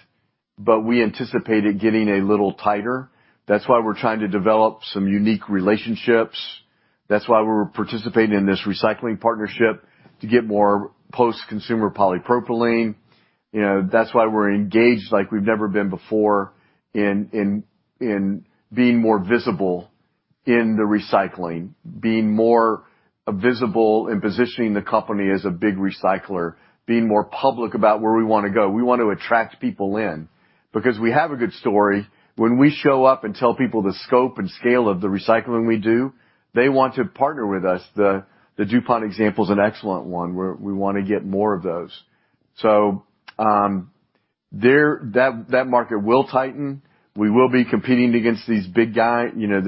Speaker 1: but we anticipate it getting a little tighter. That's why we're trying to develop some unique relationships. That's why we're participating in this recycling partnership to get more post-consumer polypropylene. You know, that's why we're engaged like we've never been before in being more visible in the recycling, being more visible in positioning the company as a big recycler, being more public about where we wanna go. We want to attract people in because we have a good story. When we show up and tell people the scope and scale of the recycling we do, they want to partner with us. The DuPont example is an excellent one, where we wanna get more of those. So, that market will tighten. We will be competing against these big guys. You know,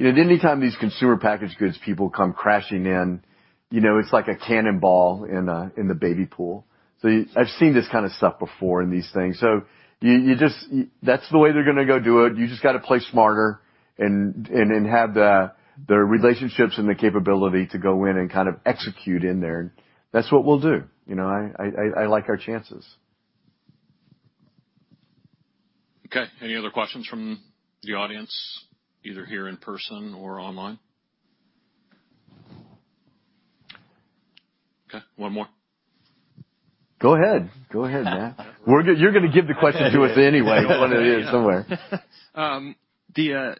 Speaker 1: anytime these consumer packaged goods people come crashing in, you know, it's like a cannonball in the baby pool. So I've seen this kind of stuff before in these things. You just, yeah, that's the way they're gonna go do it. You just gotta play smarter and then have the relationships and the capability to go in and kind of execute in there. That's what we'll do. You know, I like our chances.
Speaker 9: Okay. Any other questions from the audience, either here in person or online? Okay, one more.
Speaker 1: Go ahead, Matt. You're gonna give the question to us anyway, what it is, somewhere.
Speaker 12: The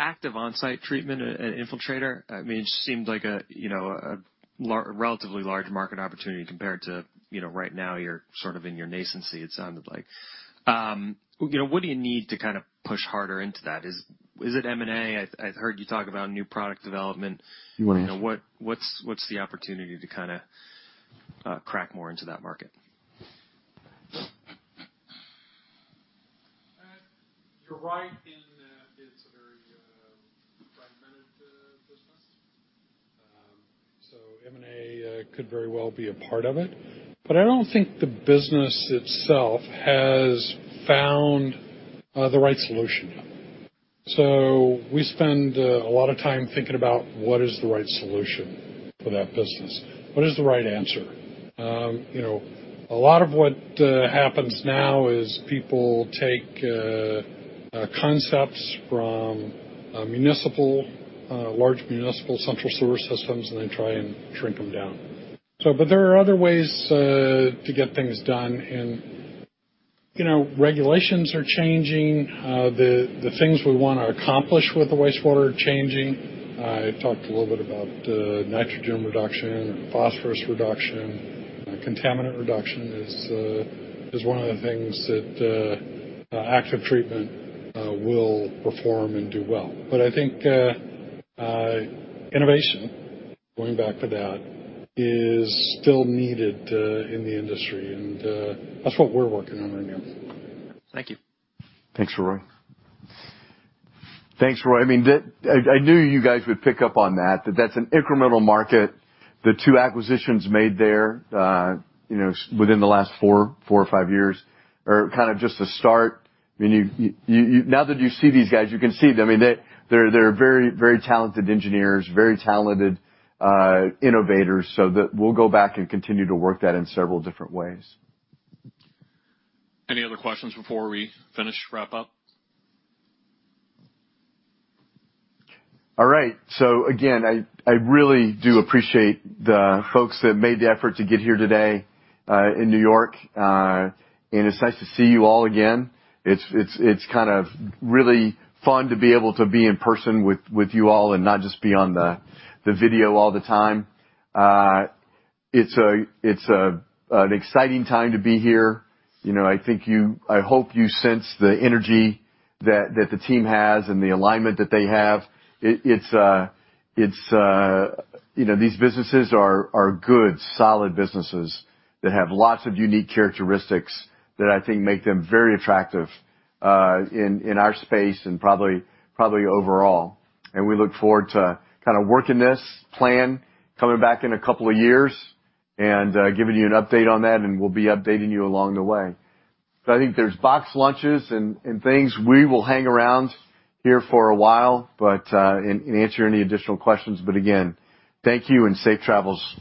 Speaker 12: active on-site treatment at Infiltrator, I mean, it just seemed like a, you know, relatively large market opportunity compared to, you know, right now you're sort of in your nascency, it sounded like. You know, what do you need to kind of push harder into that? Is it M&A? I've heard you talk about new product development.
Speaker 1: Good answer.
Speaker 12: You know, what's the opportunity to kinda crack more into that market.
Speaker 3: You're right. It's a very fragmented business. M&A could very well be a part of it, but I don't think the business itself has found the right solution yet. We spend a lot of time thinking about what is the right solution for that business, what is the right answer. You know, a lot of what happens now is people take concepts from large municipal central sewer systems, and they try and shrink them down. But there are other ways to get things done and, you know, regulations are changing. The things we wanna accomplish with the wastewater are changing. I talked a little bit about nitrogen reduction, phosphorus reduction. Contaminant reduction is one of the things that active treatment will perform and do well. I think innovation, going back to that, is still needed in the industry, and that's what we're working on right now.
Speaker 12: Thank you.
Speaker 1: Thanks, Roy. I knew you guys would pick up on that, but that's an incremental market. The two acquisitions made there within the last four or five years are kind of just the start. I mean, now that you see these guys, you can see, I mean, they're very talented engineers, very talented innovators, so that we'll go back and continue to work that in several different ways.
Speaker 9: Any other questions before we finish wrap up?
Speaker 1: All right. Again, I really do appreciate the folks that made the effort to get here today in New York. It's nice to see you all again. It's kind of really fun to be able to be in person with you all and not just be on the video all the time. It's an exciting time to be here. You know, I hope you sense the energy that the team has and the alignment that they have. You know, these businesses are good, solid businesses that have lots of unique characteristics that I think make them very attractive in our space and probably overall. We look forward to kinda working this plan, coming back in a couple of years and giving you an update on that, and we'll be updating you along the way. I think there's box lunches and things. We will hang around here for a while and answer any additional questions. Again, thank you and safe travels.